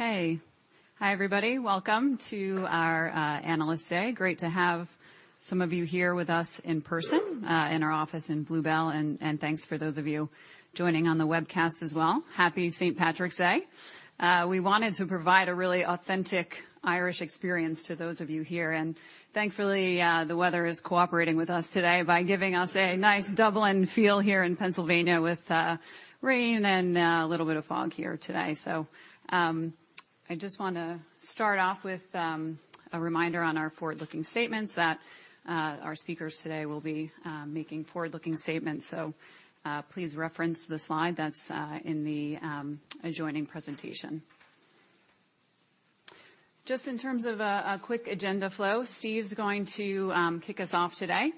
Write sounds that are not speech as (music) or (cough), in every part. Okay. Hi, everybody. Welcome to our Analyst Day. Great to have some of you here with us in person in our office in Blue Bell. Thanks for those of you joining on the webcast as well. Happy St. Patrick's Day. We wanted to provide a really authentic Irish experience to those of you here, and thankfully, the weather is cooperating with us today by giving us a nice Dublin feel here in Pennsylvania with rain and a little bit of fog here today. I just wanna start off with a reminder on our forward-looking statements that our speakers today will be making forward-looking statements. Please reference the slide that's in the adjoining presentation. Just in terms of a quick agenda flow, Steve's going to kick us off today,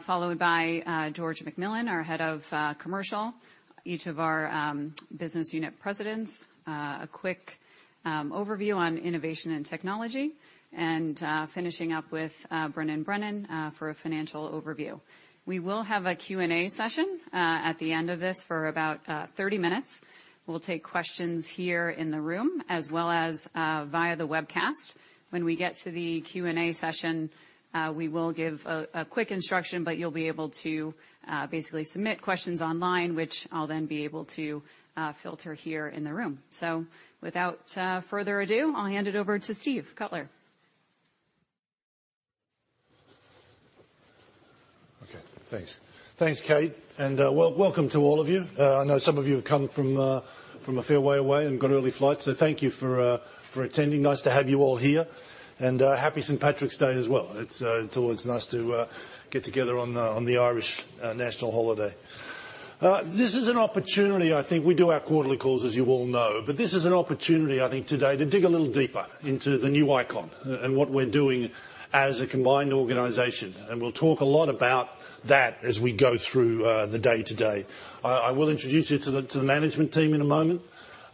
followed by George McMillan, our head of commercial. Each of our business unit presidents. A quick overview on innovation and technology, and finishing up with Brendan Brennan for a financial overview. We will have a Q&A session at the end of this for about 30 minutes. We'll take questions here in the room as well as via the webcast. When we get to the Q&A session, we will give a quick instruction, but you'll be able to basically submit questions online, which I'll then be able to filter here in the room. Without further ado, I'll hand it over to Steve Cutler. Okay, thanks. Thanks, Kate, and welcome to all of you. I know some of you have come from a fair way away and got early flights, so thank you for attending. Nice to have you all here. Happy St. Patrick's Day as well. It's always nice to get together on the Irish national holiday. This is an opportunity, I think. We do our quarterly calls, as you all know, but this is an opportunity, I think, today to dig a little deeper into the new ICON and what we're doing as a combined organization. We'll talk a lot about that as we go through the day today. I will introduce you to the management team in a moment.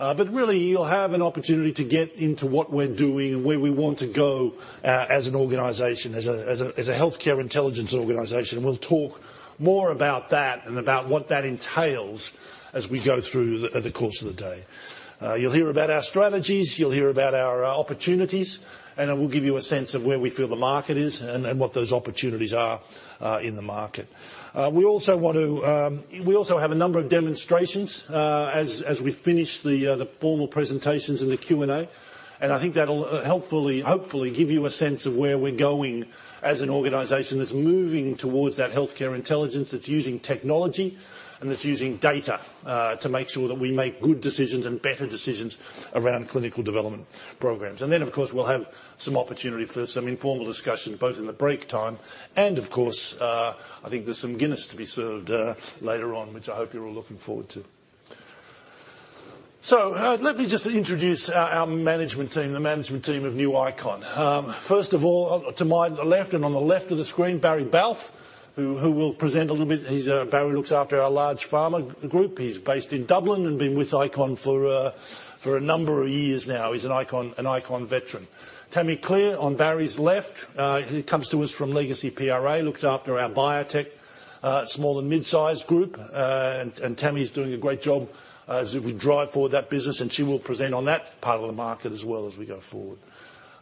Really you'll have an opportunity to get into what we're doing and where we want to go, as an organization, as a healthcare intelligence organization. We'll talk more about that and about what that entails as we go through the course of the day. You'll hear about our strategies, you'll hear about our opportunities, and then we'll give you a sense of where we feel the market is and what those opportunities are in the market. We also have a number of demonstrations as we finish the formal presentations and the Q&A. I think that'll hopefully give you a sense of where we're going as an organization that's moving towards that healthcare intelligence, that's using technology, and that's using data, to make sure that we make good decisions and better decisions around clinical development programs. Then, of course, we'll have some opportunity for some informal discussions, both in the break time and, of course, I think there's some Guinness to be served, later on, which I hope you're all looking forward to. Let me just introduce our management team, the management team of new ICON. First of all, to my left and on the left of the screen, Barry Balfe, who will present a little bit. He's Barry looks after our large pharma group. He's based in Dublin and been with ICON for a number of years now. He's an ICON veteran. Tammy Clerc on Barry's left comes to us from Legacy PRA, looks after our biotech small and mid-size group. Tammy's doing a great job as we drive forward that business, and she will present on that part of the market as well as we go forward.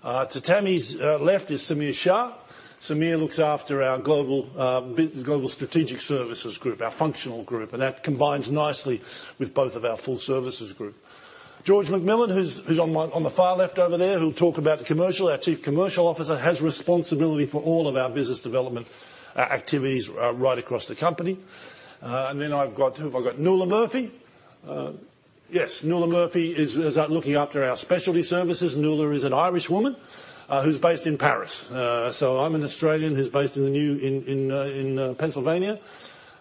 To Tammy's left is Samir Shah. Samir looks after our global strategic services group, our functional group, and that combines nicely with both of our full services group. George McMillan, who's on the far left over there, who'll talk about the commercial. Our Chief Commercial Officer has responsibility for all of our business development activities right across the company. I've got... Who have I got? Nuala Murphy. Yes, Nuala Murphy is out looking after our specialty services. Nuala is an Irish woman who's based in Paris. I'm an Australian who's based in Pennsylvania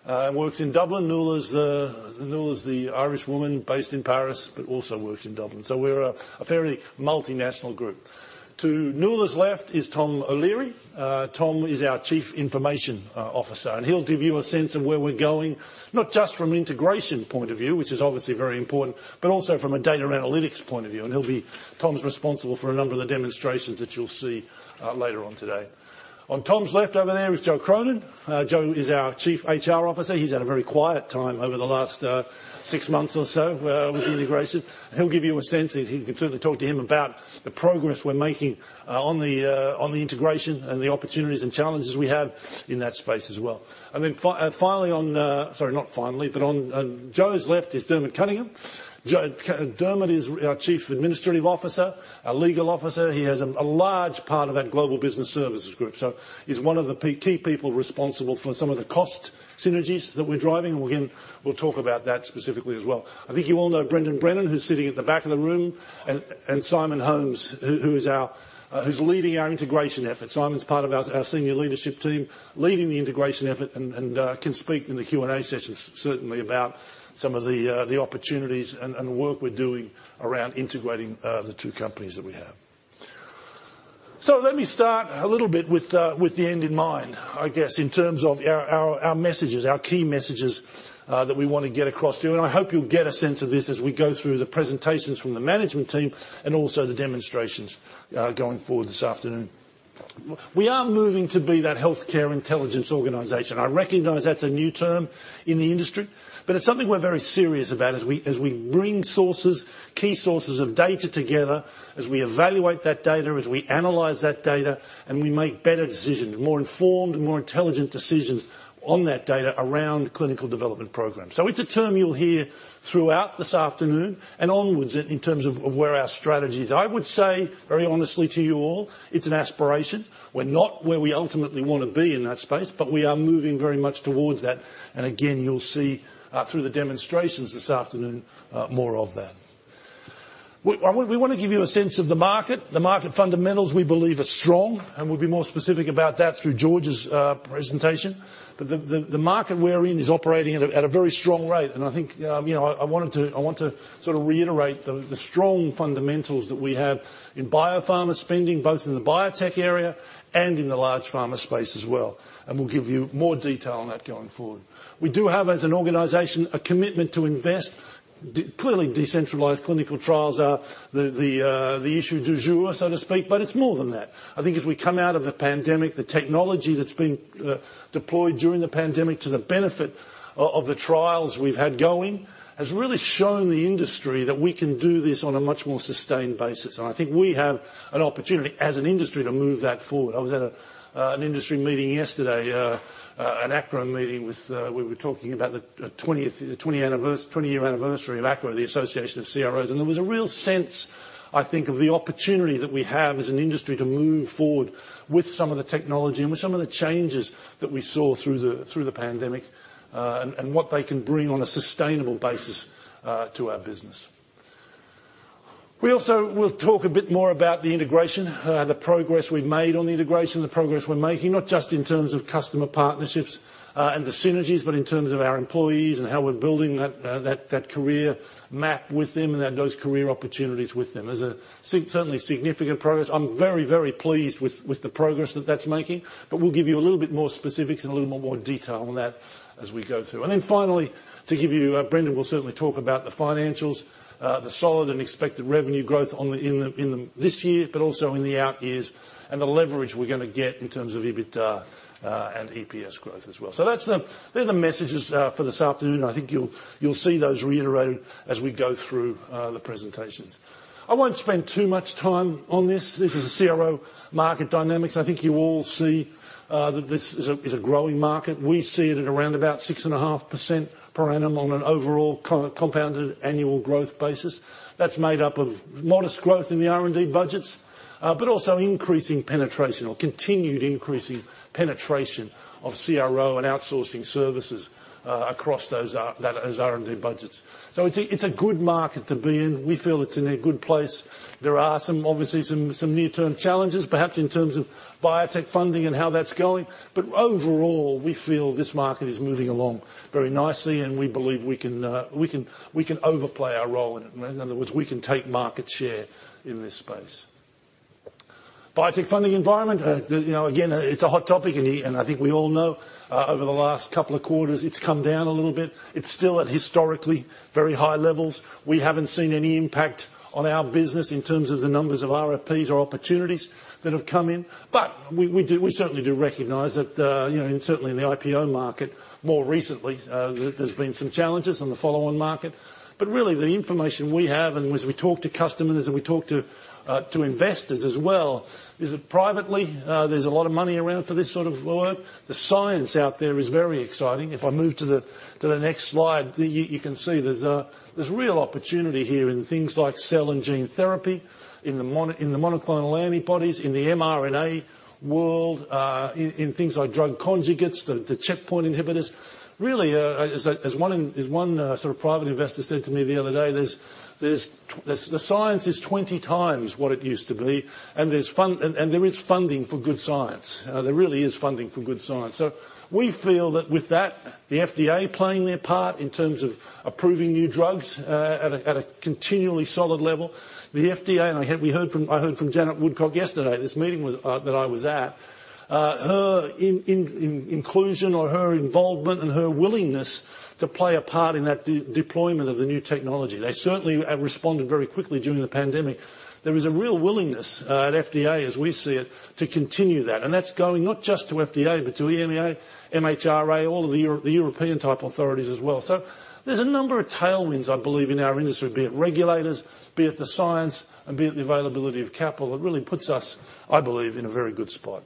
and works in Dublin. Nuala is the Irish woman based in Paris, but also works in Dublin. We're a very multinational group. To Nuala's left is Tom O'Leary. Tom is our Chief Information Officer, and he'll give you a sense of where we're going, not just from an integration point of view, which is obviously very important, but also from a data analytics point of view. Tom is responsible for a number of the demonstrations that you'll see later on today. On Tom's left over there is Joe Cronin. Joe is our Chief HR Officer. He's had a very quiet time over the last six months or so with the integration. He'll give you a sense, and you can certainly talk to him about the progress we're making on the integration and the opportunities and challenges we have in that space as well. Then finally on, sorry, not finally, but on Joe's left is Diarmaid Cunningham. Diarmaid is our Chief Administrative Officer, our Legal Officer. He has a large part of that global business services group, so he's one of the key people responsible for some of the cost synergies that we're driving, and we'll talk about that specifically as well. I think you all know Brendan Brennan, who's sitting at the back of the room, and Simon Holmes, who is our, who's leading our integration efforts. Simon's part of our senior leadership team, leading the integration effort and can speak in the Q&A sessions certainly about some of the opportunities and work we're doing around integrating the two companies that we have. Let me start a little bit with the end in mind, I guess, in terms of our messages, our key messages that we wanna get across to you. I hope you'll get a sense of this as we go through the presentations from the management team and also the demonstrations going forward this afternoon. We are moving to be that healthcare intelligence organization. I recognize that's a new term in the industry, but it's something we're very serious about as we bring sources, key sources of data together, as we evaluate that data, as we analyze that data and we make better decisions, more informed, more intelligent decisions on that data around clinical development programs. It's a term you'll hear throughout this afternoon and onwards in terms of where our strategy is. I would say very honestly to you all, it's an aspiration. We're not where we ultimately wanna be in that space, but we are moving very much towards that. Again, you'll see through the demonstrations this afternoon more of that. We wanna give you a sense of the market. The market fundamentals we believe are strong, and we'll be more specific about that through George's presentation. The market we're in is operating at a very strong rate, and I think, you know, I want to sort of reiterate the strong fundamentals that we have in biopharma spending, both in the biotech area and in the large pharma space as well, and we'll give you more detail on that going forward. We do have, as an organization, a commitment to invest. Clearly, decentralized clinical trials are the issue du jour, so to speak, but it's more than that. I think as we come out of the pandemic, the technology that's been deployed during the pandemic to the benefit of the trials we've had going has really shown the industry that we can do this on a much more sustained basis. I think we have an opportunity as an industry to move that forward. I was at an industry meeting yesterday, an ACRO meeting. We were talking about the 20-year anniversary of ACRO, the Association of CROs, and there was a real sense, I think, of the opportunity that we have as an industry to move forward with some of the technology and with some of the changes that we saw through the pandemic, and what they can bring on a sustainable basis to our business. We also will talk a bit more about the integration, the progress we've made on the integration, the progress we're making, not just in terms of customer partnerships, and the synergies, but in terms of our employees and how we're building that career map with them and those career opportunities with them. There's certainly significant progress. I'm very, very pleased with the progress that that's making, but we'll give you a little bit more specifics and a little more detail on that as we go through. Finally, to give you, Brendan will certainly talk about the financials, the solid and expected revenue growth in this year, but also in the out years, and the leverage we're gonna get in terms of EBITDA, and EPS growth as well. That's the, they're the messages for this afternoon. I think you'll see those reiterated as we go through the presentations. I won't spend too much time on this. This is the CRO market dynamics. I think you all see that this is a growing market. We see it at around about 6.5% per annum on an overall compounded annual growth basis. That's made up of modest growth in the R&D budgets, but also increasing penetration or continued increasing penetration of CRO and outsourcing services across those R&D budgets. It's a good market to be in. We feel it's in a good place. There are some obviously some near-term challenges, perhaps in terms of biotech funding and how that's going. Overall, we feel this market is moving along very nicely, and we believe we can overplay our role in it. In other words, we can take market share in this space. The biotech funding environment. Again, it's a hot topic, and I think we all know over the last couple of quarters, it's come down a little bit. It's still at historically very high levels. We haven't seen any impact on our business in terms of the numbers of RFPs or opportunities that have come in. We certainly do recognize that, you know, and certainly in the IPO market more recently, there's been some challenges in the follow-on market. Really the information we have, and as we talk to customers and we talk to investors as well, is that privately, there's a lot of money around for this sort of work. The science out there is very exciting. If I move to the next slide, you can see there's real opportunity here in things like cell and gene therapy, in the monoclonal antibodies, in the mRNA world, in things like drug conjugates, the checkpoint inhibitors. Really, as one sort of private investor said to me the other day, the science is 20 times what it used to be, and there is funding for good science. There really is funding for good science. We feel that with that, the FDA playing their part in terms of approving new drugs at a continually solid level. The FDA, I heard from Janet Woodcock yesterday, this meeting that I was at, her inclusion or her involvement and her willingness to play a part in that deployment of the new technology. They certainly have responded very quickly during the pandemic. There is a real willingness at FDA, as we see it, to continue that. That's going not just to FDA, but to EMA, MHRA, all of the European type authorities as well. There's a number of tailwinds, I believe, in our industry, be it regulators, be it the science, and be it the availability of capital. It really puts us, I believe, in a very good spot.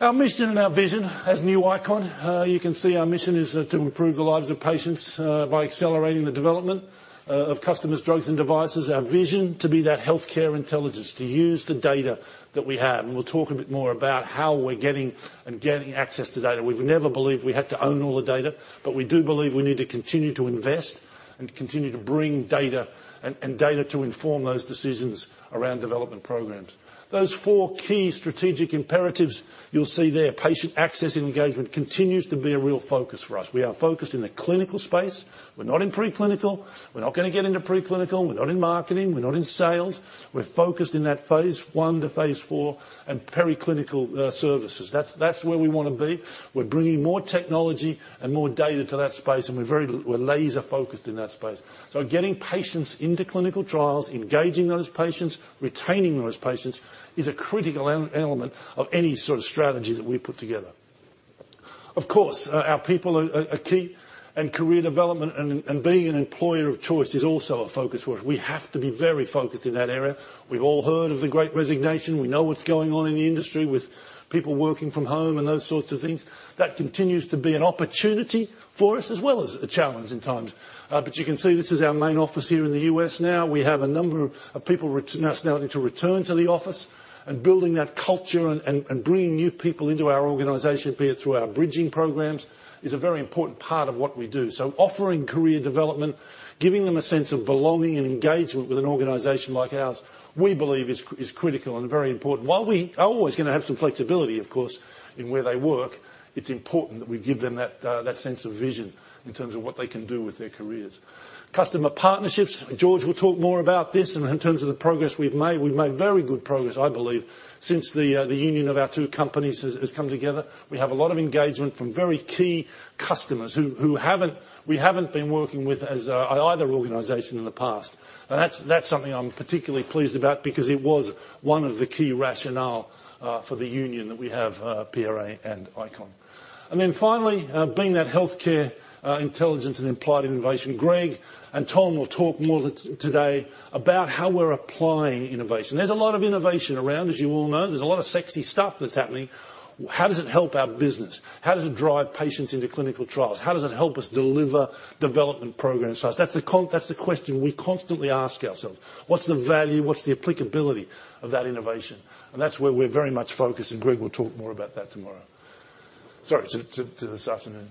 Our mission and our vision as new ICON, you can see our mission is, to improve the lives of patients, by accelerating the development, of customers' drugs and devices. Our vision to be that healthcare intelligence, to use the data that we have, and we'll talk a bit more about how we're getting and gaining access to data. We've never believed we had to own all the data, but we do believe we need to continue to invest and continue to bring data and data to inform those decisions around development programs. Those four key strategic imperatives you'll see there. Patient access and engagement continues to be a real focus for us. We are focused in the clinical space. We're not in preclinical. We're not gonna get into preclinical. We're not in marketing. We're not in sales. We're focused in that phase I to phase IV and preclinical services. That's where we wanna be. We're bringing more technology and more data to that space, and we're laser focused in that space. Getting patients into clinical trials, engaging those patients, retaining those patients, is a critical element of any sort of strategy that we put together. Of course, our people are key and career development and being an employer of choice is also a focus for us. We have to be very focused in that area. We've all heard of the Great Resignation. We know what's going on in the industry with people working from home and those sorts of things. That continues to be an opportunity for us as well as a challenge at times. You can see this is our main office here in the U.S. now. We have a number of people now starting to return to the office. Building that culture and bringing new people into our organization, be it through our bridging programs, is a very important part of what we do. Offering career development, giving them a sense of belonging and engagement with an organization like ours, we believe is critical and very important. While we are always gonna have some flexibility, of course, in where they work, it's important that we give them that sense of vision in terms of what they can do with their careers. Customer partnerships, George will talk more about this in terms of the progress we've made. We've made very good progress, I believe, since the union of our two companies has come together. We have a lot of engagement from very key customers who we haven't been working with as either organization in the past. That's something I'm particularly pleased about because it was one of the key rationale for the union that we have, PRA and ICON. Finally, being that healthcare intelligence and applied innovation. Greg and Tom will talk more today about how we're applying innovation. There's a lot of innovation around, as you all know. There's a lot of sexy stuff that's happening. How does it help our business? How does it drive patients into clinical trials? How does it help us deliver development programs to us? That's the question we constantly ask ourselves. What's the value? What's the applicability of that innovation? That's where we're very much focused, and Greg will talk more about that tomorrow. Sorry, to this afternoon.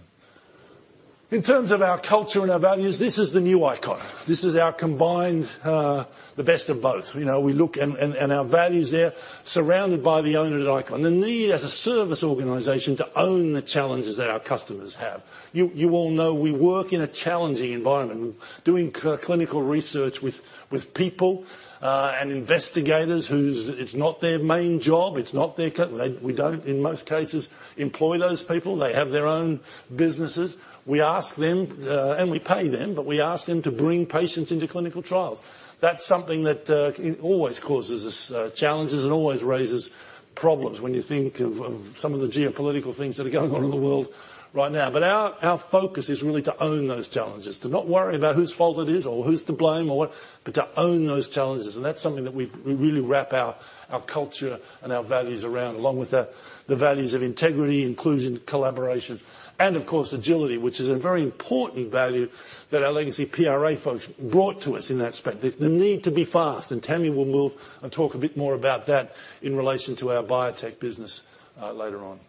In terms of our culture and our values, this is the new ICON. This is our combined, the best of both. You know, we look our values there surrounded by the owner at ICON. The need as a service organization to own the challenges that our customers have. You all know we work in a challenging environment, doing clinical research with people and investigators whose it's not their main job. It's not their we don't, in most cases, employ those people. They have their own businesses. We ask them, and we pay them, but we ask them to bring patients into clinical trials. That's something that always causes us challenges and always raises problems when you think of some of the geopolitical things that are going on in the world right now. Our focus is really to own those challenges. To not worry about whose fault it is or who's to blame or what, but to own those challenges. That's something that we really wrap our culture and our values around, along with the values of integrity, inclusion, collaboration, and of course, agility, which is a very important value that our legacy PRA folks brought to us in that acquisition. The need to be fast, and Tammy will talk a bit more about that in relation to our biotech business later on.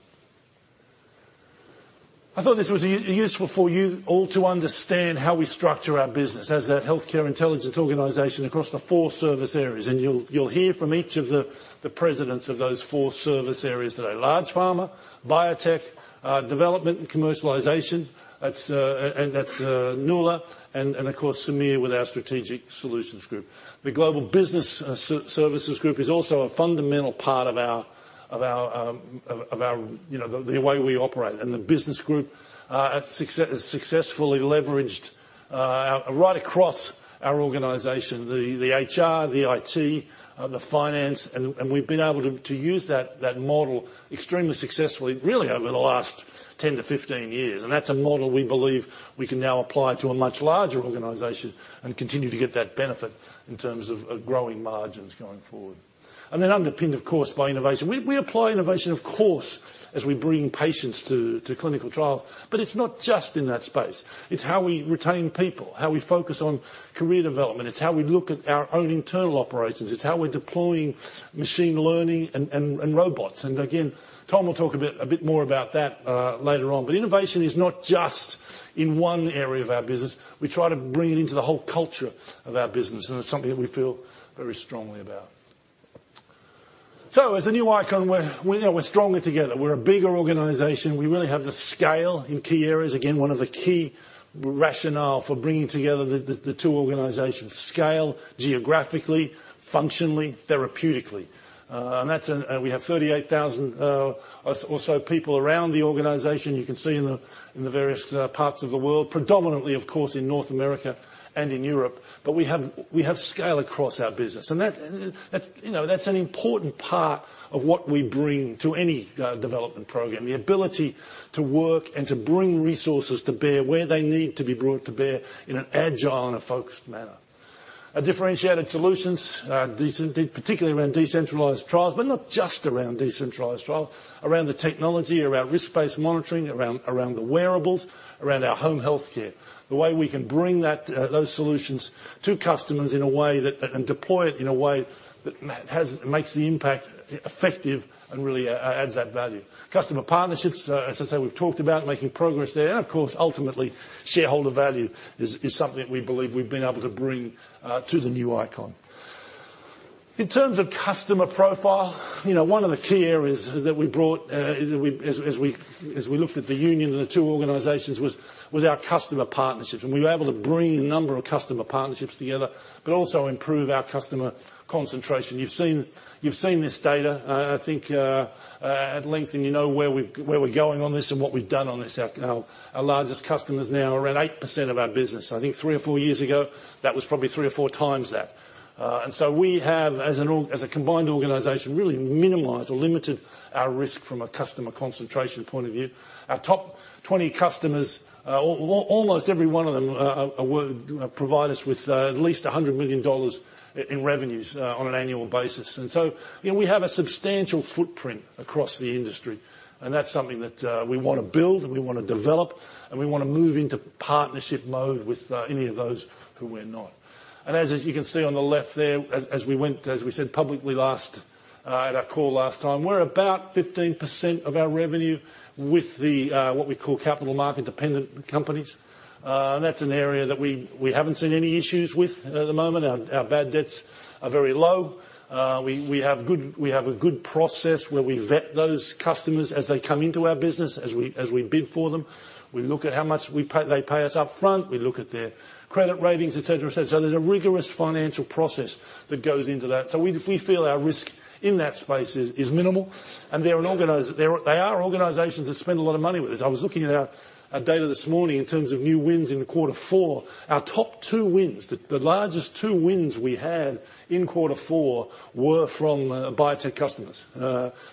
I thought this was useful for you all to understand how we structure our business as a healthcare intelligence organization across the four service areas. You'll hear from each of the presidents of those four service areas today. Large pharma, biotech, development and commercialization. That's Nuala, and of course, Samir with our strategic solutions group. The global business services group is also a fundamental part of our, you know, the way we operate. The business group successfully leveraged right across our organization the HR, the IT, the finance, and we've been able to use that model extremely successfully really over the last 10-15 years. That's a model we believe we can now apply to a much larger organization and continue to get that benefit in terms of growing margins going forward. Underpinned, of course, by innovation. We apply innovation, of course, as we bring patients to clinical trials. It's not just in that space. It's how we retain people, how we focus on career development. It's how we look at our own internal operations. It's how we're deploying machine learning and robots. Again, Tom will talk a bit more about that later on. Innovation is not just in one area of our business. We try to bring it into the whole culture of our business, and it's something that we feel very strongly about. As the new ICON, we're, you know, we're stronger together. We're a bigger organization. We really have the scale in key areas. Again, one of the key rationale for bringing together the two organizations. Scale geographically, functionally, therapeutically. We have 38,000 or so people around the organization. You can see in the various parts of the world. Predominantly, of course, in North America and in Europe. We have scale across our business, and that, you know, that's an important part of what we bring to any development program. The ability to work and to bring resources to bear where they need to be brought to bear in an agile and a focused manner. Our differentiated solutions, particularly around decentralized trials, but not just around decentralized trials. Around the technology, around risk-based monitoring, around the wearables, around our home healthcare. The way we can bring those solutions to customers in a way that and deploy it in a way that makes the impact effective and really adds that value. Customer partnerships, as I say, we've talked about making progress there. Of course, ultimately, shareholder value is something that we believe we've been able to bring to the new ICON. In terms of customer profile, you know, one of the key areas that, as we looked at the union of the two organizations, was our customer partnerships, and we were able to bring a number of customer partnerships together, but also improve our customer concentration. You've seen this data, I think, at length, and you know where we're going on this and what we've done on this. Our largest customers now are around 8% of our business. I think three or four years ago, that was probably three or four times that. We have, as a combined organization, really minimized or limited our risk from a customer concentration point of view. Our top 20 customers, almost every one of them, provide us with, at least $100 million in revenues, on an annual basis. You know, we have a substantial footprint across the industry, and that's something that, we wanna build and we wanna develop, and we wanna move into partnership mode with, any of those who we're not. As you can see on the left there, as we said publicly last, at our call last time. We're about 15% of our revenue with the what we call capital market-dependent companies. That's an area that we haven't seen any issues with at the moment. Our bad debts are very low. We have a good process where we vet those customers as they come into our business, as we bid for them. We look at how much they pay us up front. We look at their credit ratings, et cetera, et cetera. So there's a rigorous financial process that goes into that. So we feel our risk in that space is minimal. They're organizations that spend a lot of money with us. I was looking at our data this morning in terms of new wins in the Q4. Our top two wins, the largest two wins we had in Q4 were from biotech customers.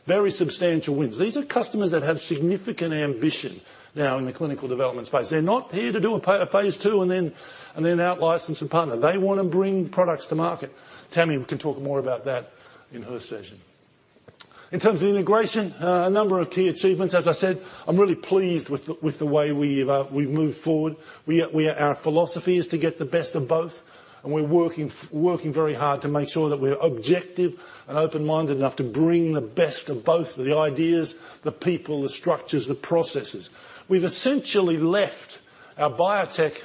Very substantial wins. These are customers that have significant ambition now in the clinical development space. They're not here to do a phase II and then out-license to partner. They wanna bring products to market. Tammy can talk more about that in her session. In terms of integration, a number of key achievements. As I said, I'm really pleased with the way we've moved forward. Our philosophy is to get the best of both, and we're working very hard to make sure that we're objective and open-minded enough to bring the best of both. The ideas, the people, the structures, the processes. We've essentially left our biotech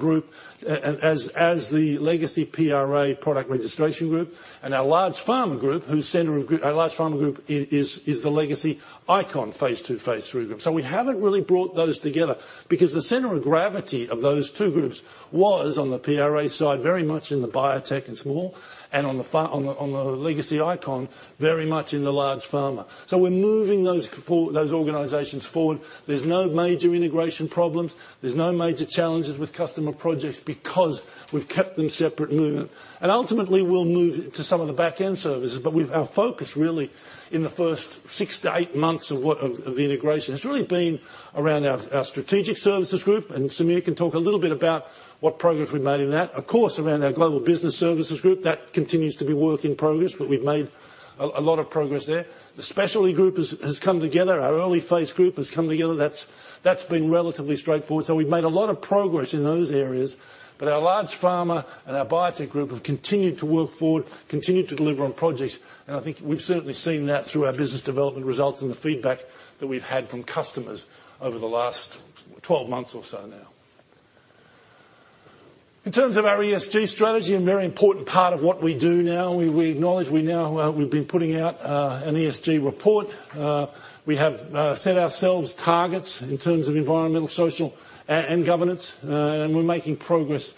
group as the legacy PRA product registration group, and our large pharma group. Our large pharma group is the legacy ICON phase II, phase III group. We haven't really brought those together because the center of gravity of those two groups was on the PRA side, very much in the biotech and small, and on the legacy ICON, very much in the large pharma. We're moving those organizations forward. There's no major integration problems. There's no major challenges with customer projects because we've kept them separate at the moment. Ultimately, we'll move to some of the back-end services. But we've Our focus really in the first 6-8 months of the integration has really been around our strategic services group, and Samir can talk a little bit about what progress we've made in that. Of course, around our global business services group, that continues to be work in progress, but we've made a lot of progress there. The specialty group has come together. Our early phase group has come together. That's been relatively straightforward. We've made a lot of progress in those areas. Our large pharma and our biotech group have continued to work forward, continued to deliver on projects, and I think we've certainly seen that through our business development results and the feedback that we've had from customers over the last 12 months or so now. In terms of our ESG strategy, a very important part of what we do now, we acknowledge. We now have been putting out an ESG report. We have set ourselves targets in terms of environmental, social, and governance, and we're making progress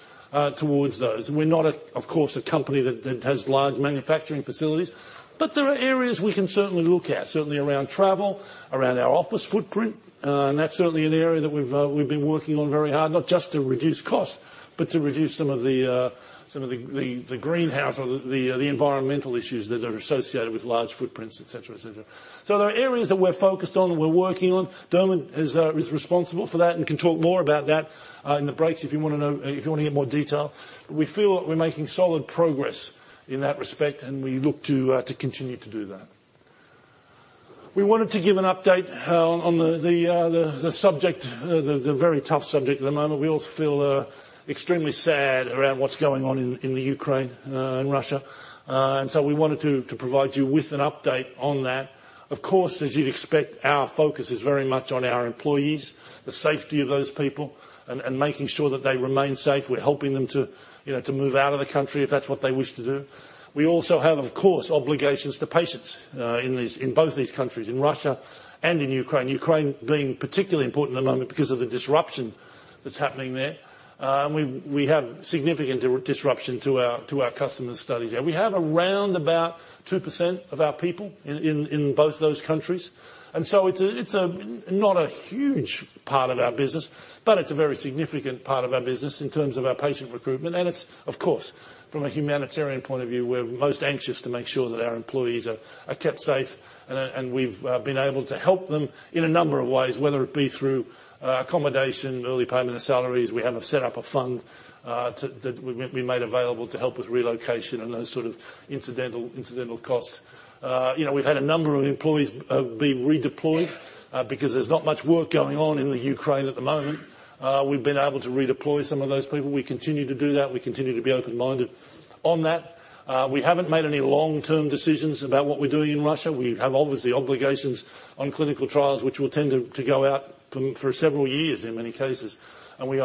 towards those. We're not, of course, a company that has large manufacturing facilities, but there are areas we can certainly look at, certainly around travel, around our office footprint, and that's certainly an area that we've been working on very hard, not just to reduce cost, but to reduce some of the greenhouse or the environmental issues that are associated with large footprints, et cetera. There are areas that we're focused on and we're working on. Dermot is responsible for that and can talk more about that in the breaks if you wanna know, if you wanna hear more detail. We feel that we're making solid progress in that respect, and we look to continue to do that. We wanted to give an update on the very tough subject at the moment. We all feel extremely sad around what's going on in the Ukraine and Russia. We wanted to provide you with an update on that. Of course, as you'd expect, our focus is very much on our employees, the safety of those people and making sure that they remain safe. We're helping them to you know to move out of the country if that's what they wish to do. We also have, of course, obligations to patients in both these countries, in Russia and in Ukraine. Ukraine being particularly important at the moment because of the disruption that's happening there. We have significant disruption to our customer studies there. We have around 2% of our people in both those countries. It's not a huge part of our business, but it's a very significant part of our business in terms of our patient recruitment. It's, of course, from a humanitarian point of view, we're most anxious to make sure that our employees are kept safe. We've been able to help them in a number of ways, whether it be through accommodation, early payment of salaries. We have set up a fund to... that we made available to help with relocation and those sort of incidental costs. You know, we've had a number of employees be redeployed because there's not much work going on in Ukraine at the moment. We've been able to redeploy some of those people. We continue to do that. We continue to be open-minded on that. We haven't made any long-term decisions about what we're doing in Russia. We have obviously obligations on clinical trials, which will tend to go out for several years in many cases. We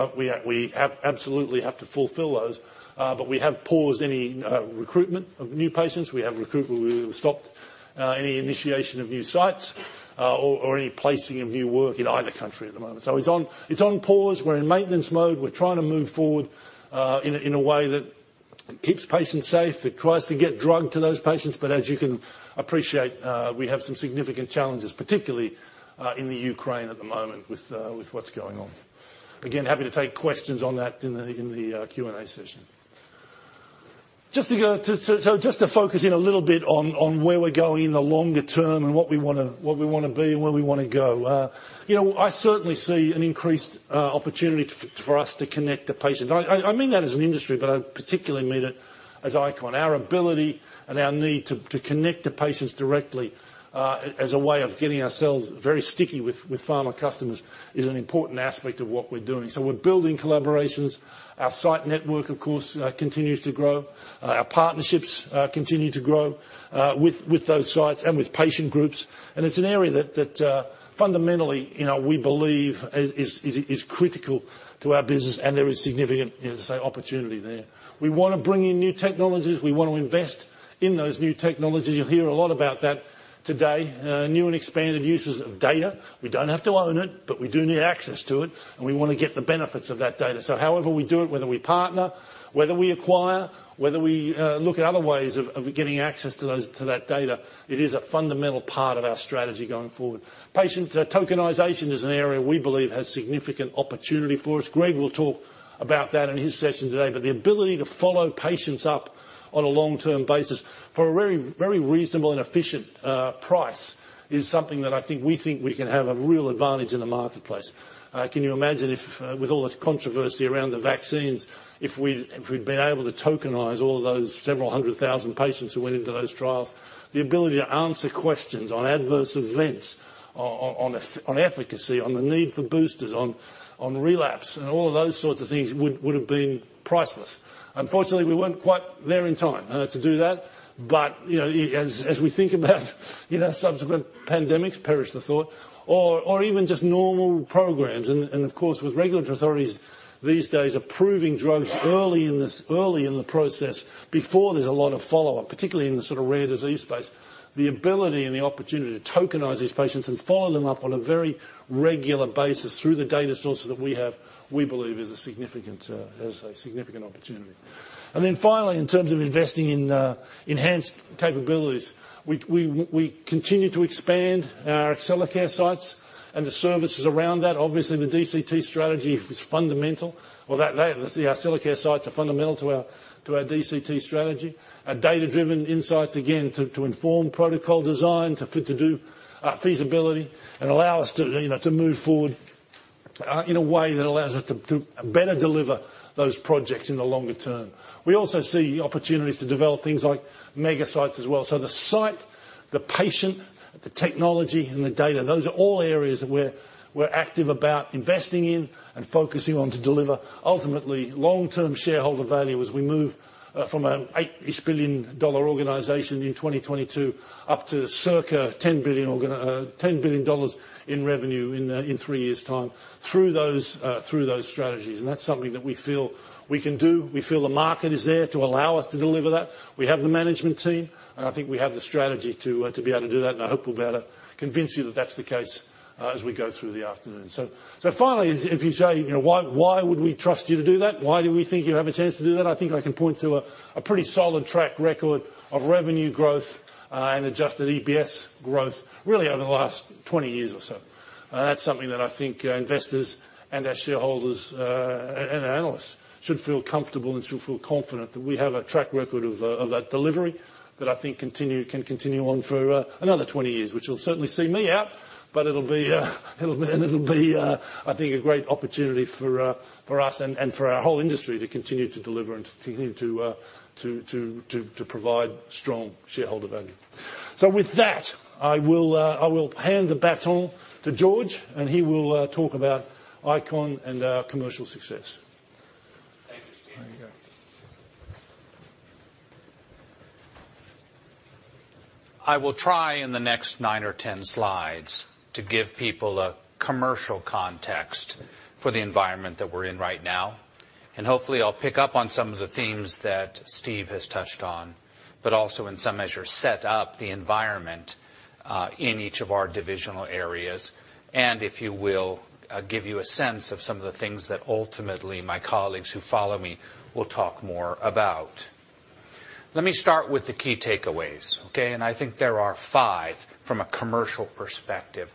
absolutely have to fulfill those. We have paused any recruitment of new patients. We stopped any initiation of new sites or any placing of new work in either country at the moment. It's on pause. We're in maintenance mode. We're trying to move forward in a way that keeps patients safe, that tries to get drug to those patients. As you can appreciate, we have some significant challenges, particularly in the Ukraine at the moment with what's going on. Again, happy to take questions on that in the Q&A session. Just to focus in a little bit on where we're going in the longer term and what we wanna be and where we wanna go. You know, I certainly see an increased opportunity for us to connect the patient. I mean that as an industry, but I particularly mean it as ICON. Our ability and our need to connect to patients directly, as a way of getting ourselves very sticky with pharma customers is an important aspect of what we're doing. We're building collaborations. Our site network, of course, continues to grow. Our partnerships continue to grow with those sites and with patient groups. It's an area that fundamentally, you know, we believe is critical to our business, and there is significant, as I say, opportunity there. We wanna bring in new technologies. We want to invest in those new technologies. You'll hear a lot about that today, new and expanded uses of data. We don't have to own it, but we do need access to it, and we wanna get the benefits of that data. However we do it, whether we partner, whether we acquire, whether we look at other ways of getting access to that data, it is a fundamental part of our strategy going forward. Patient tokenization is an area we believe has significant opportunity for us. Greg will talk about that in his session today. But the ability to follow patients up on a long-term basis for a very, very reasonable and efficient price is something that I think we think we can have a real advantage in the marketplace. Can you imagine if, with all this controversy around the vaccines, if we'd been able to tokenize all those several hundred thousand patients who went into those trials? The ability to answer questions on adverse events, on efficacy, on the need for boosters, on relapse, and all of those sorts of things would have been priceless. Unfortunately, we weren't quite there in time to do that. You know, as we think about you know, subsequent pandemics, perish the thought, or even just normal programs. Of course, with regulatory authorities these days approving drugs early in the process before there's a lot of follow-up, particularly in the sort of rare disease space, the ability and the opportunity to tokenize these patients and follow them up on a very regular basis through the data sources that we have, we believe is a significant opportunity, as I say. Then finally, in terms of investing in enhanced capabilities, we continue to expand our Accellacare sites and the services around that. Obviously, the DCT strategy is fundamental. The Accellacare sites are fundamental to our DCT strategy. Our data-driven insights, again, to do feasibility and allow us to, you know, to move forward in a way that allows us to better deliver those projects in the longer term. We also see opportunities to develop things like mega sites as well. The site, the patient, the technology, and the data, those are all areas that we're active about investing in and focusing on to deliver ultimately long-term shareholder value as we move from an $8-ish billion organization in 2022 up to circa $10 billion in revenue in three years' time through those strategies. That's something that we feel we can do. We feel the market is there to allow us to deliver that. We have the management team. I think we have the strategy to be able to do that. I hope we'll be able to convince you that that's the case as we go through the afternoon. Finally, if you say, you know, "Why would we trust you to do that? Why do we think you have a chance to do that?" I think I can point to a pretty solid track record of revenue growth and adjusted EPS growth really over the last 20 years or so. That's something that I think investors and our shareholders and analysts should feel comfortable and should feel confident that we have a track record of that delivery that I think can continue on for another 20 years, which will certainly see me out. It'll be a great opportunity for us and for our whole industry to continue to deliver and to continue to provide strong shareholder value. With that, I will hand the baton to George, and he will talk about ICON and our commercial success. Thank you, Steve. There you go. I will try in the next nine or 10 slides to give people a commercial context for the environment that we're in right now. Hopefully, I'll pick up on some of the themes that Steve has touched on, but also in some measure set up the environment in each of our divisional areas. If you will, give you a sense of some of the things that ultimately my colleagues who follow me will talk more about. Let me start with the key takeaways, okay? I think there are five from a commercial perspective.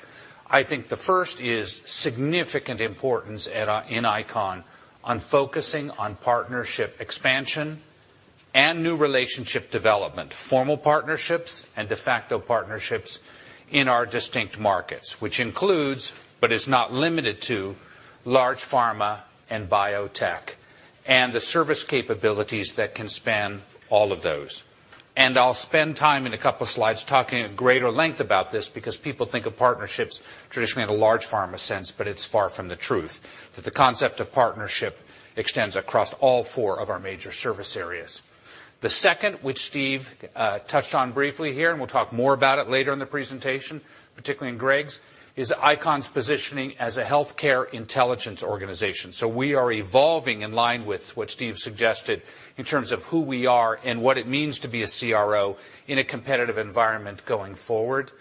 I think the first is significant importance in ICON on focusing on partnership expansion and new relationship development, formal partnerships and de facto partnerships in our distinct markets, which includes, but is not limited to, large pharma and biotech, and the service capabilities that can span all of those. I'll spend time in a couple of slides talking at greater length about this because people think of partnerships traditionally in a large pharma sense, but it's far from the truth, that the concept of partnership extends across all four of our major service areas. The second, which Steve touched on briefly here, and we'll talk more about it later in the presentation, particularly in Greg's, is ICON's positioning as a healthcare intelligence organization. We are evolving in line with what Steve suggested in terms of who we are and what it means to be a CRO in a competitive environment going forward.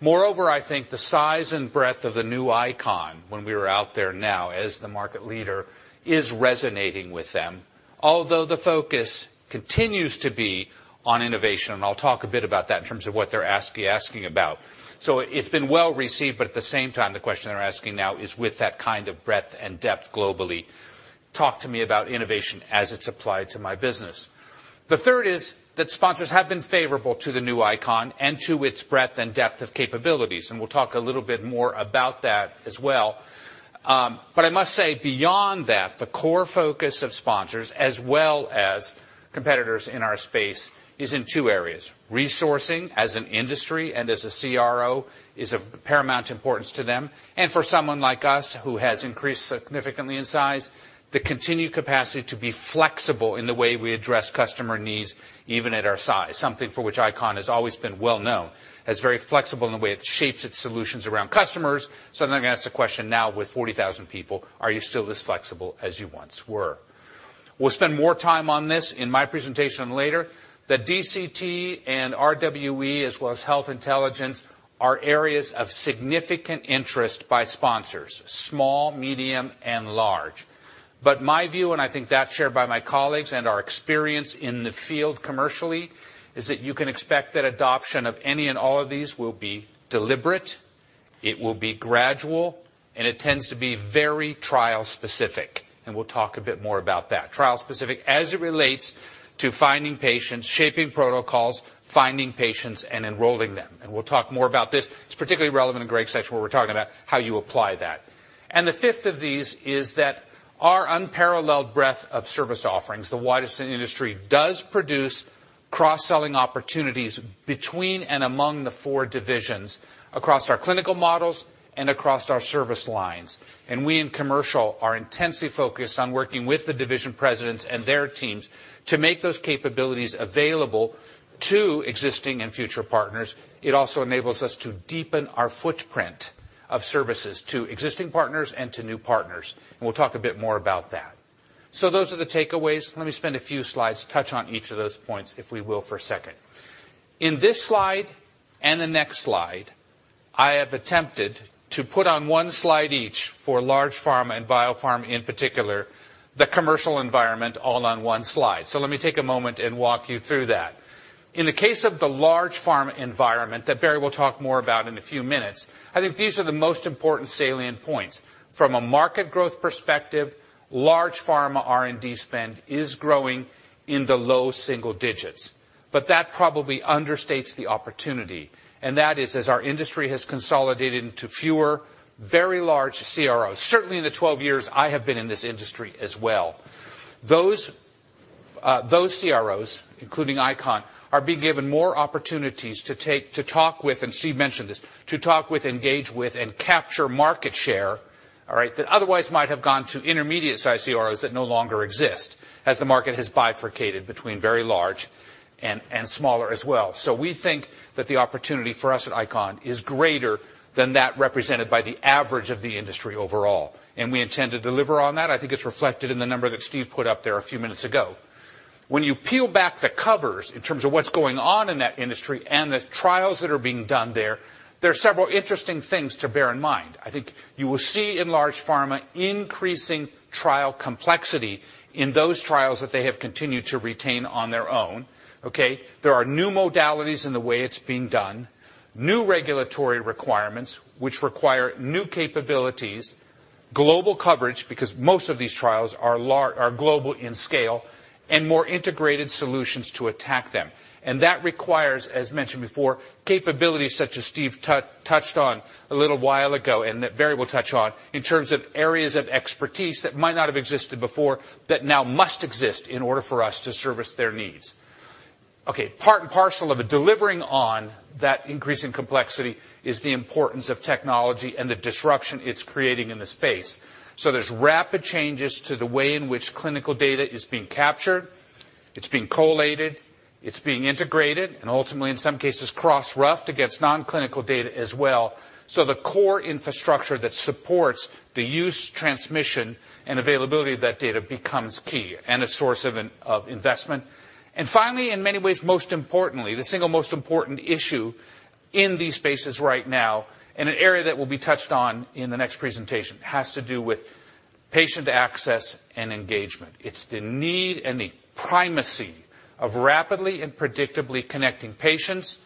Moreover, I think the size and breadth of the new ICON when we are out there now as the market leader is resonating with them. Although the focus continues to be on innovation. I'll talk a bit about that in terms of what they're asking about. It's been well received, but at the same time, the question they're asking now is with that kind of breadth and depth globally. Talk to me about innovation as it's applied to my business. The third is that sponsors have been favorable to the new ICON and to its breadth and depth of capabilities, and we'll talk a little bit more about that as well. I must say, beyond that, the core focus of sponsors as well as competitors in our space is in two areas. Resourcing as an industry and as a CRO is of paramount importance to them. For someone like us who has increased significantly in size, the continued capacity to be flexible in the way we address customer needs, even at our size, something for which ICON has always been well known, as very flexible in the way it shapes its solutions around customers. They're gonna ask the question now with 40,000 people, "Are you still as flexible as you once were?" We'll spend more time on this in my presentation later. The DCT and RWE as well as healthcare intelligence are areas of significant interest by sponsors, small, medium, and large. But my view, and I think that's shared by my colleagues and our experience in the field commercially, is that you can expect that adoption of any and all of these will be deliberate, it will be gradual, and it tends to be very trial-specific. We'll talk a bit more about that. Trial-specific as it relates to finding patients, shaping protocols, finding patients, and enrolling them. We'll talk more about this. It's particularly relevant in Greg's section, where we're talking about how you apply that. The fifth of these is that our unparalleled breadth of service offerings, the widest in the industry, does produce cross-selling opportunities between and among the four divisions across our clinical models and across our service lines. We in commercial are intensely focused on working with the division presidents and their teams to make those capabilities available to existing and future partners. It also enables us to deepen our footprint of services to existing partners and to new partners. We'll talk a bit more about that. Those are the takeaways. Let me spend a few slides to touch on each of those points, if we will, for a second. In this slide and the next slide, I have attempted to put on one slide each for large pharma and biopharma in particular, the commercial environment all on one slide. Let me take a moment and walk you through that. In the case of the large pharma environment that Barry will talk more about in a few minutes, I think these are the most important salient points. From a market growth perspective, large pharma R&D spend is growing in the low single digits. That probably understates the opportunity, and that is as our industry has consolidated into fewer, very large CROs, certainly in the 12 years I have been in this industry as well. Those CROs, including ICON, are being given more opportunities to talk with, and Steve mentioned this, to talk with, engage with, and capture market share, all right, that otherwise might have gone to intermediate-sized CROs that no longer exist, as the market has bifurcated between very large and smaller as well. We think that the opportunity for us at ICON is greater than that represented by the average of the industry overall, and we intend to deliver on that. I think it's reflected in the number that Steve put up there a few minutes ago. When you peel back the covers in terms of what's going on in that industry and the trials that are being done there are several interesting things to bear in mind. I think you will see in large pharma increasing trial complexity in those trials that they have continued to retain on their own, okay? There are new modalities in the way it's being done, new regulatory requirements which require new capabilities, global coverage, because most of these trials are global in scale and more integrated solutions to attack them. That requires, as mentioned before, capabilities such as Steve touched on a little while ago and that Barry will touch on in terms of areas of expertise that might not have existed before that now must exist in order for us to service their needs. Okay. Part and parcel of delivering on that increasing complexity is the importance of technology and the disruption it's creating in the space. There's rapid changes to the way in which clinical data is being captured. It's being collated, it's being integrated, and ultimately, in some cases, cross-referenced against non-clinical data as well. The core infrastructure that supports the use, transmission, and availability of that data becomes key and a source of investment. Finally, in many ways, most importantly, the single most important issue in these spaces right now, in an area that will be touched on in the next presentation, has to do with patient access and engagement. It's the need and the primacy of rapidly and predictably connecting patients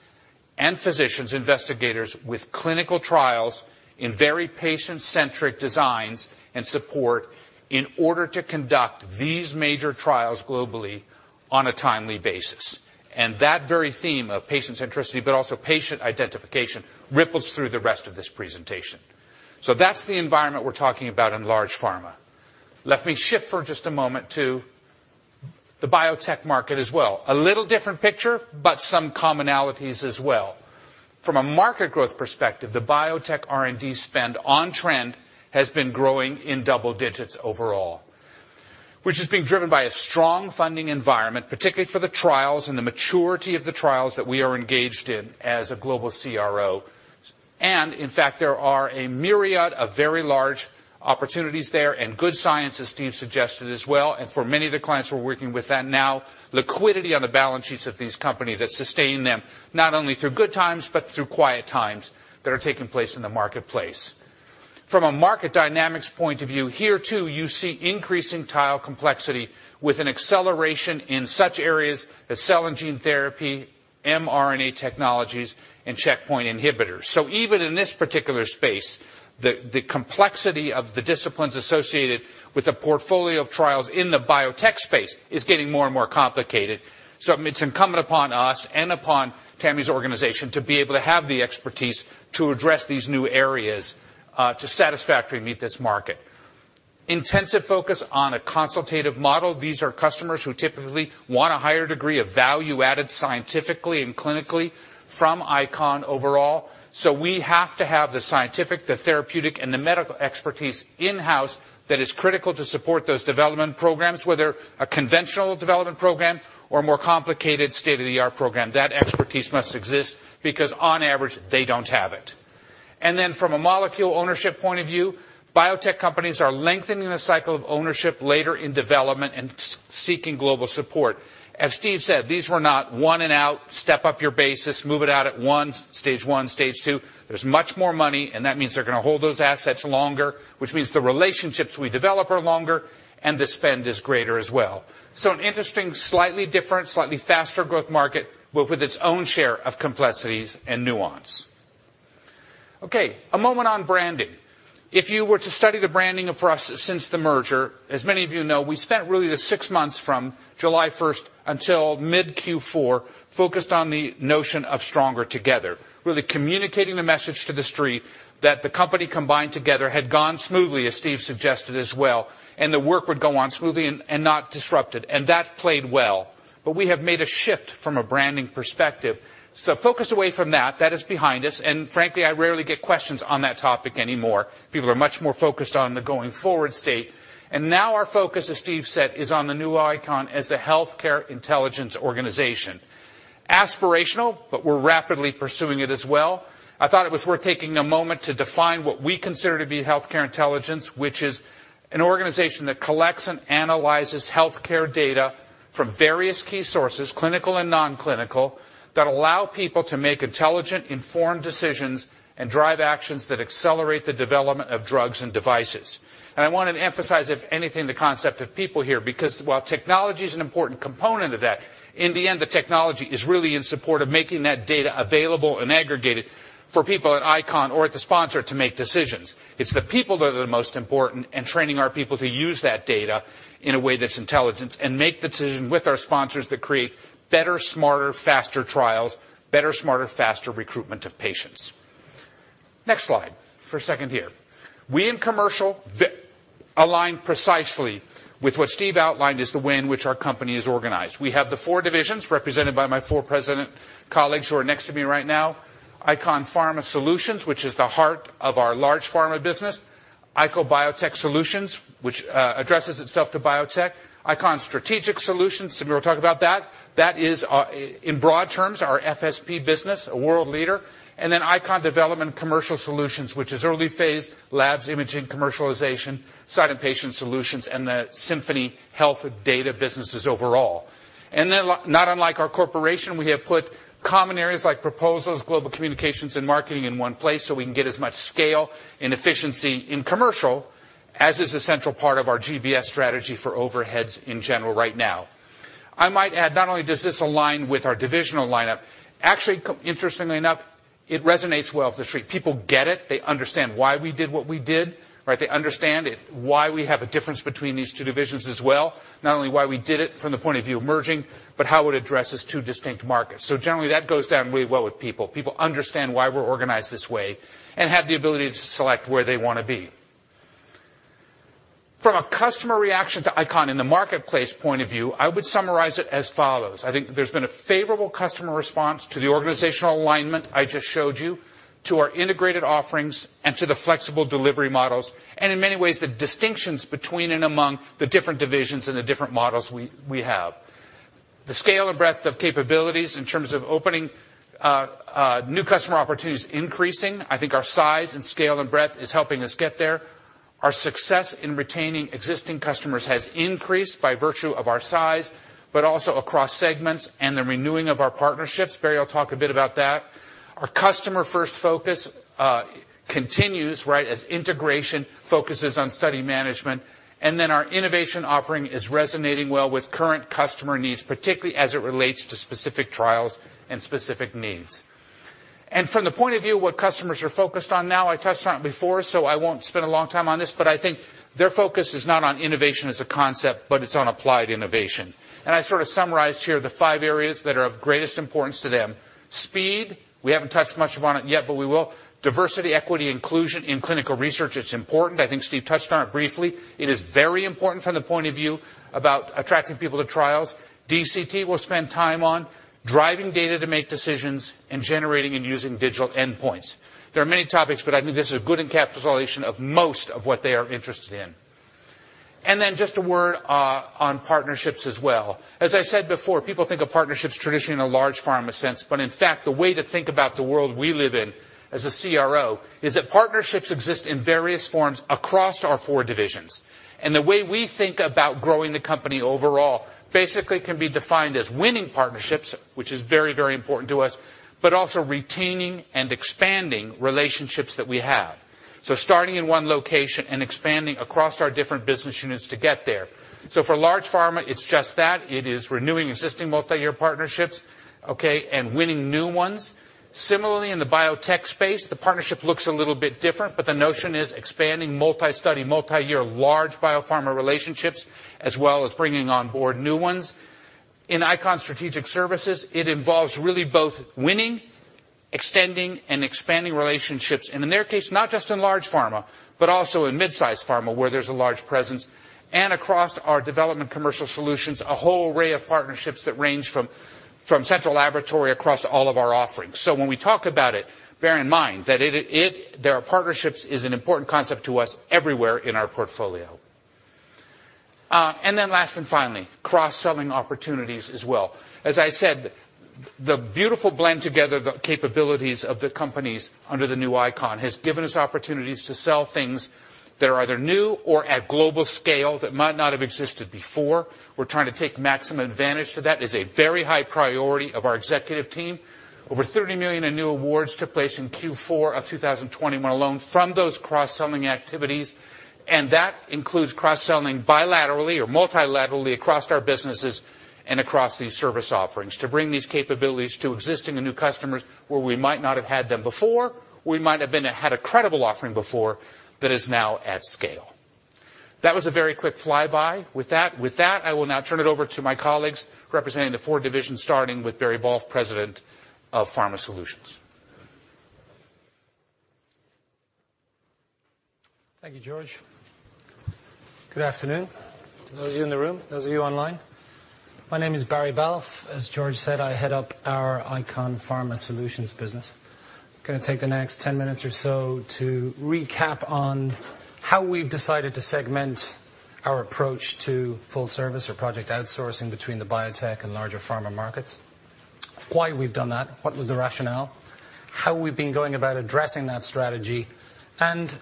and physicians, investigators with clinical trials in very patient-centric designs and support in order to conduct these major trials globally on a timely basis. That very theme of patient-centricity, but also patient identification ripples through the rest of this presentation. That's the environment we're talking about in large pharma. Let me shift for just a moment to the biotech market as well. A little different picture, but some commonalities as well. From a market growth perspective, the biotech R&D spend on trend has been growing in double digits overall, which is being driven by a strong funding environment, particularly for the trials and the maturity of the trials that we are engaged in as a global CRO. In fact, there are a myriad of very large opportunities there and good science, as Steve suggested as well. For many of the clients we're working with them now, liquidity on the balance sheets of these companies that sustain them, not only through good times, but through quiet times that are taking place in the marketplace. From a market dynamics point of view, here too, you see increasing trial complexity with an acceleration in such areas as cell and gene therapy-mRNA technologies and checkpoint inhibitors. Even in this particular space, the complexity of the disciplines associated with the portfolio of trials in the biotech space is getting more and more complicated. It's incumbent upon us and upon Tammy's organization to be able to have the expertise to address these new areas to satisfactorily meet this market. Intensive focus on a consultative model. These are customers who typically want a higher degree of value added scientifically and clinically from ICON overall. We have to have the scientific, the therapeutic, and the medical expertise in-house that is critical to support those development programs, whether a conventional development program or a more complicated state-of-the-art program. That expertise must exist because on average, they don't have it. Then from a molecule ownership point of view, biotech companies are lengthening the cycle of ownership later in development and seeking global support. As Steve said, these were not one and done, step up your basis, move it out at one, stage one, stage two. There's much more money, and that means they're gonna hold those assets longer, which means the relationships we develop are longer and the spend is greater as well. An interesting, slightly different, slightly faster growth market, but with its own share of complexities and nuance. Okay, a moment on branding. If you were to study the branding of us since the merger, as many of you know, we spent really the six months from July first until mid Q4 focused on the notion of stronger together. Really communicating the message to the street that the company combined together had gone smoothly, as Steve suggested as well, and the work would go on smoothly and not disrupted. That played well. We have made a shift from a branding perspective. Focus away from that is behind us, and frankly, I rarely get questions on that topic anymore. People are much more focused on the going forward state. Now our focus, as Steve said, is on the new ICON as a healthcare intelligence organization. Aspirational, but we're rapidly pursuing it as well. I thought it was worth taking a moment to define what we consider to be healthcare intelligence, which is an organization that collects and analyzes healthcare data from various key sources, clinical and non-clinical, that allow people to make intelligent, informed decisions and drive actions that accelerate the development of drugs and devices. I wanna emphasize, if anything, the concept of people here, because while technology is an important component of that, in the end, the technology is really in support of making that data available and aggregated for people at ICON or at the sponsor to make decisions. It's the people that are the most important and training our people to use that data in a way that's intelligent and make decisions with our sponsors that create better, smarter, faster trials, better, smarter, faster recruitment of patients. Next slide. For a second here. We, in commercial, align precisely with what Steve outlined is the way in which our company is organized. We have the four divisions represented by my four president colleagues who are next to me right now. ICON Pharma Solutions, which is the heart of our large pharma business. ICON Biotech Solutions, which addresses itself to biotech. ICON Strategic Solutions, Sabrina will talk about that. That is, in broad terms, our FSP business, a world leader. And then ICON Development & Commercialisation Solutions, which is early phase labs, imaging, commercialization, site and patient solutions, and the Symphony Health data businesses overall. Not unlike our corporation, we have put common areas like proposals, global communications, and marketing in one place so we can get as much scale and efficiency in commercial, as is a central part of our GBS strategy for overheads in general right now. I might add, not only does this align with our divisional lineup, interestingly enough, it resonates well with the street. People get it. They understand why we did what we did, right? They understand it, why we have a difference between these two divisions as well. Not only why we did it from the point of view of merging, but how it addresses two distinct markets. Generally, that goes down really well with people. People understand why we're organized this way and have the ability to select where they wanna be. From a customer reaction to ICON in the marketplace point of view, I would summarize it as follows. I think there's been a favorable customer response to the organizational alignment I just showed you, to our integrated offerings, and to the flexible delivery models, and in many ways, the distinctions between and among the different divisions and the different models we have. The scale and breadth of capabilities in terms of opening new customer opportunities is increasing. I think our size and scale and breadth is helping us get there. Our success in retaining existing customers has increased by virtue of our size, but also across segments and the renewing of our partnerships. Barry will talk a bit about that. Our customer-first focus continues, right, as integration focuses on study management. Our innovation offering is resonating well with current customer needs, particularly as it relates to specific trials and specific needs. From the point of view of what customers are focused on now, I touched on it before, so I won't spend a long time on this, but I think their focus is not on innovation as a concept, but it's on applied innovation. I sort of summarized here the five areas that are of greatest importance to them. Speed, we haven't touched much upon it yet, but we will. Diversity, equity, inclusion in clinical research is important. I think Steve touched on it briefly. It is very important from the point of view about attracting people to trials. DCT. We'll spend time on driving data to make decisions and generating and using digital endpoints. There are many topics, but I think this is a good encapsulation of most of what they are interested in. Then just a word on partnerships as well. As I said before, people think of partnerships traditionally in a large pharma sense, but in fact, the way to think about the world we live in as a CRO is that partnerships exist in various forms across our four divisions. The way we think about growing the company overall basically can be defined as winning partnerships, which is very, very important to us, but also retaining and expanding relationships that we have. Starting in one location and expanding across our different business units to get there. For large pharma, it's just that. It is renewing existing multi-year partnerships, okay, and winning new ones. Similarly, in the biotech space, the partnership looks a little bit different, but the notion is expanding multi-study, multi-year, large biopharma relationships, as well as bringing on board new ones. In ICON Strategic Solutions, it involves really both winning, extending, and expanding relationships. In their case, not just in large pharma, but also in midsize pharma, where there's a large presence, and across our Development & Commercialization Solutions, a whole array of partnerships that range from central laboratory across all of our offerings. When we talk about it, bear in mind that there are partnerships is an important concept to us everywhere in our portfolio. Last and finally, cross-selling opportunities as well. As I said, the beautiful blend together the capabilities of the companies under the new ICON has given us opportunities to sell things that are either new or at global scale that might not have existed before. We're trying to take maximum advantage, so that is a very high priority of our executive team. Over $30 million in new awards took place in Q4 of 2021 alone from those cross-selling activities. That includes cross-selling bilaterally or multilaterally across our businesses and across these service offerings to bring these capabilities to existing and new customers where we might not have had them before. We might have had a credible offering before that is now at scale. That was a very quick flyby. With that, I will now turn it over to my colleagues representing the four divisions, starting with Barry Balfe, President of Pharma Solutions. Thank you, George. Good afternoon, those of you in the room, those of you online. My name is Barry Balfe. As George said, I head up our ICON Pharma Solutions business. Gonna take the next 10 minutes or so to recap on how we've decided to segment our approach to full service or project outsourcing between the biotech and larger pharma markets, why we've done that, what was the rationale, how we've been going about addressing that strategy, and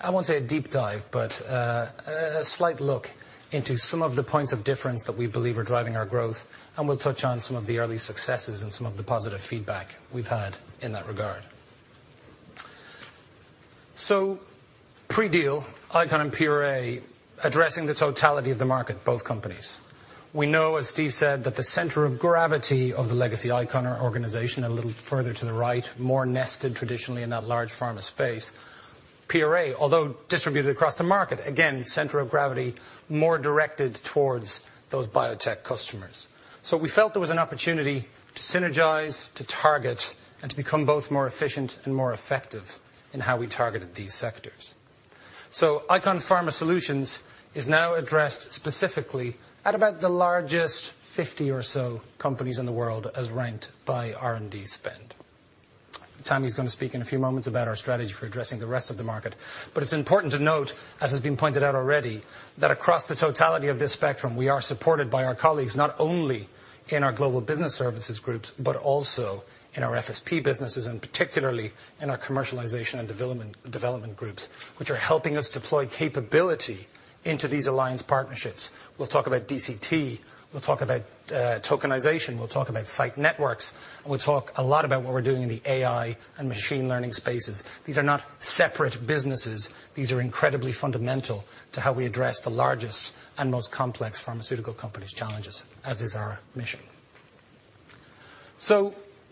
I won't say a deep dive, but a slight look into some of the points of difference that we believe are driving our growth, and we'll touch on some of the early successes and some of the positive feedback we've had in that regard. Pre-deal, ICON and PRA, addressing the totality of the market, both companies. We know, as Steve said, that the center of gravity of the legacy ICON organization a little further to the right, more nested traditionally in that large pharma space. PRA, although distributed across the market, again, center of gravity, more directed towards those biotech customers. We felt there was an opportunity to synergize, to target, and to become both more efficient and more effective in how we targeted these sectors. ICON Pharma Solutions is now addressed specifically at about the largest 50 or so companies in the world as ranked by R&D spend. Tammy's gonna speak in a few moments about our strategy for addressing the rest of the market. It's important to note, as has been pointed out already, that across the totality of this spectrum, we are supported by our colleagues, not only in our global business services groups, but also in our FSP businesses, and particularly in our commercialization and development groups, which are helping us deploy capability into these alliance partnerships. We'll talk about DCT. We'll talk about tokenization. We'll talk about site networks. We'll talk a lot about what we're doing in the AI and machine learning spaces. These are not separate businesses. These are incredibly fundamental to how we address the largest and most complex pharmaceutical companies' challenges, as is our mission.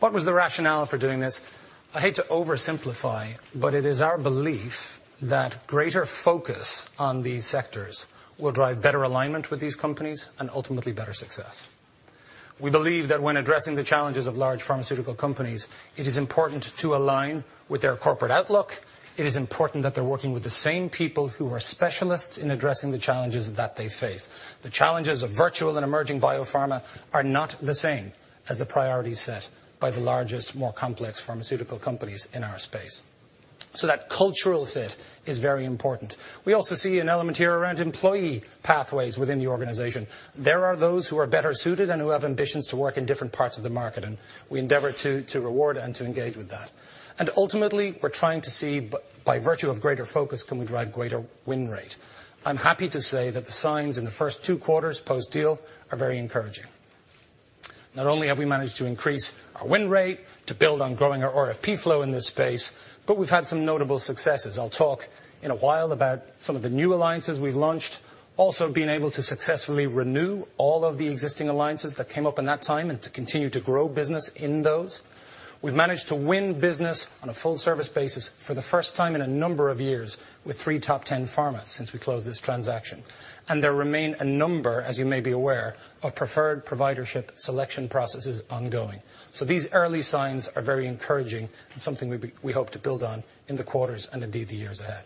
What was the rationale for doing this? I hate to oversimplify, but it is our belief that greater focus on these sectors will drive better alignment with these companies and ultimately better success. We believe that when addressing the challenges of large pharmaceutical companies, it is important to align with their corporate outlook. It is important that they're working with the same people who are specialists in addressing the challenges that they face. The challenges of virtual and emerging biopharma are not the same as the priorities set by the largest, more complex pharmaceutical companies in our space. That cultural fit is very important. We also see an element here around employee pathways within the organization. There are those who are better suited and who have ambitions to work in different parts of the market, and we endeavor to reward and to engage with that. Ultimately, we're trying to see by virtue of greater focus, can we drive greater win rate? I'm happy to say that the signs in the first two quarters post-deal are very encouraging. Not only have we managed to increase our win rate to build on growing our RFP flow in this space, but we've had some notable successes. I'll talk in a while about some of the new alliances we've launched, also being able to successfully renew all of the existing alliances that came up in that time and to continue to grow business in those. We've managed to win business on a full service basis for the first time in a number of years with three top ten pharmas since we closed this transaction. There remain a number, as you may be aware, of preferred providership selection processes ongoing. These early signs are very encouraging and something we hope to build on in the quarters and indeed the years ahead.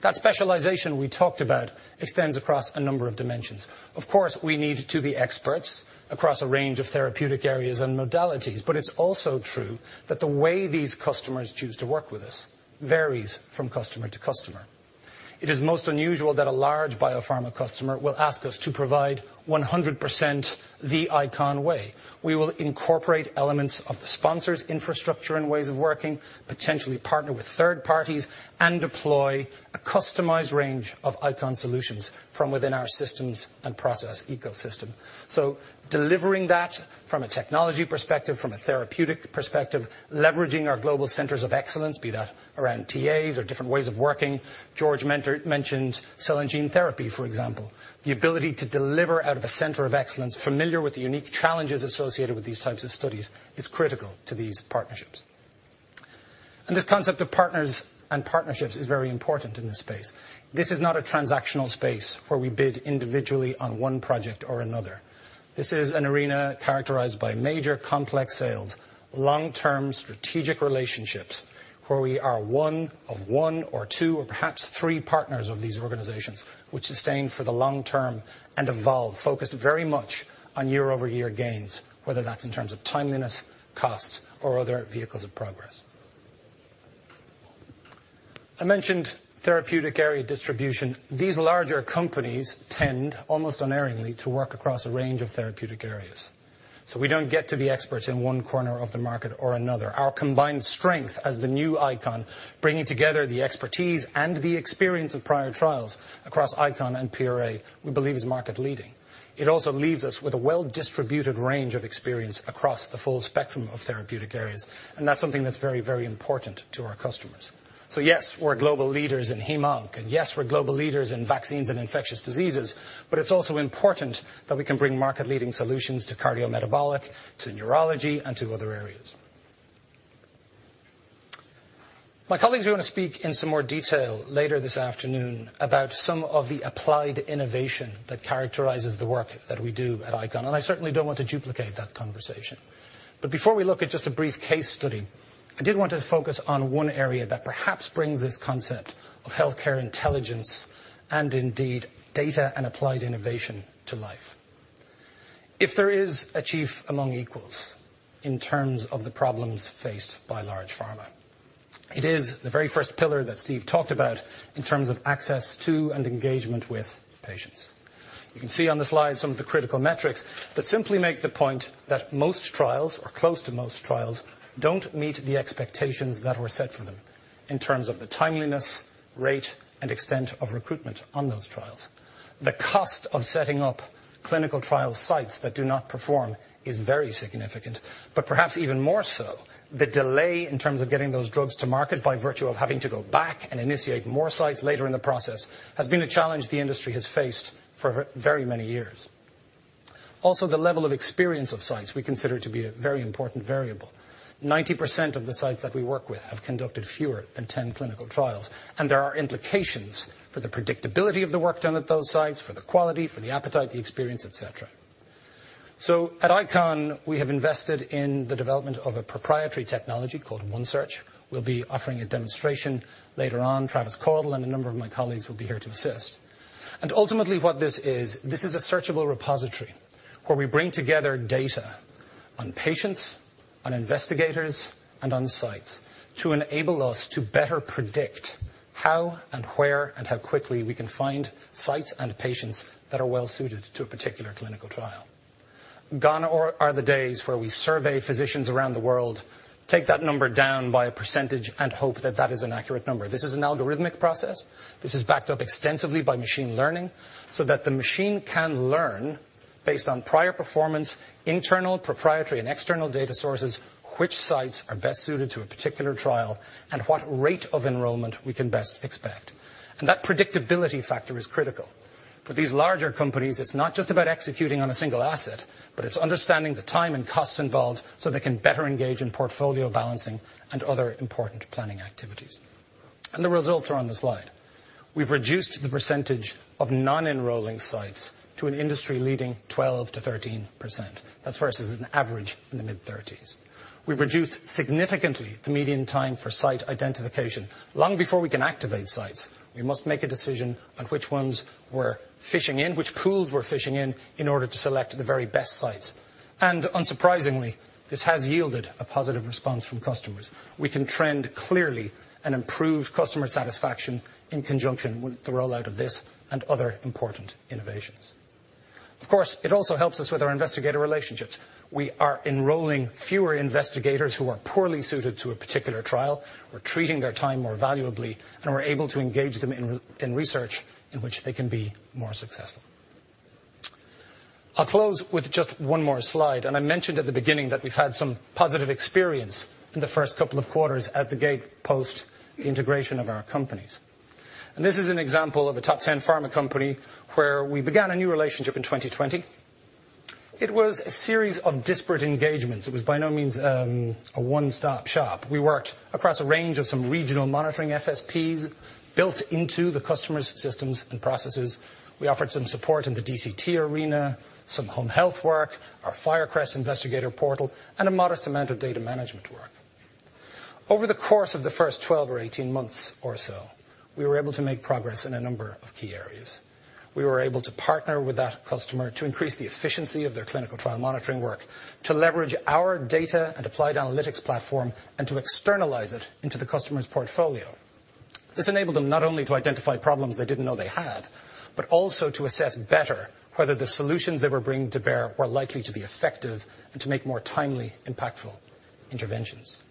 That specialization we talked about extends across a number of dimensions. Of course, we need to be experts across a range of therapeutic areas and modalities, but it's also true that the way these customers choose to work with us varies from customer to customer. It is most unusual that a large biopharma customer will ask us to provide 100% the ICON way. We will incorporate elements of the sponsor's infrastructure and ways of working, potentially partner with third parties and deploy a customized range of ICON solutions from within our systems and process ecosystem. Delivering that from a technology perspective, from a therapeutic perspective, leveraging our global centers of excellence, be that around TAs or different ways of working. George McMillan mentioned cell and gene therapy, for example. The ability to deliver out of a center of excellence familiar with the unique challenges associated with these types of studies is critical to these partnerships. This concept of partners and partnerships is very important in this space. This is not a transactional space where we bid individually on one project or another. This is an arena characterized by major complex sales, long-term strategic relationships, where we are one of one or two or perhaps three partners of these organizations, which sustain for the long term and evolve, focused very much on year-over-year gains, whether that's in terms of timeliness, cost, or other vehicles of progress. I mentioned therapeutic area distribution. These larger companies tend, almost unerringly, to work across a range of therapeutic areas. We don't get to be experts in one corner of the market or another. Our combined strength as the new ICON, bringing together the expertise and the experience of prior trials across ICON and PRA, we believe is market leading. It also leaves us with a well-distributed range of experience across the full spectrum of therapeutic areas. That's something that's very, very important to our customers. So yes, we're global leaders in heme onc, and yes, we're global leaders in vaccines and infectious diseases, but it's also important that we can bring market-leading solutions to cardiometabolic, to neurology, and to other areas. My colleagues are gonna speak in some more detail later this afternoon about some of the applied innovation that characterizes the work that we do at ICON. I certainly don't want to duplicate that conversation. before we look at just a brief case study, I did want to focus on one area that perhaps brings this concept of healthcare intelligence, and indeed data and applied innovation to life. If there is a chief among equals in terms of the problems faced by large pharma, it is the very first pillar that Steve talked about in terms of access to and engagement with patients. You can see on the slide some of the critical metrics that simply make the point that most trials or close to most trials don't meet the expectations that were set for them in terms of the timeliness, rate, and extent of recruitment on those trials. The cost of setting up clinical trial sites that do not perform is very significant. Perhaps even more so, the delay in terms of getting those drugs to market by virtue of having to go back and initiate more sites later in the process, has been a challenge the industry has faced for very many years. Also, the level of experience of sites we consider to be a very important variable. 90% of the sites that we work with have conducted fewer than 10 clinical trials, and there are implications for the predictability of the work done at those sites, for the quality, for the appetite, the experience, et cetera. At ICON, we have invested in the development of a proprietary technology called One Search. We'll be offering a demonstration later on. Travis Caudle and a number of my colleagues will be here to assist. Ultimately, what this is, this is a searchable repository where we bring together data on patients, on investigators, and on sites to enable us to better predict how and where and how quickly we can find sites and patients that are well suited to a particular clinical trial. Gone are the days where we survey physicians around the world, take that number down by a percentage, and hope that that is an accurate number. This is an algorithmic process. This is backed up extensively by machine learning so that the machine can learn based on prior performance, internal, proprietary, and external data sources, which sites are best suited to a particular trial and what rate of enrollment we can best expect. That predictability factor is critical. For these larger companies, it's not just about executing on a single asset, but it's understanding the time and costs involved so they can better engage in portfolio balancing and other important planning activities. The results are on the slide. We've reduced the percentage of non-enrolling sites to an industry leading 12%-13%. That's versus an average in the mid-30s. We've reduced significantly the median time for site identification. Long before we can activate sites, we must make a decision on which ones we're fishing in, which pools we're fishing in order to select the very best sites. Unsurprisingly, this has yielded a positive response from customers. We can trend clearly and improve customer satisfaction in conjunction with the rollout of this and other important innovations. Of course, it also helps us with our investigator relationships. We are enrolling fewer investigators who are poorly suited to a particular trial. We're treating their time more valuably, and we're able to engage them in research in which they can be more successful. I'll close with just one more slide, and I mentioned at the beginning that we've had some positive experience in the first couple of quarters post-integration of our companies. This is an example of a top ten pharma company where we began a new relationship in 2020. It was a series of disparate engagements. It was by no means a one-stop shop. We worked across a range of some regional monitoring FSPs built into the customer's systems and processes. We offered some support in the DCT arena, some home health work, our FIRECREST Investigator Portal, and a modest amount of data management work. Over the course of the first 12 or 18 months or so, we were able to make progress in a number of key areas. We were able to partner with that customer to increase the efficiency of their clinical trial monitoring work, to leverage our data and applied analytics platform, and to externalize it into the customer's portfolio. This enabled them not only to identify problems they didn't know they had, but also to assess better whether the solutions they were bringing to bear were likely to be effective and to make more timely, impactful interventions.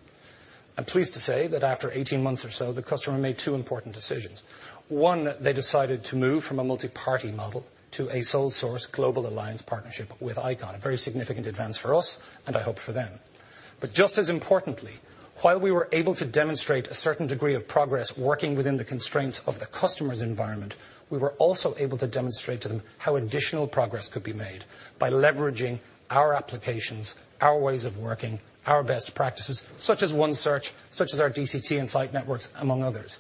I'm pleased to say that after 18 months or so, the customer made 2 important decisions. One, they decided to move from a multi-party model to a sole source global alliance partnership with ICON, a very significant advance for us, and I hope for them. Just as importantly, while we were able to demonstrate a certain degree of progress working within the constraints of the customer's environment, we were also able to demonstrate to them how additional progress could be made by leveraging our applications, our ways of working, our best practices, such as OneSearch, such as our DCT and site networks, among others.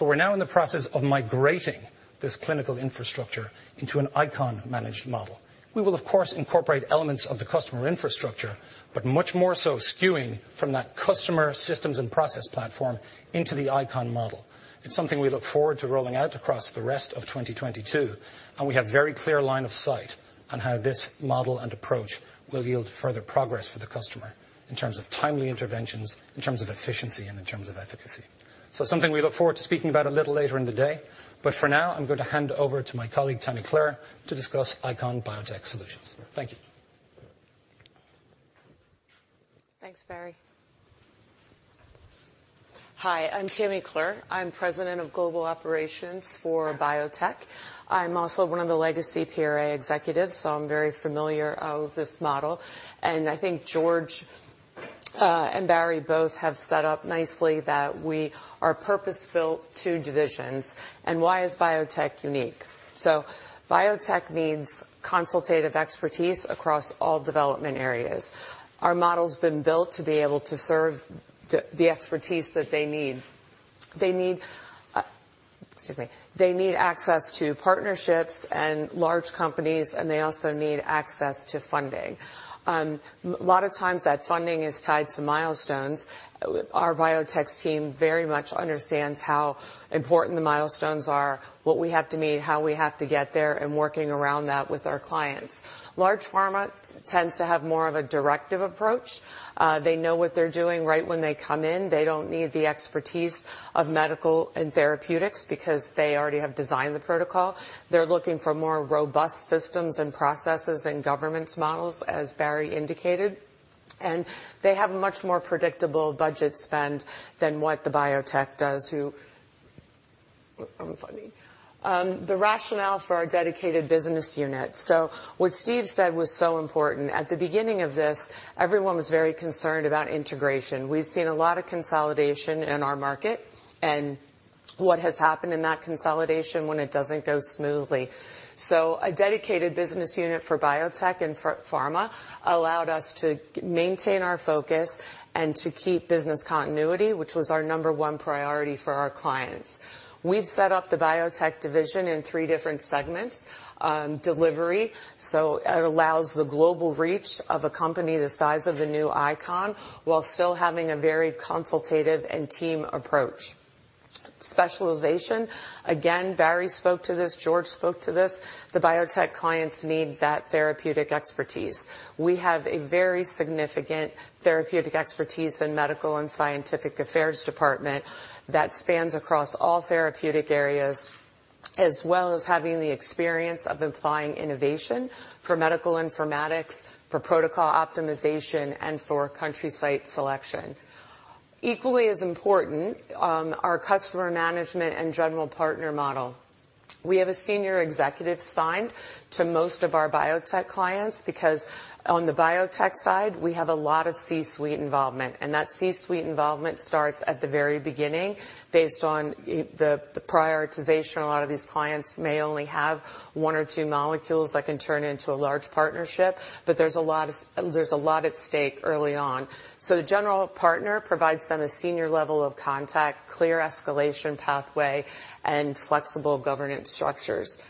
We're now in the process of migrating this clinical infrastructure into an ICON managed model. We will, of course, incorporate elements of the customer infrastructure, but much more so skewing from that customer systems and process platform into the ICON model. It's something we look forward to rolling out across the rest of 2022, and we have very clear line of sight on how this model and approach will yield further progress for the customer in terms of timely interventions, in terms of efficiency, and in terms of efficacy. Something we look forward to speaking about a little later in the day, but for now, I'm going to hand over to my colleague, Tammy Clerc, to discuss ICON Biotech Solutions. Thank you. Thanks, Barry. Hi, I'm Tammy Clerc. I'm President of Global Operations for Biotech. I'm also one of the legacy PRA executives, so I'm very familiar with this model. I think George and Barry both have set up nicely that we are purpose-built two divisions. Why is biotech unique? Biotech needs consultative expertise across all development areas. Our model's been built to be able to serve the expertise that they need. They need access to partnerships and large companies, and they also need access to funding. Lot of times that funding is tied to milestones. Our Biotech's team very much understands how important the milestones are, what we have to meet, how we have to get there, and working around that with our clients. Large pharma tends to have more of a directive approach. They know what they're doing right when they come in. They don't need the expertise of medical and therapeutics because they already have designed the protocol. They're looking for more robust systems and processes and governance models, as Barry indicated. They have a much more predictable budget spend than what the biotech does. The rationale for our dedicated business unit. What Steve said was so important. At the beginning of this, everyone was very concerned about integration. We've seen a lot of consolidation in our market, and what has happened in that consolidation when it doesn't go smoothly. A dedicated business unit for biotech and for pharma allowed us to maintain our focus and to keep business continuity, which was our number one priority for our clients. We've set up the biotech division in three different segments. Delivery, so it allows the global reach of a company the size of the new ICON while still having a very consultative and team approach. Specialization, again, Barry spoke to this, George spoke to this. The biotech clients need that therapeutic expertise. We have a very significant therapeutic expertise in Medical and Scientific Affairs department that spans across all therapeutic areas, as well as having the experience of applying innovation for medical informatics, for protocol optimization, and for country site selection. Equally as important, our customer management and general partner model. We have a senior executive signed to most of our biotech clients because on the biotech side, we have a lot of C-suite involvement, and that C-suite involvement starts at the very beginning based on the prioritization. A lot of these clients may only have one or two molecules that can turn into a large partnership, but there's a lot at stake early on. The general partner provides them a senior level of contact, clear escalation pathway, and flexible governance structures.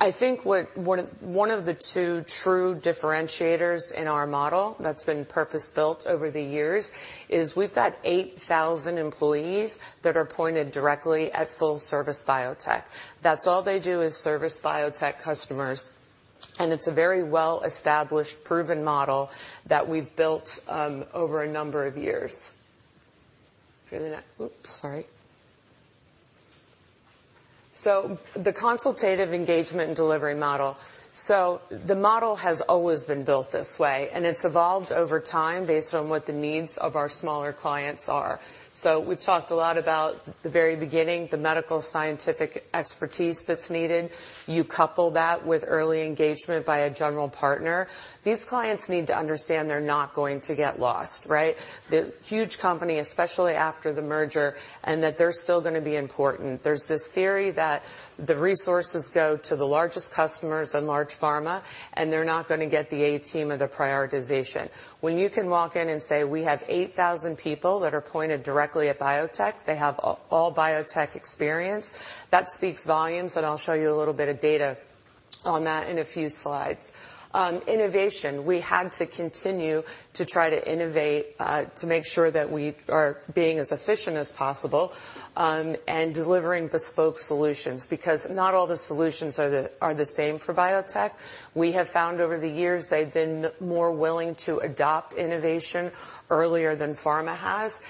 I think one of the two true differentiators in our model that's been purpose-built over the years is we've got 8,000 employees that are pointed directly at full service biotech. That's all they do is service biotech customers, and it's a very well-established proven model that we've built over a number of years. The consultative engagement and delivery model. The model has always been built this way, and it's evolved over time based on what the needs of our smaller clients are. We've talked a lot about the very beginning, the medical scientific expertise that's needed. You couple that with early engagement by a general partner. These clients need to understand they're not going to get lost in the huge company, especially after the merger, right, and that they're still gonna be important. There's this theory that the resources go to the largest customers and large pharma, and they're not gonna get the A team or the prioritization. When you can walk in and say, we have 8,000 people that are pointed directly at biotech, they have all biotech experience. That speaks volumes, and I'll show you a little bit of data on that in a few slides. Innovation, we had to continue to try to innovate, to make sure that we are being as efficient as possible, and delivering bespoke solutions because not all the solutions are the same for biotech. We have found over the years they've been more willing to adopt innovation earlier than pharma has.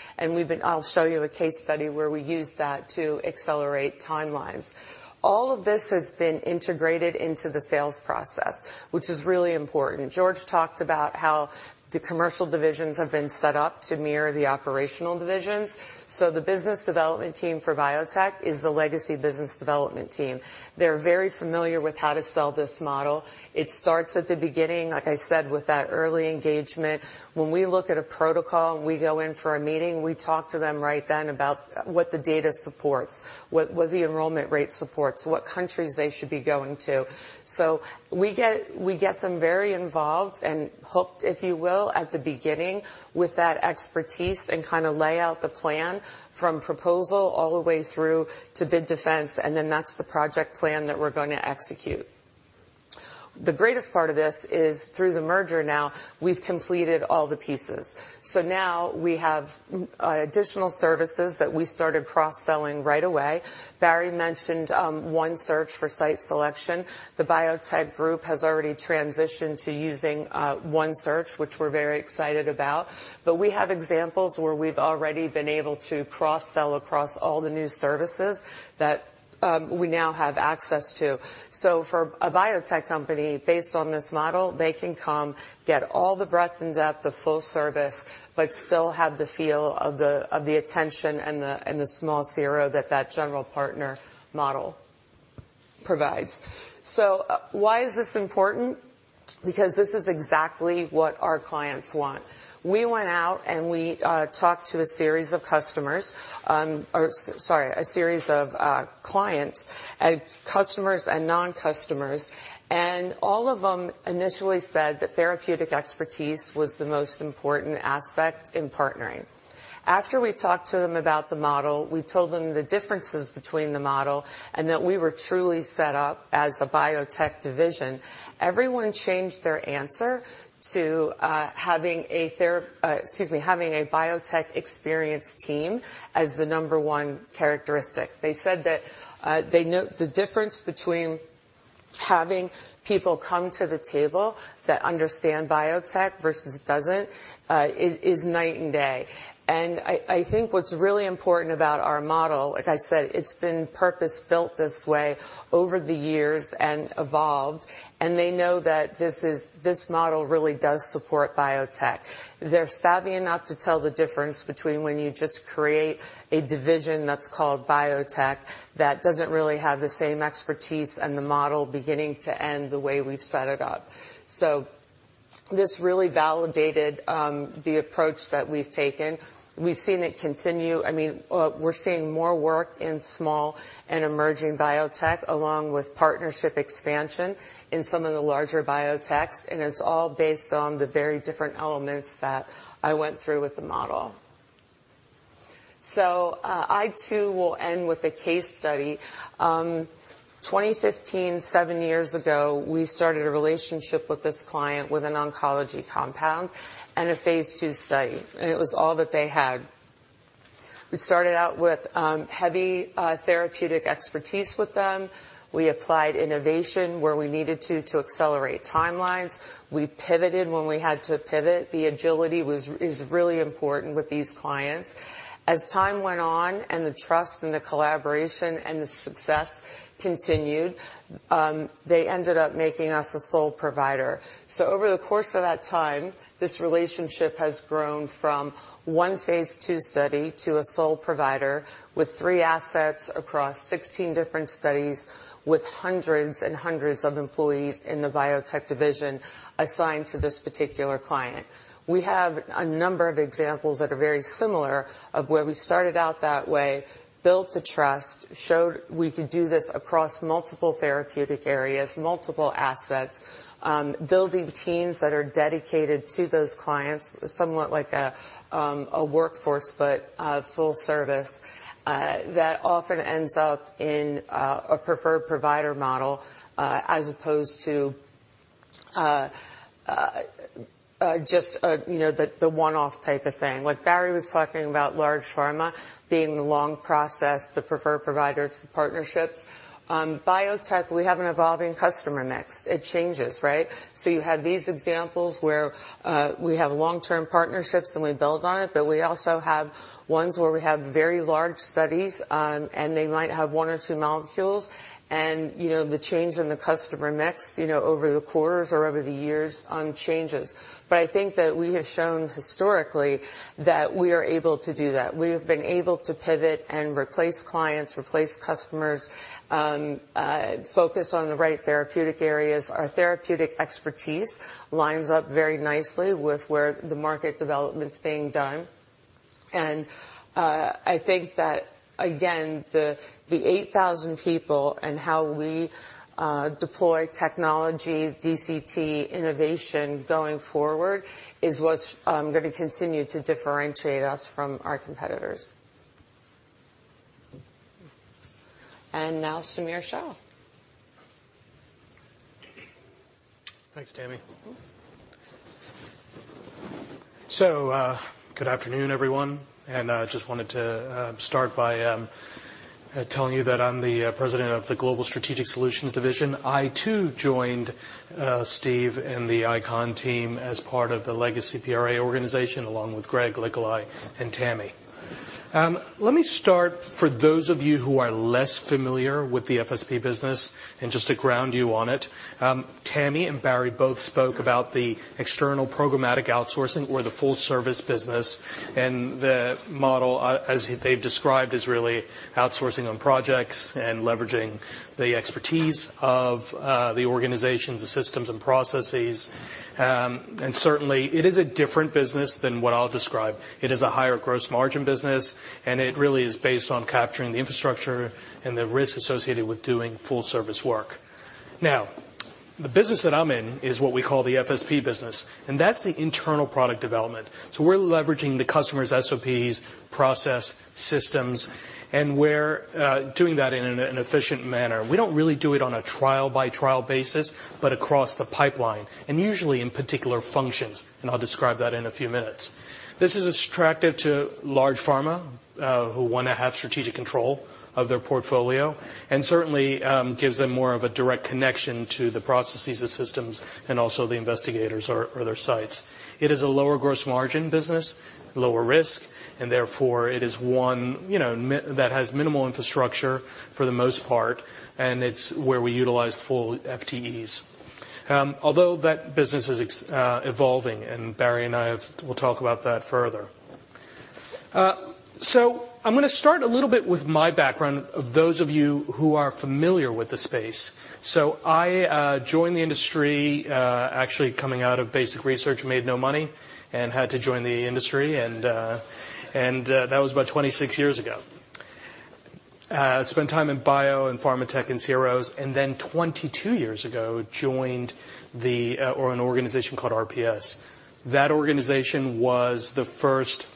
I'll show you a case study where we used that to accelerate timelines. All of this has been integrated into the sales process, which is really important. George talked about how the commercial divisions have been set up to mirror the operational divisions. The business development team for biotech is the legacy business development team. They're very familiar with how to sell this model. It starts at the beginning, like I said, with that early engagement. When we look at a protocol, and we go in for a meeting, we talk to them right then about what the data supports, what the enrollment rate supports, what countries they should be going to. We get them very involved and hooked, if you will, at the beginning with that expertise and kinda lay out the plan from proposal all the way through to bid defense, and then that's the project plan that we're gonna execute. The greatest part of this is through the merger now, we've completed all the pieces. Now we have additional services that we started cross-selling right away. Barry mentioned One Search for site selection. The biotech group has already transitioned to using One Search, which we're very excited about. We have examples where we've already been able to cross-sell across all the new services that we now have access to. For a biotech company, based on this model, they can come get all the breadth and depth of full service, but still have the feel of the attention and the small CRO that that general partner model provides. Why is this important? Because this is exactly what our clients want. We went out, and we talked to a series of customers or sorry, a series of clients, customers and non-customers, and all of them initially said that therapeutic expertise was the most important aspect in partnering. After we talked to them about the model, we told them the differences between the model and that we were truly set up as a biotech division. Everyone changed their answer to having a biotech experienced team as the number one characteristic. They said that they note the difference between having people come to the table that understand biotech versus doesn't is night and day. I think what's really important about our model, like I said, it's been purpose-built this way over the years and evolved, and they know that this model really does support biotech. They're savvy enough to tell the difference between when you just create a division that's called biotech that doesn't really have the same expertise and the model beginning to end the way we've set it up. This really validated the approach that we've taken. We've seen it continue. I mean, we're seeing more work in small and emerging biotech, along with partnership expansion in some of the larger biotechs, and it's all based on the very different elements that I went through with the model. I too will end with a case study. 2015, seven years ago, we started a relationship with this client with an oncology compound and a phase II study, and it was all that they had. We started out with heavy therapeutic expertise with them. We applied innovation where we needed to accelerate timelines. We pivoted when we had to pivot. The agility is really important with these clients. As time went on and the trust and the collaboration and the success continued, they ended up making us a sole provider. Over the course of that time, this relationship has grown from one phase II study to a sole provider with three assets across 16 different studies, with hundreds and hundreds of employees in the biotech division assigned to this particular client. We have a number of examples that are very similar of where we started out that way, built the trust, showed we could do this across multiple therapeutic areas, multiple assets, building teams that are dedicated to those clients, somewhat like a workforce, but full service, that often ends up in a preferred provider model, as opposed to just, you know, the one-off type of thing. What Barry was talking about large pharma being the long process, the preferred provider for partnerships. Biotech, we have an evolving customer mix. It changes, right? You have these examples where we have long-term partnerships, and we build on it, but we also have ones where we have very large studies, and they might have one or two molecules. You know, the change in the customer mix, you know, over the quarters or over the years, changes. I think that we have shown historically that we are able to do that. We have been able to pivot and replace clients, replace customers, focus on the right therapeutic areas. Our therapeutic expertise lines up very nicely with where the market development's being done. I think that again, the 8,000 people and how we deploy technology, DCT innovation going forward is what's gonna continue to differentiate us from our competitors. Now Samir Shah. Thanks, Tammy. Mm-hmm. Good afternoon, everyone. Just wanted to start by telling you that I'm the president of the Global Strategic Solutions division. I too joined Steve and the ICON team as part of the legacy PRA organization, along with Greg Licholai and Tammy. Let me start for those of you who are less familiar with the FSP business and just to ground you on it. Tammy and Barry both spoke about the external programmatic outsourcing or the full service business. The model as they've described is really outsourcing on projects and leveraging the expertise of the organizations, the systems, and processes. Certainly, it is a different business than what I'll describe. It is a higher gross margin business, and it really is based on capturing the infrastructure and the risk associated with doing full service work. The business that I'm in is what we call the FSP business, and that's the internal product development. We're leveraging the customer's SOPs, process, systems, and we're doing that in an efficient manner. We don't really do it on a trial-by-trial basis, but across the pipeline, and usually in particular functions, and I'll describe that in a few minutes. This is attractive to large pharma who wanna have strategic control of their portfolio and certainly gives them more of a direct connection to the processes, the systems, and also the investigators or their sites. It is a lower gross margin business, lower risk, and therefore it is one, you know, that has minimal infrastructure for the most part, and it's where we utilize full FTEs. Although that business is evolving, and Barry and I will talk about that further. I'm gonna start a little bit with my background for those of you who are familiar with the space. I joined the industry actually coming out of basic research, made no money and had to join the industry and that was about 26 years ago. Spent time in bio and pharma tech and CROs, and then 22 years ago joined an organization called RPS. That organization was the first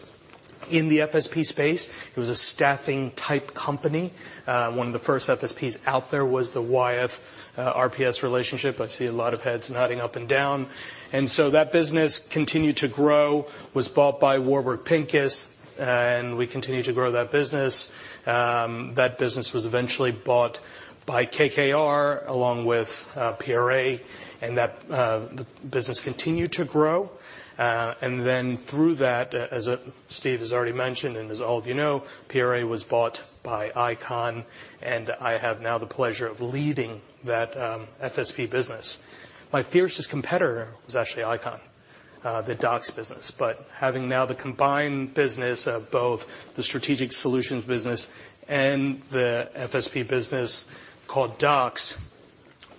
in the FSP space. It was a staffing-type company. One of the first FSPs out there was the Wyeth-RPS relationship. I see a lot of heads nodding up and down. That business continued to grow, was bought by Warburg Pincus, and we continued to grow that business. That business was eventually bought by KKR along with PRA and that the business continued to grow. Through that, as Steve has already mentioned and as all of you know, PRA was bought by ICON and I have now the pleasure of leading that FSP business. My fiercest competitor was actually ICON, the DOCS business. Having now the combined business of both the Strategic Solutions business and the FSP business called DOCS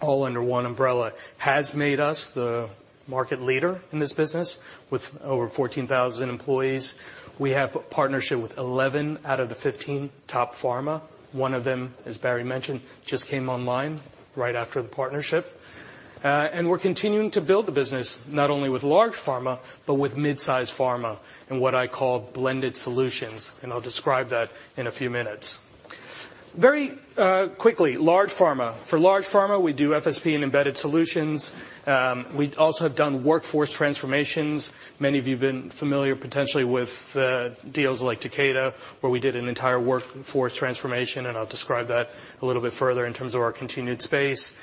all under one umbrella has made us the market leader in this business with over 14,000 employees. We have a partnership with 11 out of the 15 top pharma. One of them, as Barry mentioned, just came online right after the partnership. We're continuing to build the business not only with large pharma but with midsize pharma in what I call blended solutions, and I'll describe that in a few minutes. Very quickly, large pharma. For large pharma, we do FSP and embedded solutions. We also have done workforce transformations. Many of you have been familiar potentially with deals like Takeda, where we did an entire workforce transformation, and I'll describe that a little bit further in terms of our continued space.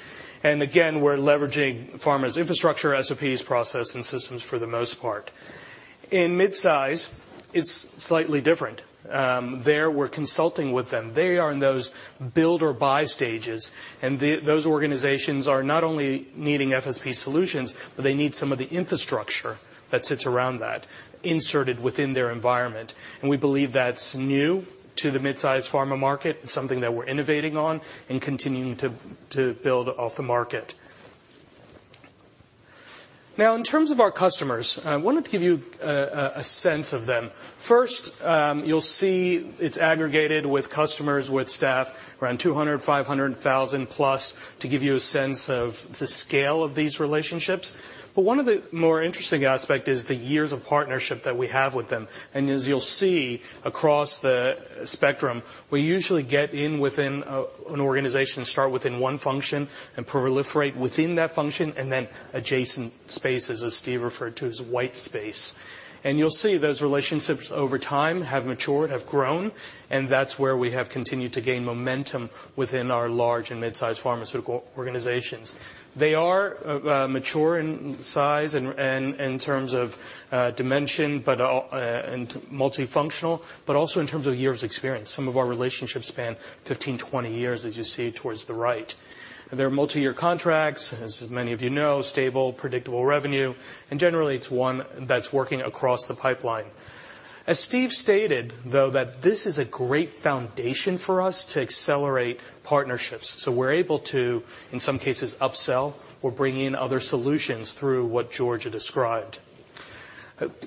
We're leveraging pharma's infrastructure, SOPs, process, and systems for the most part. In mid-size, it's slightly different. There we're consulting with them. They are in those build or buy stages, and those organizations are not only needing FSP solutions, but they need some of the infrastructure that sits around that inserted within their environment. We believe that's new to the mid-size pharma market. It's something that we're innovating on and continuing to build off the market. Now in terms of our customers, I wanted to give you a sense of them. First, you'll see it's aggregated with customers with staff around 200 to 500,000 plus to give you a sense of the scale of these relationships. But one of the more interesting aspect is the years of partnership that we have with them. As you'll see across the spectrum, we usually get in within an organization, start within one function and proliferate within that function and then adjacent spaces as Steve referred to as white space. You'll see those relationships over time have matured, have grown, and that's where we have continued to gain momentum within our large and mid-size pharmaceutical organizations. They are mature in size and in terms of dimension, but also multifunctional, but also in terms of years experience. Some of our relationships span 15, 20 years as you see towards the right. They're multiyear contracts, as many of you know, stable, predictable revenue, and generally it's one that's working across the pipeline. As Steve stated, though, that this is a great foundation for us to accelerate partnerships. We're able to, in some cases, upsell or bring in other solutions through what George described.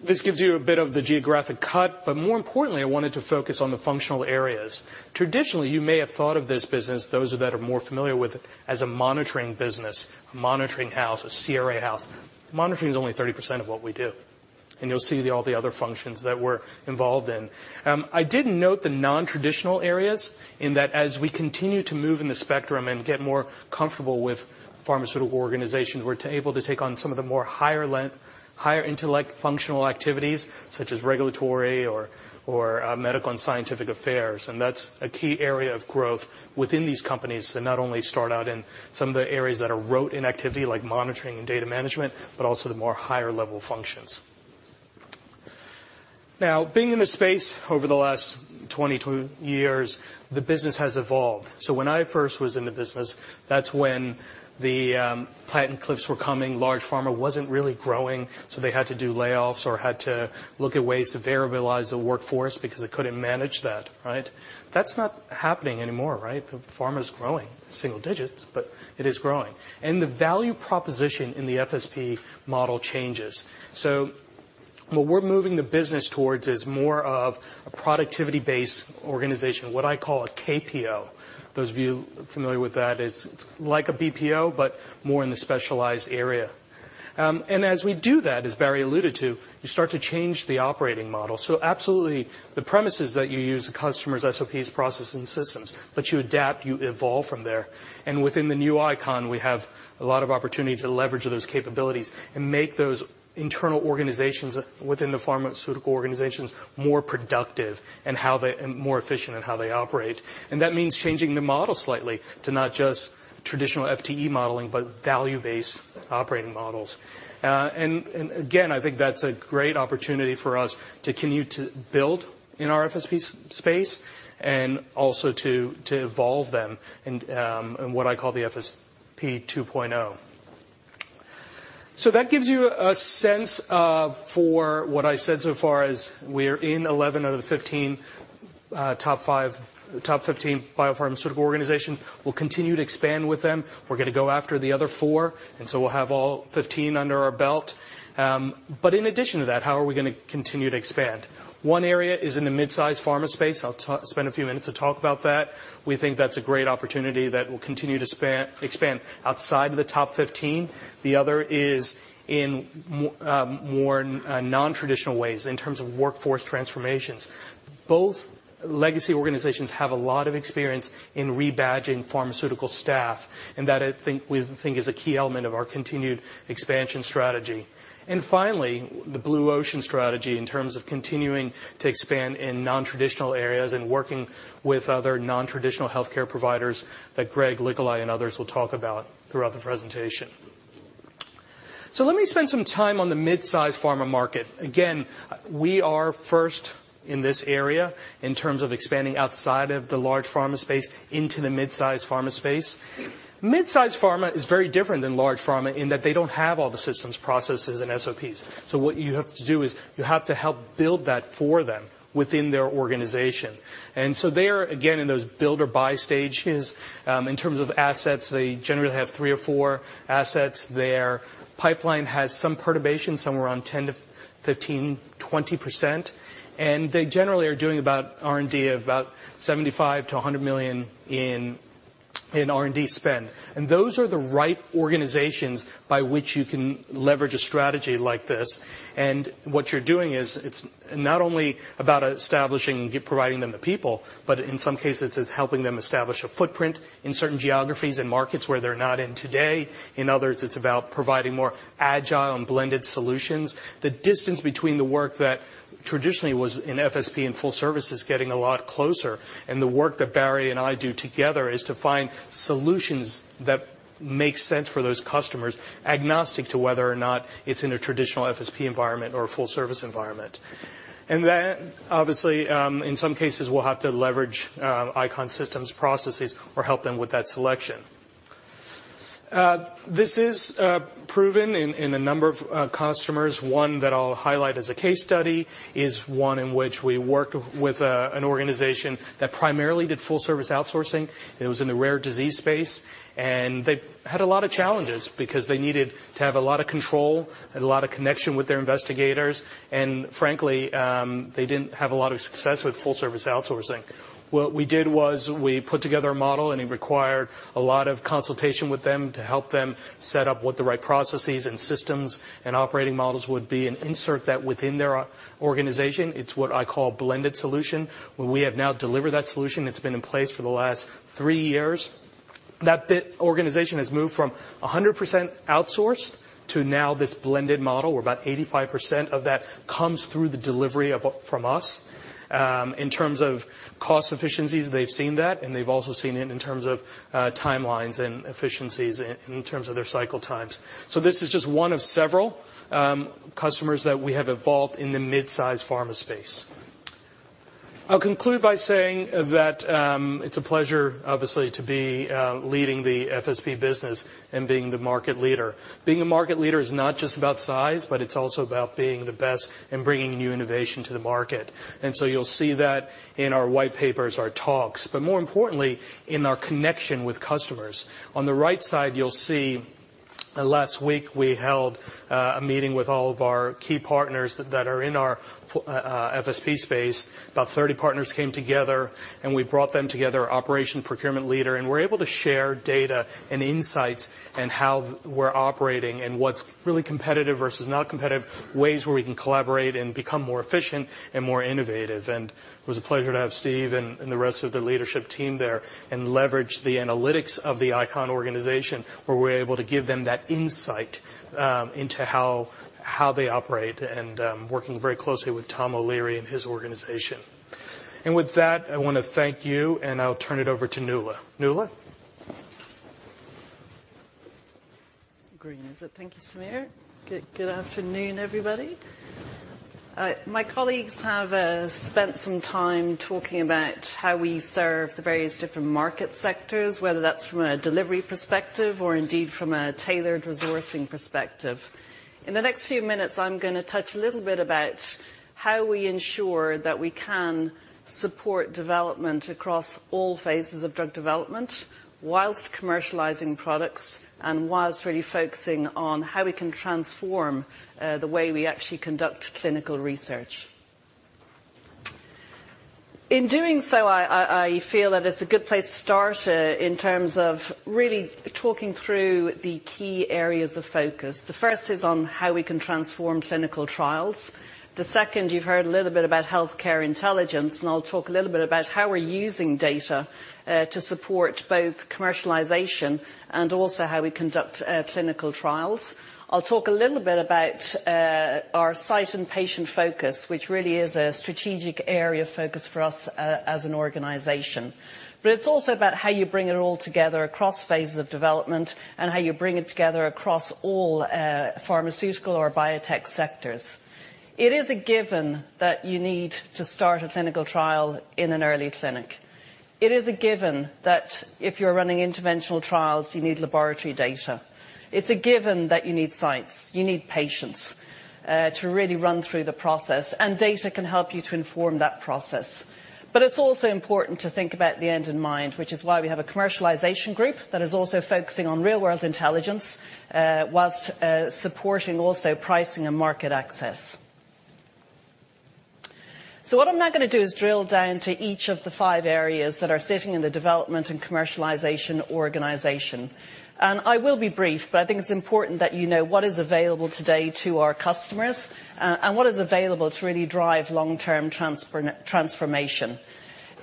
This gives you a bit of the geographic cut, but more importantly, I wanted to focus on the functional areas. Traditionally, you may have thought of this business, those of you that are more familiar with it, as a monitoring business, a monitoring house, a CRA house. Monitoring is only 30% of what we do, and you'll see all the other functions that we're involved in. I did note the non-traditional areas in that as we continue to move in the spectrum and get more comfortable with pharmaceutical organizations, we're able to take on some of the more higher intellect functional activities such as regulatory or medical and scientific affairs. That's a key area of growth within these companies to not only start out in some of the areas that are rote in activity like monitoring and data management, but also the more higher level functions. Now being in the space over the last 22 years, the business has evolved. When I first was in the business, that's when the patent cliffs were coming, large pharma wasn't really growing, so they had to do layoffs or had to look at ways to variable-ize the workforce because they couldn't manage that, right? That's not happening anymore, right? Pharma's growing, single digits, but it is growing. The value proposition in the FSP model changes. What we're moving the business towards is more of a productivity-based organization, what I call a KPO. Those of you familiar with that, it's like a BPO, but more in the specialized area. As we do that, as Barry alluded to, you start to change the operating model. Absolutely, the premises that you use, the customer's SOPs, processing systems, but you adapt, you evolve from there. Within the new ICON, we have a lot of opportunity to leverage those capabilities and make those internal organizations within the pharmaceutical organizations more productive and more efficient in how they operate. That means changing the model slightly to not just traditional FTE modeling, but value-based operating models. Again, I think that's a great opportunity for us to continue to build in our FSP space and also to evolve them in what I call the FSP 2.0. That gives you a sense of what I said so far as we're in 11 out of the 15 top 15 biopharmaceutical organizations. We'll continue to expand with them. We're gonna go after the other 4, and so we'll have all 15 under our belt. In addition to that, how are we gonna continue to expand? One area is in the mid-size pharma space. I'll spend a few minutes to talk about that. We think that's a great opportunity that will continue to expand outside of the top 15. The other is in more nontraditional ways in terms of workforce transformations. Both legacy organizations have a lot of experience in rebadging pharmaceutical staff, and that, I think, we think is a key element of our continued expansion strategy. Finally, the blue ocean strategy in terms of continuing to expand in nontraditional areas and working with other nontraditional healthcare providers that Greg Licholai and others will talk about throughout the presentation. Let me spend some time on the mid-size pharma market. We are first in this area in terms of expanding outside of the large pharma space into the mid-size pharma space. Mid-size pharma is very different than large pharma in that they don't have all the systems, processes, and SOPs. What you have to do is you have to help build that for them within their organization. They are, again, in those build or buy stages. In terms of assets, they generally have 3 or 4 assets. Their pipeline has some perturbation, somewhere around 10%-20%. They generally are doing about $75 million-$100 million in R&D spend. Those are the ripe organizations by which you can leverage a strategy like this. What you're doing is it's not only about establishing and providing them the people, but in some cases, it's helping them establish a footprint in certain geographies and markets where they're not in today. In others, it's about providing more agile and blended solutions. The distance between the work that traditionally was in FSP and full service is getting a lot closer, and the work that Barry and I do together is to find solutions that make sense for those customers, agnostic to whether or not it's in a traditional FSP environment or a full service environment. Obviously, in some cases, we'll have to leverage ICON systems, processes, or help them with that selection. This is proven in a number of customers. One that I'll highlight as a case study is one in which we worked with an organization that primarily did full service outsourcing. It was in the rare disease space, and they had a lot of challenges because they needed to have a lot of control and a lot of connection with their investigators. Frankly, they didn't have a lot of success with full service outsourcing. What we did was we put together a model, and it required a lot of consultation with them to help them set up what the right processes and systems and operating models would be and insert that within their organization. It's what I call blended solution. When we have now delivered that solution, it's been in place for the last three years. That the organization has moved from 100% outsourced to now this blended model, where about 85% of that comes through the delivery from us. In terms of cost efficiencies, they've seen that, and they've also seen it in terms of timelines and efficiencies in terms of their cycle times. This is just one of several customers that we have evolved in the mid-size pharma space. I'll conclude by saying that it's a pleasure, obviously, to be leading the FSP business and being the market leader. Being a market leader is not just about size, but it's also about being the best and bringing new innovation to the market. You'll see that in our white papers, our talks, but more importantly, in our connection with customers. On the right side, you'll see last week we held a meeting with all of our key partners that are in our FSP space. About 30 partners came together, and we brought them together, operation procurement leader, and we're able to share data and insights and how we're operating and what's really competitive versus not competitive, ways where we can collaborate and become more efficient and more innovative. It was a pleasure to have Steve and the rest of the leadership team there and leverage the analytics of the ICON organization, where we're able to give them that insight into how they operate and working very closely with Tom O'Leary and his organization. With that, I wanna thank you, and I'll turn it over to Nuala. Nuala? Green, is it? Thank you, Samir. Good afternoon, everybody. My colleagues have spent some time talking about how we serve the various different market sectors, whether that's from a delivery perspective or indeed from a tailored resourcing perspective. In the next few minutes, I'm gonna touch a little bit about how we ensure that we can support development across all phases of drug development while commercializing products and while really focusing on how we can transform the way we actually conduct clinical research. In doing so, I feel that it's a good place to start in terms of really talking through the key areas of focus. The first is on how we can transform clinical trials. The second, you've heard a little bit about healthcare intelligence, and I'll talk a little bit about how we're using data to support both commercialization and also how we conduct clinical trials. I'll talk a little bit about our site and patient focus, which really is a strategic area of focus for us as an organization. It's also about how you bring it all together across phases of development and how you bring it together across all pharmaceutical or biotech sectors. It is a given that you need to start a clinical trial in an early clinic. It is a given that if you're running interventional trials, you need laboratory data. It's a given that you need sites, you need patients to really run through the process, and data can help you to inform that process. It's also important to think about the end in mind, which is why we have a commercialization group that is also focusing on real world intelligence, while supporting also pricing and market access. What I'm now gonna do is drill down to each of the five areas that are sitting in the development and commercialization organization. I will be brief, but I think it's important that you know what is available today to our customers, and what is available to really drive long-term transformation.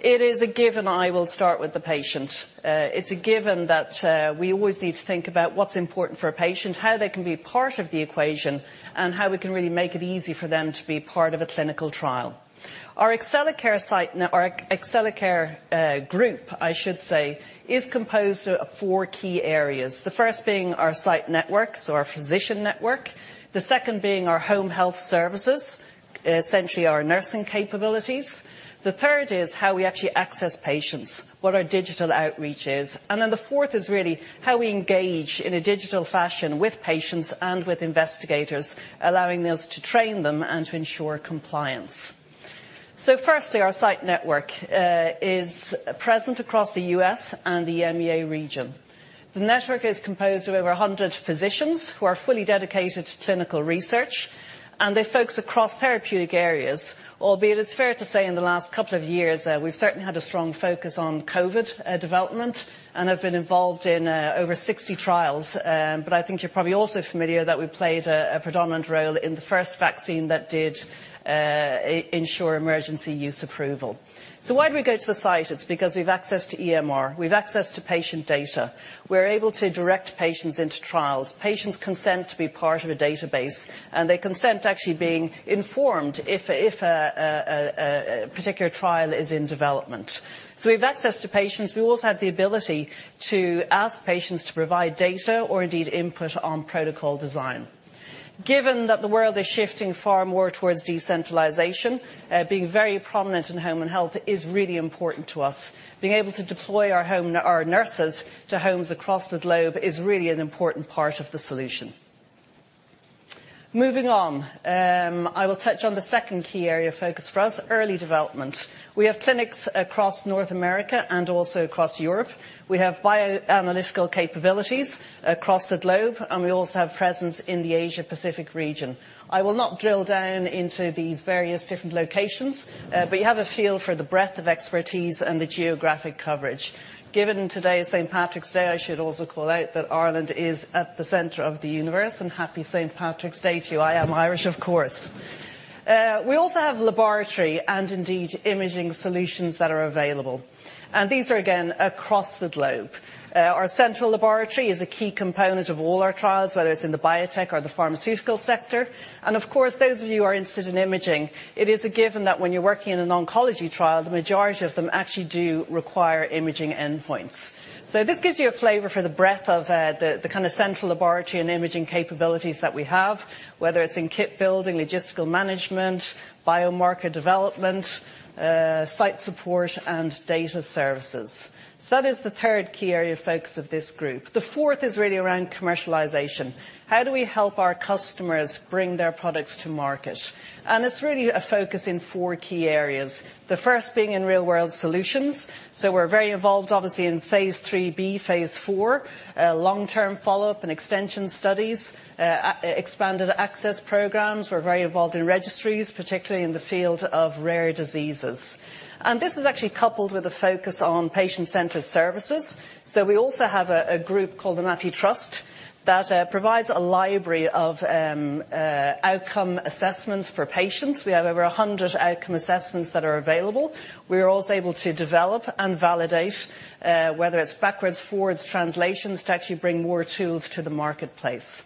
It is a given I will start with the patient. It's a given that we always need to think about what's important for a patient, how they can be part of the equation, and how we can really make it easy for them to be part of a clinical trial. Our Accellacare site, or Accellacare, group, I should say, is composed of four key areas. The first being our site networks or our physician network. The second being our home health services, essentially our nursing capabilities. The third is how we actually access patients, what our digital outreach is. The fourth is really how we engage in a digital fashion with patients and with investigators, allowing us to train them and to ensure compliance. First, our site network is present across the U.S. and the EMEA region. The network is composed of over 100 physicians who are fully dedicated to clinical research, and they focus across therapeutic areas, albeit it's fair to say in the last couple of years, we've certainly had a strong focus on COVID development and have been involved in over 60 trials. I think you're probably also familiar that we played a predominant role in the first vaccine that did ensure emergency use approval. Why do we go to the site? It's because we've access to EMR. We've access to patient data. We're able to direct patients into trials. Patients consent to be part of a database, and they consent to actually being informed if a particular trial is in development. We've access to patients. We also have the ability to ask patients to provide data or indeed input on protocol design. Given that the world is shifting far more towards decentralization, being very prominent in home and health is really important to us. Being able to deploy our nurses to homes across the globe is really an important part of the solution. Moving on, I will touch on the second key area of focus for us, early development. We have clinics across North America and also across Europe. We have bioanalytical capabilities across the globe, and we also have presence in the Asia-Pacific region. I will not drill down into these various different locations, but you have a feel for the breadth of expertise and the geographic coverage. Given today is St. Patrick's Day, I should also call out that Ireland is at the center of the universe, and Happy St. Patrick's Day to you. I am Irish, of course. We also have laboratory and indeed imaging solutions that are available. These are again across the globe. Our central laboratory is a key component of all our trials, whether it's in the biotech or the pharmaceutical sector. Of course, those of you who are interested in imaging, it is a given that when you're working in an oncology trial, the majority of them actually do require imaging endpoints. This gives you a flavor for the breadth of the kind of central laboratory and imaging capabilities that we have, whether it's in kit building, logistical management, biomarker development, site support, and data services. That is the third key area of focus of this group. The fourth is really around commercialization. How do we help our customers bring their products to market? It's really a focus in four key areas. The first being in real world solutions, so we're very involved obviously in phase III-B, phase IV, long-term follow-up and extension studies, expanded access programs. We're very involved in registries, particularly in the field of rare diseases. This is actually coupled with a focus on patient-centered services. We also have a group called The Mapi Trust that provides a library of outcome assessments for patients. We have over 100 outcome assessments that are available. We are also able to develop and validate whether it's backwards, forwards translations to actually bring more tools to the marketplace.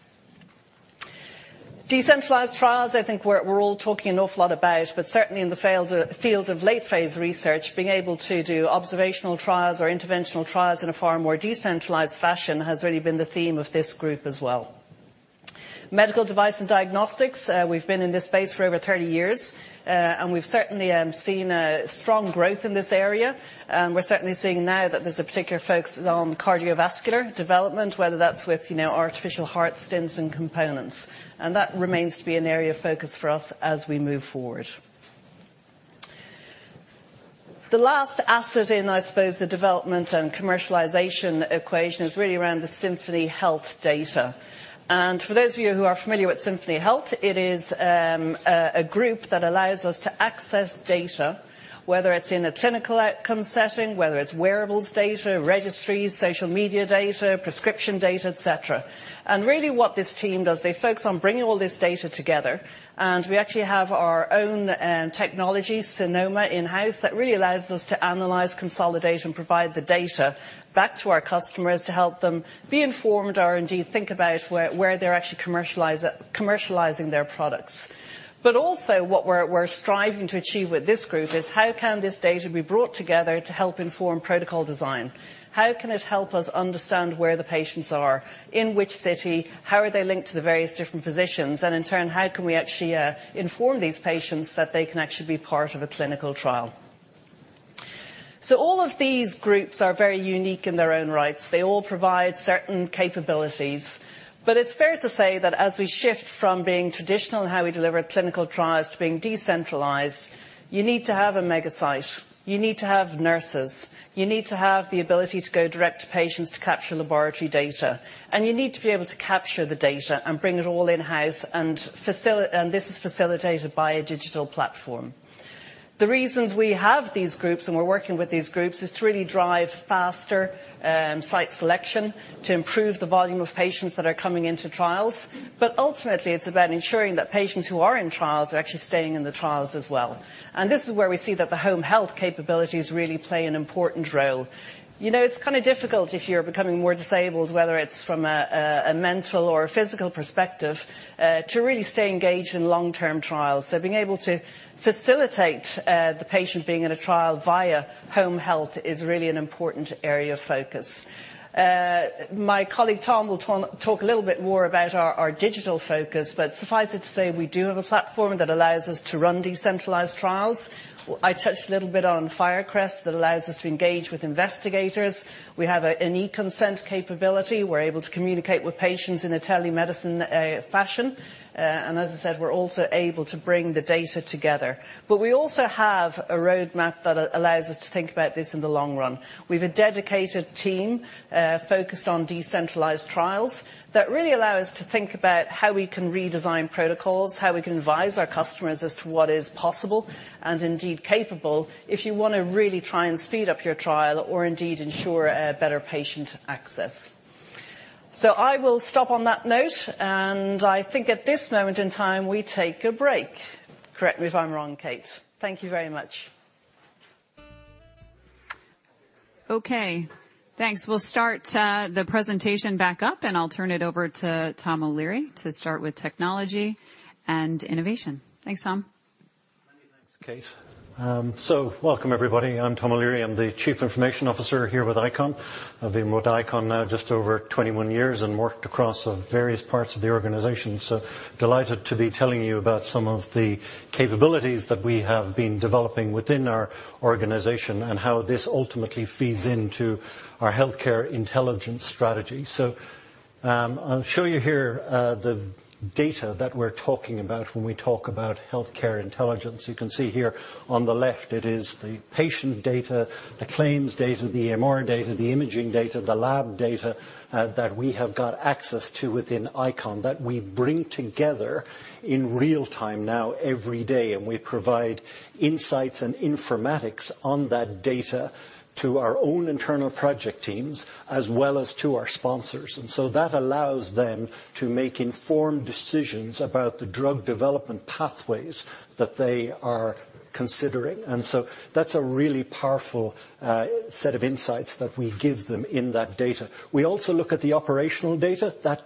Decentralized trials, I think we're all talking an awful lot about, but certainly in the field of late phase research, being able to do observational trials or interventional trials in a far more decentralized fashion has really been the theme of this group as well. Medical device and diagnostics, we've been in this space for over 30 years, and we've certainly seen a strong growth in this area. We're certainly seeing now that there's a particular focus on cardiovascular development, whether that's with, you know, artificial heart stents and components. That remains to be an area of focus for us as we move forward. The last asset in, I suppose, the development and commercialization equation is really around the Symphony Health data. For those of you who are familiar with Symphony Health, it is a group that allows us to access data, whether it's in a clinical outcome setting, whether it's wearables data, registries, social media data, prescription data, et cetera. Really what this team does, they focus on bringing all this data together, and we actually have our own technology, Synoma, in-house that really allows us to analyze, consolidate, and provide the data back to our customers to help them be informed or indeed think about where they're actually commercializing their products. But also what we're striving to achieve with this group is how can this data be brought together to help inform protocol design. How can it help us understand where the patients are, in which city, how are they linked to the various different physicians, and in turn, how can we actually inform these patients that they can actually be part of a clinical trial. All of these groups are very unique in their own rights. They all provide certain capabilities. It's fair to say that as we shift from being traditional in how we deliver clinical trials to being decentralized, you need to have a mega site. You need to have nurses. You need to have the ability to go direct to patients to capture laboratory data. You need to be able to capture the data and bring it all in-house and this is facilitated by a digital platform. The reasons we have these groups, and we're working with these groups is to really drive faster site selection, to improve the volume of patients that are coming into trials. Ultimately, it's about ensuring that patients who are in trials are actually staying in the trials as well. This is where we see that the home health capabilities really play an important role. You know, it's kinda difficult if you're becoming more disabled, whether it's from a mental or a physical perspective, to really stay engaged in long-term trials. Being able to facilitate the patient being in a trial via home health is really an important area of focus. My colleague, Tom, will talk a little bit more about our digital focus. Suffice it to say, we do have a platform that allows us to run decentralized trials. I touched a little bit on FIRECREST that allows us to engage with investigators. We have an e-consent capability. We're able to communicate with patients in a telemedicine fashion. As I said, we're also able to bring the data together. We also have a roadmap that allows us to think about this in the long run. We've a dedicated team focused on decentralized trials that really allow us to think about how we can redesign protocols, how we can advise our customers as to what is possible and indeed capable if you wanna really try and speed up your trial or indeed ensure a better patient access. I will stop on that note, and I think at this moment in time, we take a break. Correct me if I'm wrong, Kate. Thank you very much. Okay. Thanks. We'll start the presentation back up, and I'll turn it over to Tom O'Leary to start with technology and innovation. Thanks, Tom. Many thanks, Kate. Welcome, everybody. I'm Tom O'Leary. I'm the Chief Information Officer here with ICON. I've been with ICON now just over 21 years and worked across the various parts of the organization. Delighted to be telling you about some of the capabilities that we have been developing within our organization and how this ultimately feeds into our healthcare intelligence strategy. I'll show you here the data that we're talking about when we talk about healthcare intelligence. You can see here on the left it is the patient data, the claims data, the EMR data, the imaging data, the lab data that we have got access to within ICON that we bring together in real time now every day, and we provide insights and informatics on that data to our own internal project teams as well as to our sponsors. That allows them to make informed decisions about the drug development pathways that they are considering. That's a really powerful set of insights that we give them in that data. We also look at the operational data. That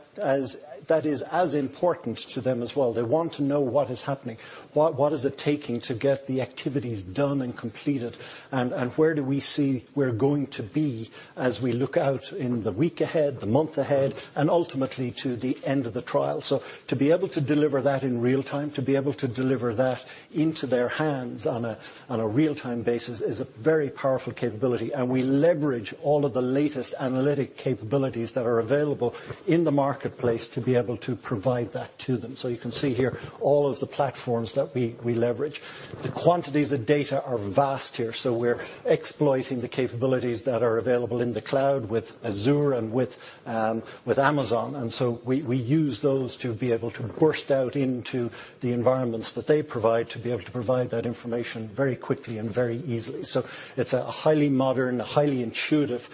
is as important to them as well. They want to know what is happening. What is it taking to get the activities done and completed, and where do we see we're going to be as we look out in the week ahead, the month ahead, and ultimately to the end of the trial? To be able to deliver that in real time, to be able to deliver that into their hands on a real-time basis is a very powerful capability, and we leverage all of the latest analytic capabilities that are available in the marketplace to be able to provide that to them. You can see here all of the platforms that we leverage. The quantities of data are vast here, so we're exploiting the capabilities that are available in the cloud with Azure and with Amazon. We use those to be able to burst out into the environments that they provide to be able to provide that information very quickly and very easily. It's a highly modern, highly intuitive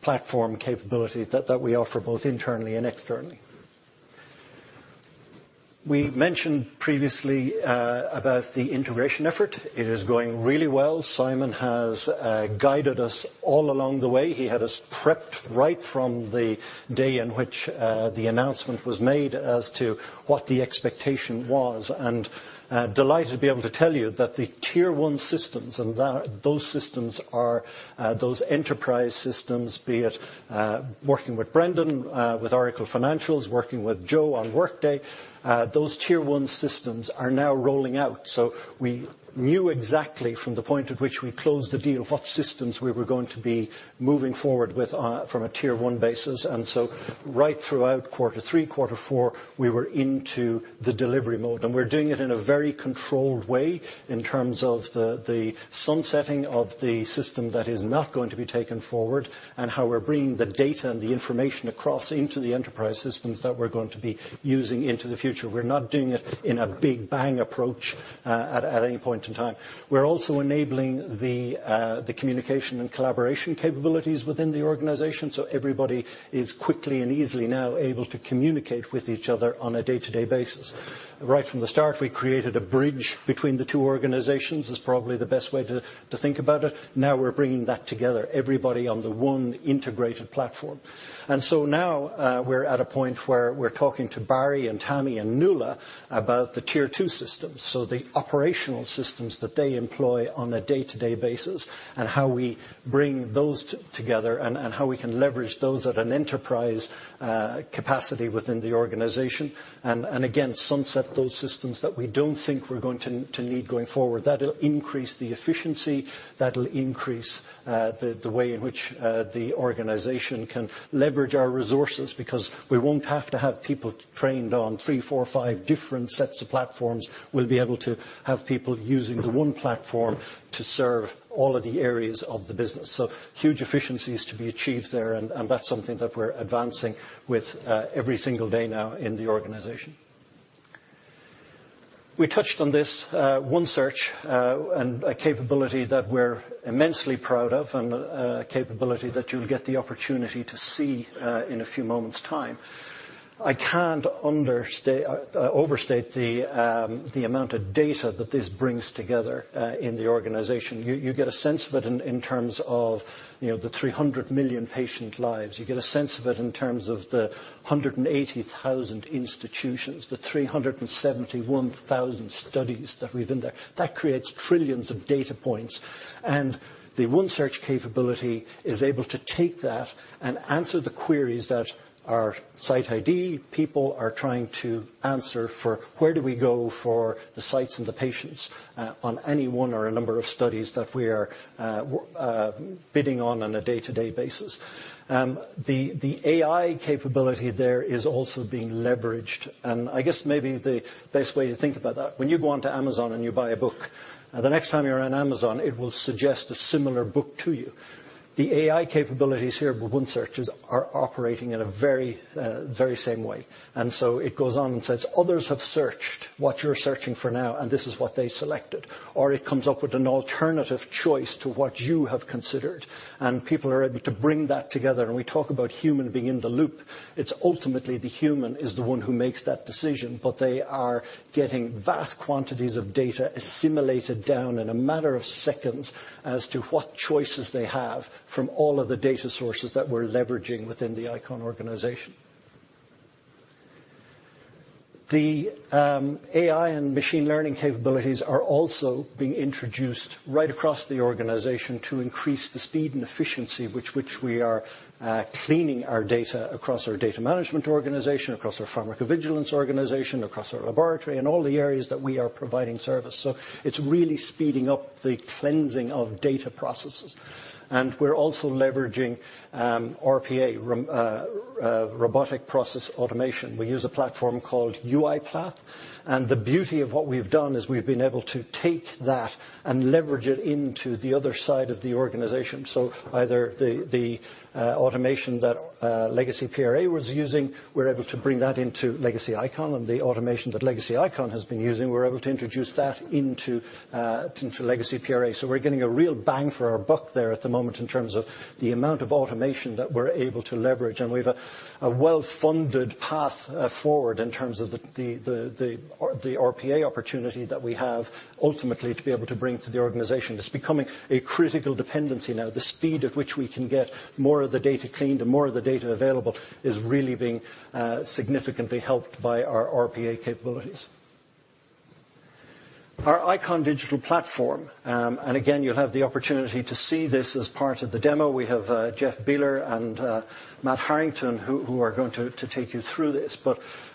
platform capability that we offer both internally and externally. We mentioned previously about the integration effort. It is going really well. Simon has guided us all along the way. He had us prepped right from the day in which the announcement was made as to what the expectation was. Delighted to be able to tell you that the Tier One systems, those systems are those enterprise systems, be it working with Brendan, with Oracle Financials, working with Joe on Workday, those Tier One systems are now rolling out. We knew exactly from the point at which we closed the deal, what systems we were going to be moving forward with from a Tier One basis. Right throughout Q3, Q4, We were into the delivery mode. We're doing it in a very controlled way in terms of the sunsetting of the system that is not going to be taken forward, and how we're bringing the data and the information across into the enterprise systems that we're going to be using into the future. We're not doing it in a big bang approach at any point in time. We're also enabling the communication and collaboration capabilities within the organization, so everybody is quickly and easily now able to communicate with each other on a day-to-day basis. Right from the start, we created a bridge between the two organizations, is probably the best way to think about it. Now we're bringing that together, everybody on the one integrated platform. Now, we're at a point where we're talking to Barry Balfe and Tammy Clerc and Nuala Murphy about the Tier Two systems. The operational systems that they employ on a day-to-day basis, and how we bring those together and how we can leverage those at an enterprise capacity within the organization, and again, sunset those systems that we don't think we're going to need going forward. That'll increase the efficiency, that'll increase the way in which the organization can leverage our resources, because we won't have to have people trained on three, four, five different sets of platforms. We'll be able to have people using the one platform to serve all of the areas of the business. Huge efficiencies to be achieved there, and that's something that we're advancing with every single day now in the organization. We touched on this, OneSearch, and a capability that we're immensely proud of, and a capability that you'll get the opportunity to see in a few moments' time. I can't overstate the amount of data that this brings together in the organization. You get a sense of it in terms of, you know, the 300 million patient lives. You get a sense of it in terms of the 180,000 institutions, the 371,000 studies that we've in there. That creates trillions of data points. The OneSearch capability is able to take that and answer the queries that our Site ID people are trying to answer for where do we go for the sites and the patients, on any one or a number of studies that we are bidding on a day-to-day basis. The AI capability there is also being leveraged. I guess maybe the best way to think about that, when you go onto Amazon and you buy a book, the next time you're on Amazon, it will suggest a similar book to you. The AI capabilities here with OneSearch are operating in a very same way. So it goes on and says, "Others have searched what you're searching for now, and this is what they selected," or it comes up with an alternative choice to what you have considered. People are able to bring that together. We talk about human being in the loop. It's ultimately the human is the one who makes that decision, but they are getting vast quantities of data assimilated down in a matter of seconds as to what choices they have from all of the data sources that we're leveraging within the ICON organization. The AI and machine learning capabilities are also being introduced right across the organization to increase the speed and efficiency with which we are cleaning our data across our data management organization, across our pharmacovigilance organization, across our laboratory, and all the areas that we are providing service. So it's really speeding up the cleansing of data processes. We're also leveraging RPA, robotic process automation. We use a platform called UiPath, and the beauty of what we've done is we've been able to take that and leverage it into the other side of the organization. Either the automation that legacy PRA was using, we're able to bring that into legacy ICON, and the automation that legacy ICON has been using, we're able to introduce that into legacy PRA. We're getting a real bang for our buck there at the moment in terms of the amount of automation that we're able to leverage, and we've a well-funded path forward in terms of the RPA opportunity that we have ultimately to be able to bring to the organization. It's becoming a critical dependency now. The speed at which we can get more of the data cleaned and more of the data available is really being significantly helped by our RPA capabilities. Our ICON Digital Platform, and again, you'll have the opportunity to see this as part of the demo. We have Jeff Bieler and Matt Harrington who are going to take you through this.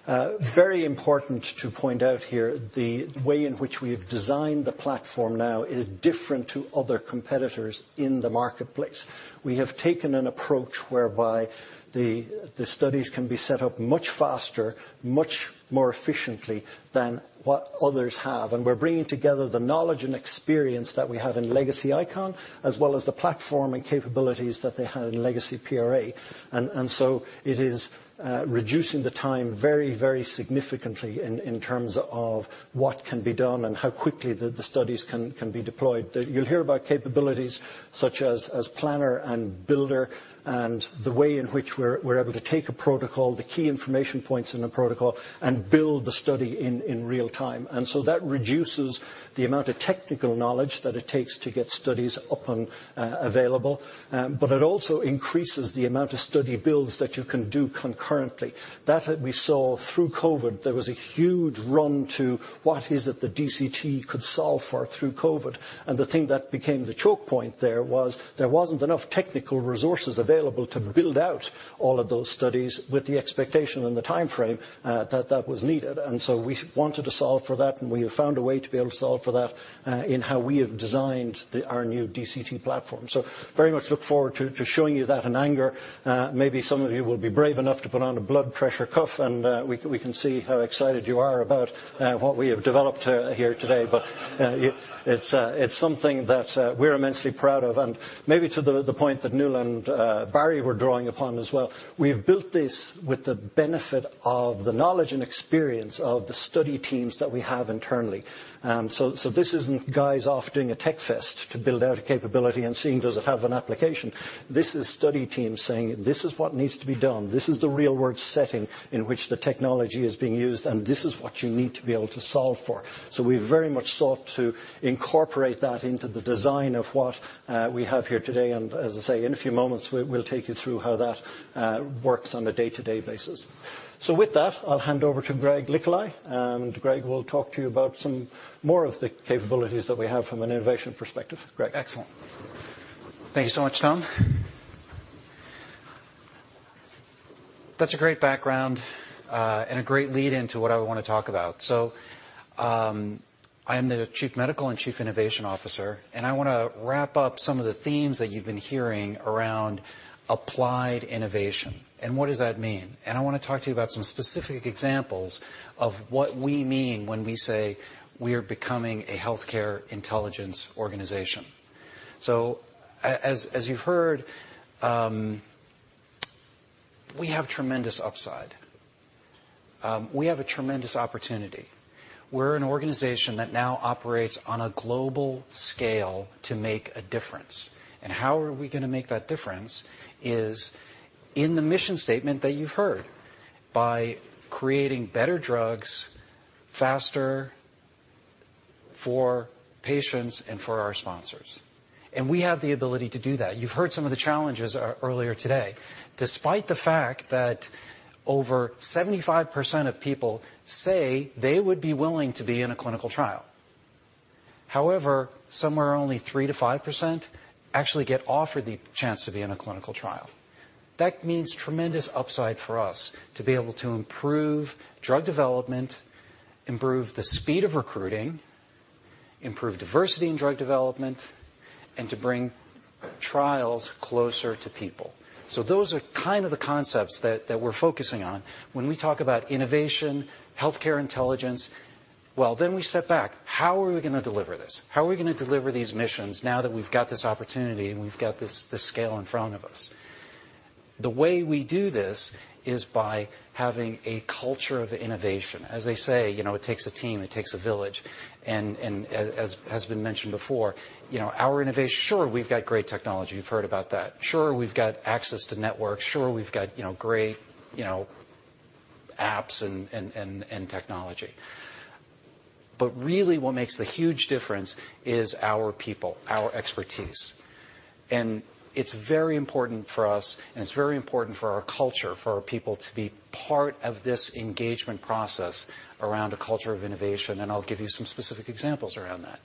Very important to point out here, the way in which we have designed the platform now is different to other competitors in the marketplace. We have taken an approach whereby the studies can be set up much faster, much more efficiently than what others have. We're bringing together the knowledge and experience that we have in legacy ICON, as well as the platform and capabilities that they had in legacy PRA. It is reducing the time very, very significantly in terms of what can be done and how quickly the studies can be deployed. You'll hear about capabilities such as planner and builder and the way in which we're able to take a protocol, the key information points in a protocol, and build the study in real time. That reduces the amount of technical knowledge that it takes to get studies up and available. It also increases the amount of study builds that you can do concurrently that we saw through COVID. There was a huge run to what the DCT could solve for through COVID. The thing that became the choke point there was there wasn't enough technical resources available to build out all of those studies with the expectation and the timeframe that was needed. We wanted to solve for that, and we have found a way to be able to solve for that in how we have designed our new DCT platform. Very much look forward to showing you that in anger. Maybe some of you will be brave enough to put on a blood pressure cuff, and we can see how excited you are about what we have developed here today. It's something that we're immensely proud of. Maybe to the point that Nuala and Barry were drawing upon as well, we've built this with the benefit of the knowledge and experience of the study teams that we have internally. This isn't guys off doing a tech fest to build out a capability and seeing does it have an application? This is study teams saying, "This is what needs to be done. This is the real-world setting in which the technology is being used, and this is what you need to be able to solve for." We very much sought to incorporate that into the design of what we have here today. As I say, in a few moments, we'll take you through how that works on a day-to-day basis. With that, I'll hand over to Greg Licholai. Greg will talk to you about some more of the capabilities that we have from an innovation perspective. Greg. Excellent. Thank you so much, Tom. That's a great background and a great lead into what I want to talk about. I am the Chief Medical and Innovation Officer, and I wanna wrap up some of the themes that you've been hearing around applied innovation, and what does that mean. I wanna talk to you about some specific examples of what we mean when we say we are becoming a healthcare intelligence organization. As you've heard, we have tremendous upside. We have a tremendous opportunity. We're an organization that now operates on a global scale to make a difference. How are we gonna make that difference is in the mission statement that you've heard, by creating better drugs faster for patients and for our sponsors. We have the ability to do that. You've heard some of the challenges earlier today. Despite the fact that over 75% of people say they would be willing to be in a clinical trial, however, somewhere only 3%-5% actually get offered the chance to be in a clinical trial. That means tremendous upside for us to be able to improve drug development, improve the speed of recruiting, improve diversity in drug development, and to bring trials closer to people. Those are kind of the concepts that we're focusing on when we talk about innovation, healthcare intelligence. Well, we step back. How are we gonna deliver this? How are we gonna deliver these missions now that we've got this opportunity and we've got this scale in front of us? The way we do this is by having a culture of innovation. As they say, you know, it takes a team, it takes a village. As has been mentioned before, you know, our innovation. Sure, we've got great technology. You've heard about that. Sure, we've got access to networks. Sure, we've got, you know, great, you know, apps and technology. Really what makes the huge difference is our people, our expertise. It's very important for us, and it's very important for our culture, for our people to be part of this engagement process around a culture of innovation, and I'll give you some specific examples around that.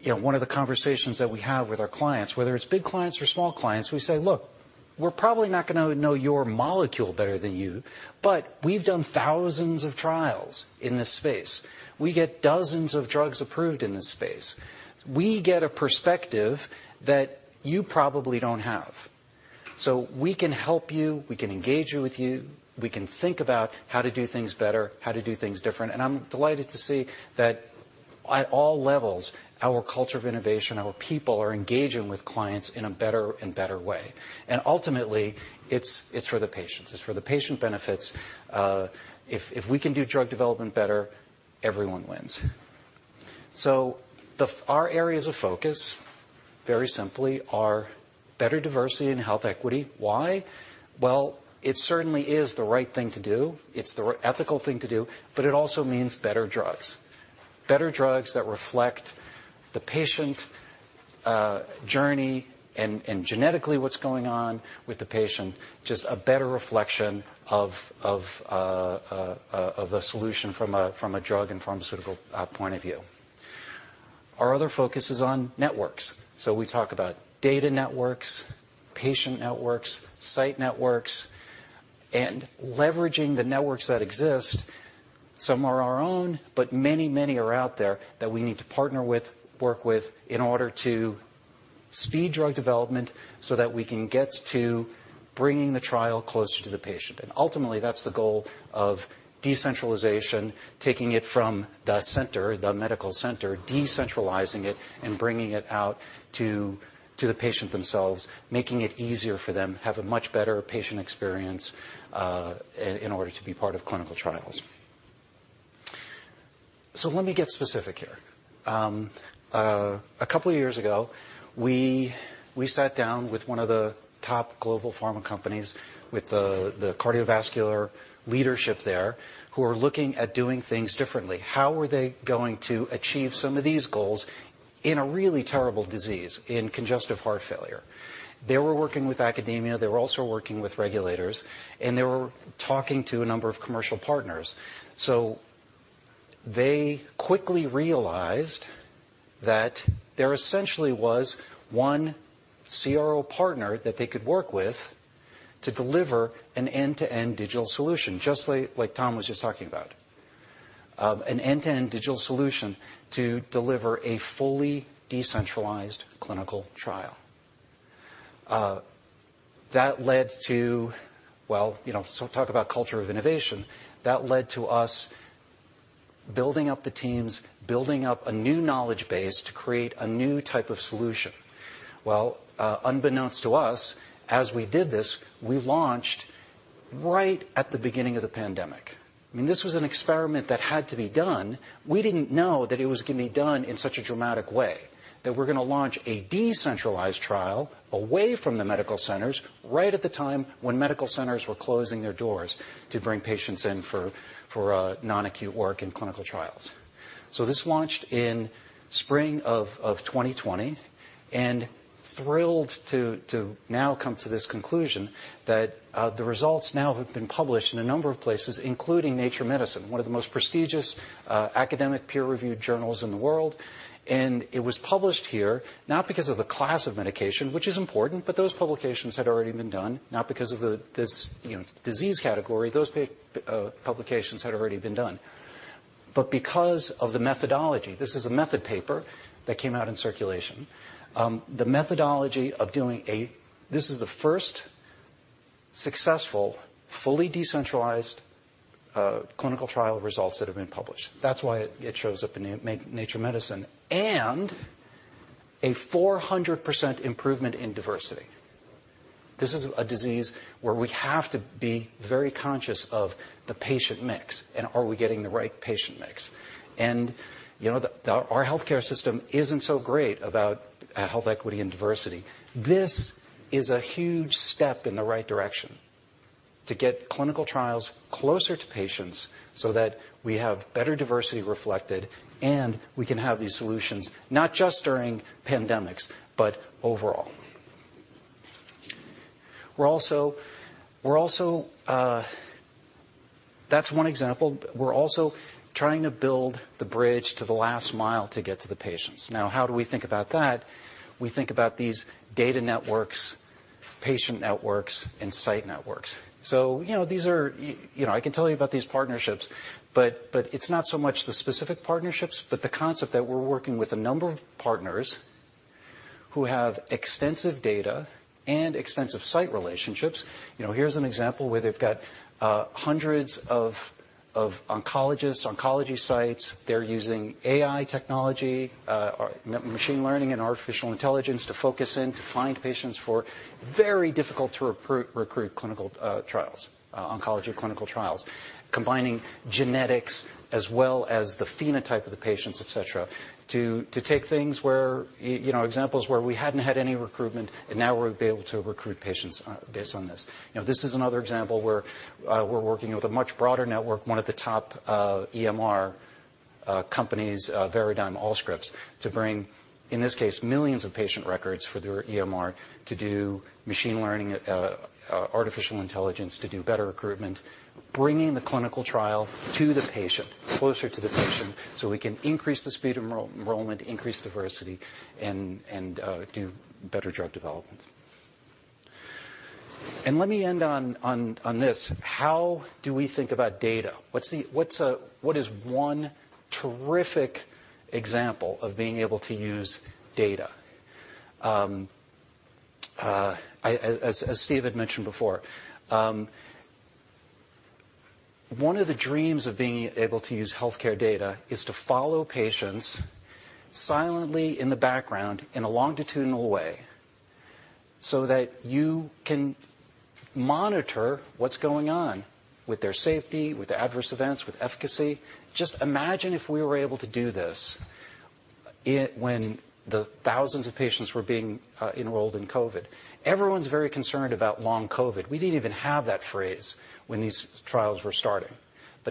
You know, one of the conversations that we have with our clients, whether it's big clients or small clients, we say, "Look, we're probably not gonna know your molecule better than you, but we've done thousands of trials in this space. We get dozens of drugs approved in this space. We get a perspective that you probably don't have. So we can help you, we can engage with you, we can think about how to do things better, how to do things different. I'm delighted to see that at all levels, our culture of innovation, our people are engaging with clients in a better and better way. Ultimately, it's for the patients. It's for the patient benefits. If we can do drug development better, everyone wins. Our areas of focus, very simply, are better diversity and health equity. Why? Well, it certainly is the right thing to do. It's the ethical thing to do, but it also means better drugs that reflect the patient journey and genetically what's going on with the patient, just a better reflection of a solution from a drug and pharmaceutical point of view. Our other focus is on networks. We talk about data networks, patient networks, site networks, and leveraging the networks that exist. Some are our own, but many are out there that we need to partner with, work with in order to speed drug development so that we can get to bringing the trial closer to the patient. Ultimately, that's the goal of decentralization, taking it from the center, the medical center, decentralizing it, and bringing it out to the patient themselves, making it easier for them to have a much better patient experience in order to be part of clinical trials. Let me get specific here. A couple of years ago, we sat down with one of the top global pharma companies with the cardiovascular leadership there who are looking at doing things differently. How were they going to achieve some of these goals in a really terrible disease, in congestive heart failure? They were working with academia, they were also working with regulators, and they were talking to a number of commercial partners. They quickly realized that there essentially was one CRO partner that they could work with to deliver an end-to-end digital solution, just like Tom was just talking about. An end-to-end digital solution to deliver a fully decentralized clinical trial. That led to. Well, you know, talk about culture of innovation. That led to us building up the teams, building up a new knowledge base to create a new type of solution. Well, unbeknownst to us, as we did this, we launched right at the beginning of the pandemic. I mean, this was an experiment that had to be done. We didn't know that it was gonna be done in such a dramatic way, that we're gonna launch a decentralized trial away from the medical centers right at the time when medical centers were closing their doors to bring patients in for non-acute work and clinical trials. This launched in spring of 2020, and thrilled to now come to this conclusion that the results now have been published in a number of places, including Nature Medicine, one of the most prestigious academic peer-reviewed journals in the world. It was published here, not because of the class of medication, which is important, but those publications had already been done, not because of the disease category. Those publications had already been done. Because of the methodology. This is a method paper that came out in Circulation. This is the first successful, fully decentralized clinical trial results that have been published. That's why it shows up in Nature Medicine, and a 400% improvement in diversity. This is a disease where we have to be very conscious of the patient mix and are we getting the right patient mix. You know, our healthcare system isn't so great about health equity and diversity. This is a huge step in the right direction to get clinical trials closer to patients so that we have better diversity reflected, and we can have these solutions, not just during pandemics, but overall. We're also. That's one example. We're also trying to build the bridge to the last mile to get to the patients. Now, how do we think about that? We think about these data networks, patient networks, and site networks. You know, these are. You know, I can tell you about these partnerships, but it's not so much the specific partnerships, but the concept that we're working with a number of partners who have extensive data and extensive site relationships. You know, here's an example where they've got hundreds of oncologists, oncology sites. They're using AI technology, machine learning and artificial intelligence to focus in, to find patients for very difficult to recruit clinical trials, oncology clinical trials, combining genetics as well as the phenotype of the patients, et cetera, to take things where you know, examples where we hadn't had any recruitment, and now we're able to recruit patients based on this. You know, this is another example where we're working with a much broader network, one of the top EMR companies, Veradigm, Allscripts, to bring, in this case, millions of patient records for their EMR to do machine learning, artificial intelligence to do better recruitment, bringing the clinical trial to the patient, closer to the patient, so we can increase the speed of enrollment, increase diversity, and do better drug development. Let me end on this. How do we think about data? What is one terrific example of being able to use data? As Steve had mentioned before, one of the dreams of being able to use healthcare data is to follow patients silently in the background in a longitudinal way so that you can monitor what's going on with their safety, with adverse events, with efficacy. Just imagine if we were able to do this when the thousands of patients were being enrolled in COVID. Everyone's very concerned about long COVID. We didn't even have that phrase when these trials were starting.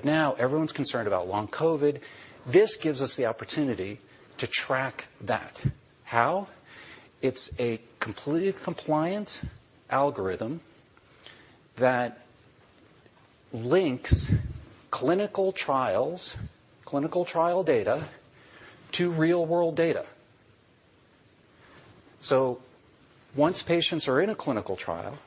Now everyone's concerned about long COVID. This gives us the opportunity to track that. How? It's a completely compliant algorithm that links clinical trials, clinical trial data to real-world data. So once patients are in a clinical trial,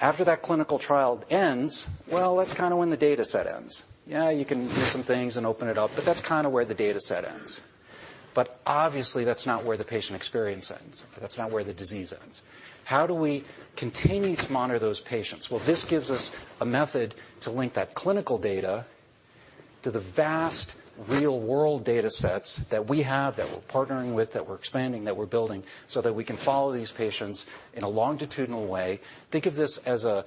after that clinical trial ends, well, that's kind of when the data set ends. Yeah, you can do some things and open it up, but that's kind of where the data set ends. Obviously, that's not where the patient experience ends. That's not where the disease ends. How do we continue to monitor those patients? Well, this gives us a method to link that clinical data to the vast real-world data sets that we have, that we're partnering with, that we're expanding, that we're building, so that we can follow these patients in a longitudinal way. Think of this as a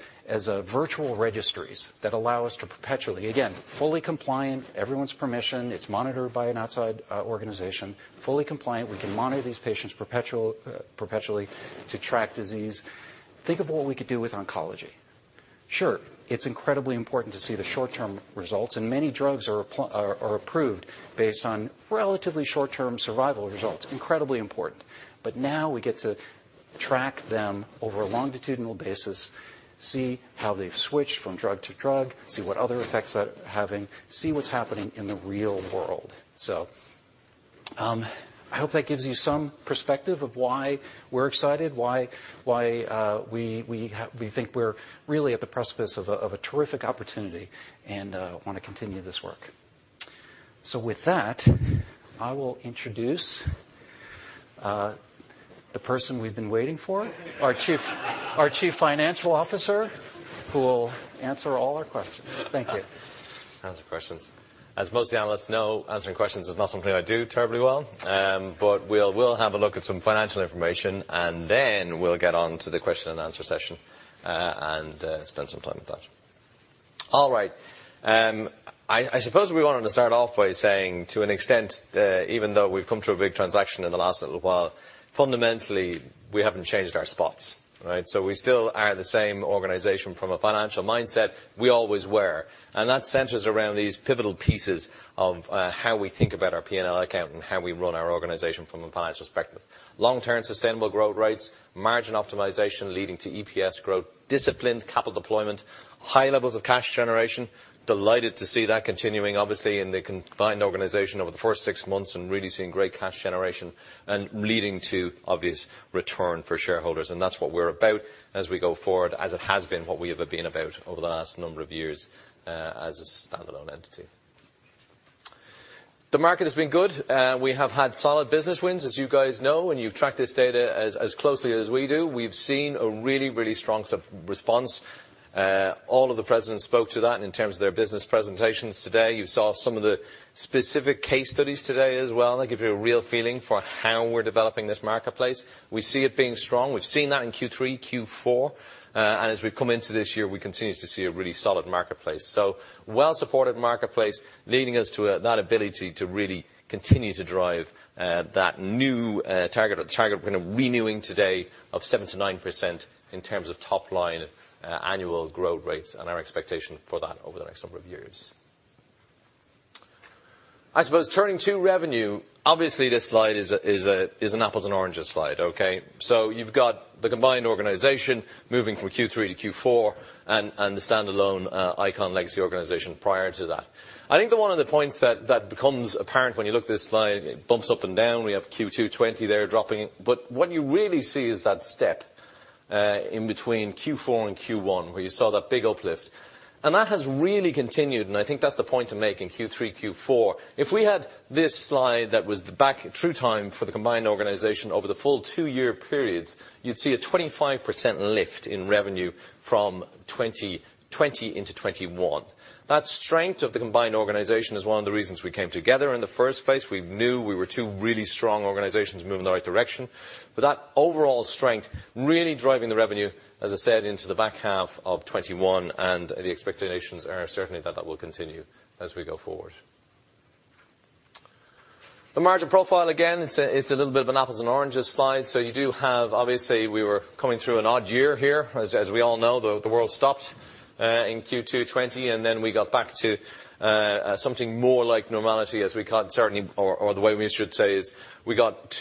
virtual registries that allow us to perpetually monitor. Again, fully compliant, everyone's permission. It's monitored by an outside organization, fully compliant. We can monitor these patients perpetually to track disease. Think of what we could do with oncology. Sure, it's incredibly important to see the short-term results, and many drugs are approved based on relatively short-term survival results. Incredibly important. Now we get to track them over a longitudinal basis, see how they've switched from drug to drug, see what other effects they're having, see what's happening in the real world. I hope that gives you some perspective of why we're excited, why we think we're really at the precipice of a terrific opportunity and wanna continue this work. With that, I will introduce the person we've been waiting for. Our Chief Financial Officer, who will answer all our questions. Thank you. answer questions. As most of the analysts know, answering questions is not something I do terribly well. We'll have a look at some financial information, and then we'll get on to the question and answer session, and spend some time with that. All right. I suppose we wanted to start off by saying, to an extent, even though we've come through a big transaction in the last little while, fundamentally, we haven't changed our spots, right? We still are the same organization from a financial mindset we always were, and that centers around these pivotal pieces of how we think about our P&L account and how we run our organization from a financial perspective. Long-term sustainable growth rates, margin optimization leading to EPS growth, disciplined capital deployment, high levels of cash generation. Delighted to see that continuing, obviously, in the combined organization over the first six months and really seeing great cash generation and leading to obvious return for shareholders. That's what we're about as we go forward, as it has been what we have been about over the last number of years, as a standalone entity. The market has been good. We have had solid business wins, as you guys know, and you've tracked this data as closely as we do. We've seen a really strong response. All of the presidents spoke to that in terms of their business presentations today. You saw some of the specific case studies today as well. They give you a real feeling for how we're developing this marketplace. We see it being strong. We've seen that in Q3, Q4. As we come into this year, we continue to see a really solid marketplace. Well supported marketplace, leading us to that ability to really continue to drive that new target or the target we're kind of renewing today of 7%-9% in terms of top-line annual growth rates and our expectation for that over the next number of years. I suppose turning to revenue, obviously, this slide is an apples and oranges slide, okay? You've got the combined organization moving from Q3 to Q4 and the standalone ICON legacy organization prior to that. I think that one of the points that becomes apparent when you look at this slide, it bumps up and down. We have Q2 2020 there dropping. What you really see is that step in between Q4 and Q1, where you saw that big uplift. That has really continued, and I think that's the point to make in Q3, Q4. If we had this slide that was the back through time for the combined organization over the full two-year periods, you'd see a 25% lift in revenue from 2020 into 2021. That strength of the combined organization is one of the reasons we came together in the first place. We knew we were two really strong organizations moving in the right direction. That overall strength really driving the revenue, as I said, into the back half of 2021, and the expectations are certainly that that will continue as we go forward. The margin profile, again, it's a little bit of an apples and oranges slide. You do have, obviously, we were coming through an odd year here. As we all know, the world stopped in Q2 2020, and then we got to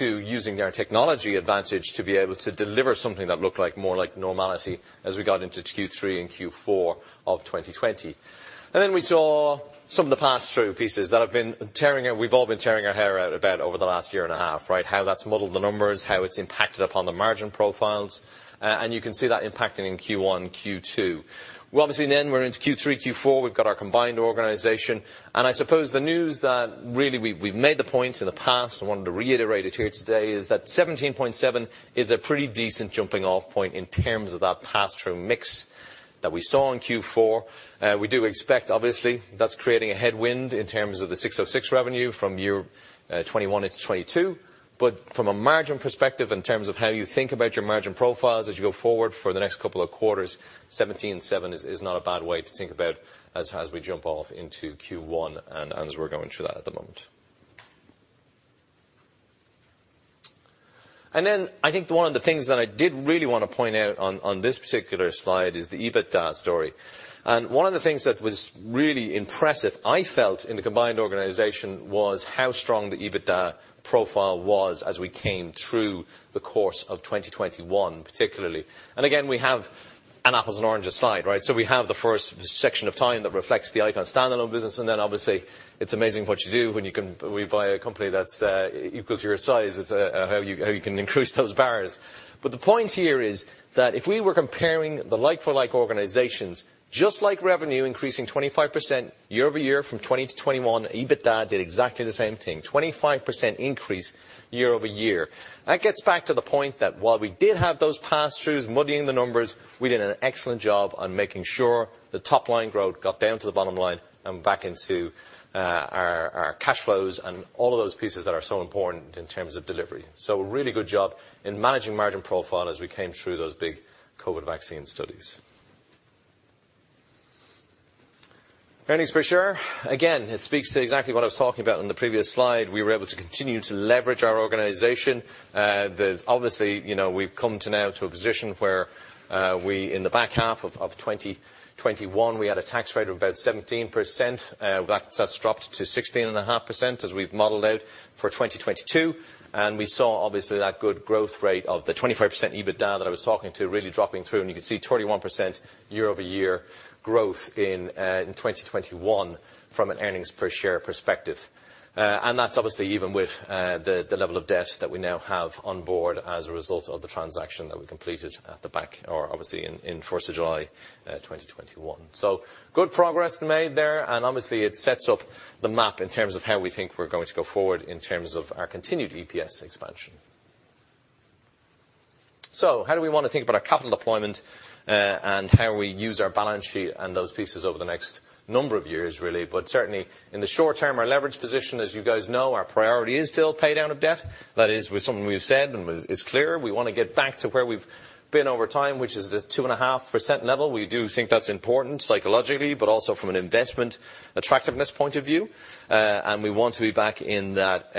using our technology advantage to be able to deliver something that looked more like normality as we got into Q3 and Q4 of 2020. Then we saw some of the pass-through pieces that we've all been tearing our hair out about over the last year and a half, right? How that's muddled the numbers, how it's impacted upon the margin profiles. You can see that impacting in Q1, Q2. Well, obviously then we're into Q3, Q4, we've got our combined organization. I suppose the news that really we've made the point in the past, I wanted to reiterate it here today, is that 17.7 is a pretty decent jumping off point in terms of that pass-through mix that we saw in Q4. We do expect, obviously, that's creating a headwind in terms of the ASC 606 revenue from year, 2021 into 2022. But from a margin perspective, in terms of how you think about your margin profiles as you go forward for the next couple of quarters, 17.7 is not a bad way to think about as we jump off into Q1 and as we're going through that at the moment. I think one of the things that I did really wanna point out on this particular slide is the EBITDA story. One of the things that was really impressive, I felt, in the combined organization was how strong the EBITDA profile was as we came through the course of 2021, particularly. Again, we have an apples and oranges slide, right? We have the first section of time that reflects the ICON standalone business, and then obviously it's amazing what you do when you buy a company that's equals your size. It's how you can increase those bars. The point here is that if we were comparing the like-for-like organizations, just like revenue increasing 25% year-over-year from 2020 to 2021, EBITDA did exactly the same thing. 25% increase year-over-year. That gets back to the point that while we did have those pass-throughs muddying the numbers, we did an excellent job on making sure the top-line growth got down to the bottom line and back into our cash flows and all of those pieces that are so important in terms of delivery. Really good job in managing margin profile as we came through those big COVID vaccine studies. Earnings per share. Again, it speaks to exactly what I was talking about in the previous slide. We were able to continue to leverage our organization. There's obviously, you know, we've come now to a position where we in the back half of 2021, we had a tax rate of about 17%. That's dropped to 16.5% as we've modeled out for 2022. We saw obviously that good growth rate of the 25% EBITDA that I was talking to really dropping through, and you can see 21% year-over-year growth in 2021 from an earnings per share perspective. That's obviously even with the level of debt that we now have on board as a result of the transaction that we completed back in the July 1, 2021. Good progress made there, and obviously it sets up the map in terms of how we think we're going to go forward in terms of our continued EPS expansion. How do we wanna think about our capital deployment, and how we use our balance sheet and those pieces over the next number of years really, but certainly in the short term, our leverage position, as you guys know, our priority is still pay down of debt. That is with something we've said and is clear. We wanna get back to where we've been over time, which is the 2.5% level. We do think that's important psychologically, but also from an investment attractiveness point of view. We want to be back in that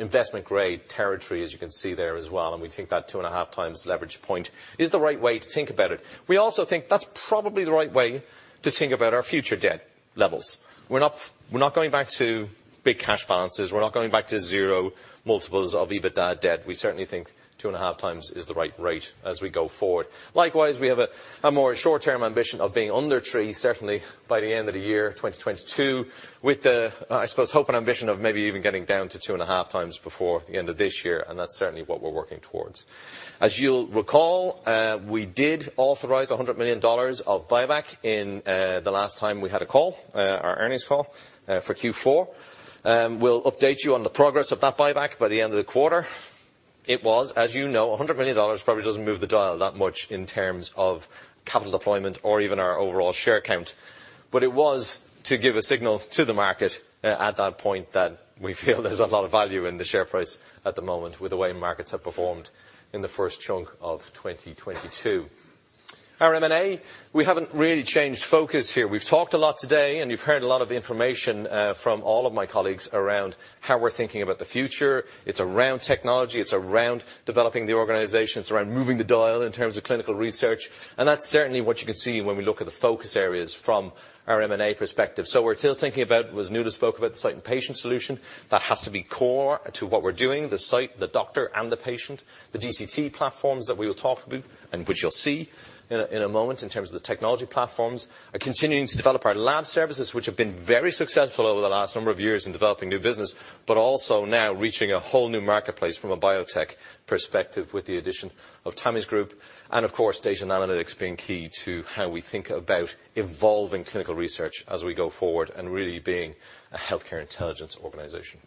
investment grade territory, as you can see there as well. We think that 2.5 times leverage point is the right way to think about it. We also think that's probably the right way to think about our future debt levels. We're not going back to big cash balances. We're not going back to zero multiples of EBITDA debt. We certainly think 2.5 times is the right rate as we go forward. Likewise, we have a more short-term ambition of being under 3, certainly by the end of the year, 2022, with the, I suppose, hope and ambition of maybe even getting down to 2.5 times before the end of this year, and that's certainly what we're working towards. As you'll recall, we did authorize $100 million of buyback in the last time we had a call, our earnings call, for Q4. We'll update you on the progress of that buyback by the end of the quarter. It was, as you know, $100 million probably doesn't move the dial that much in terms of capital deployment or even our overall share count. It was to give a signal to the market at that point that we feel there's a lot of value in the share price at the moment with the way markets have performed in the first chunk of 2022. Our M&A, we haven't really changed focus here. We've talked a lot today, and you've heard a lot of information from all of my colleagues around how we're thinking about the future. It's around technology. It's around developing the organization. It's around moving the dial in terms of clinical research. That's certainly what you can see when we look at the focus areas from our M&A perspective. We're still thinking about, as Nuala spoke about, the site and patient solution. That has to be core to what we're doing, the site, the doctor, and the patient. The DCT platforms that we will talk about and which you'll see in a moment in terms of the technology platforms. Continuing to develop our lab services, which have been very successful over the last number of years in developing new business, but also now reaching a whole new marketplace from a biotech perspective with the addition of Themis group. Of course, data and analytics being key to how we think about evolving clinical research as we go forward and really being a healthcare intelligence organization.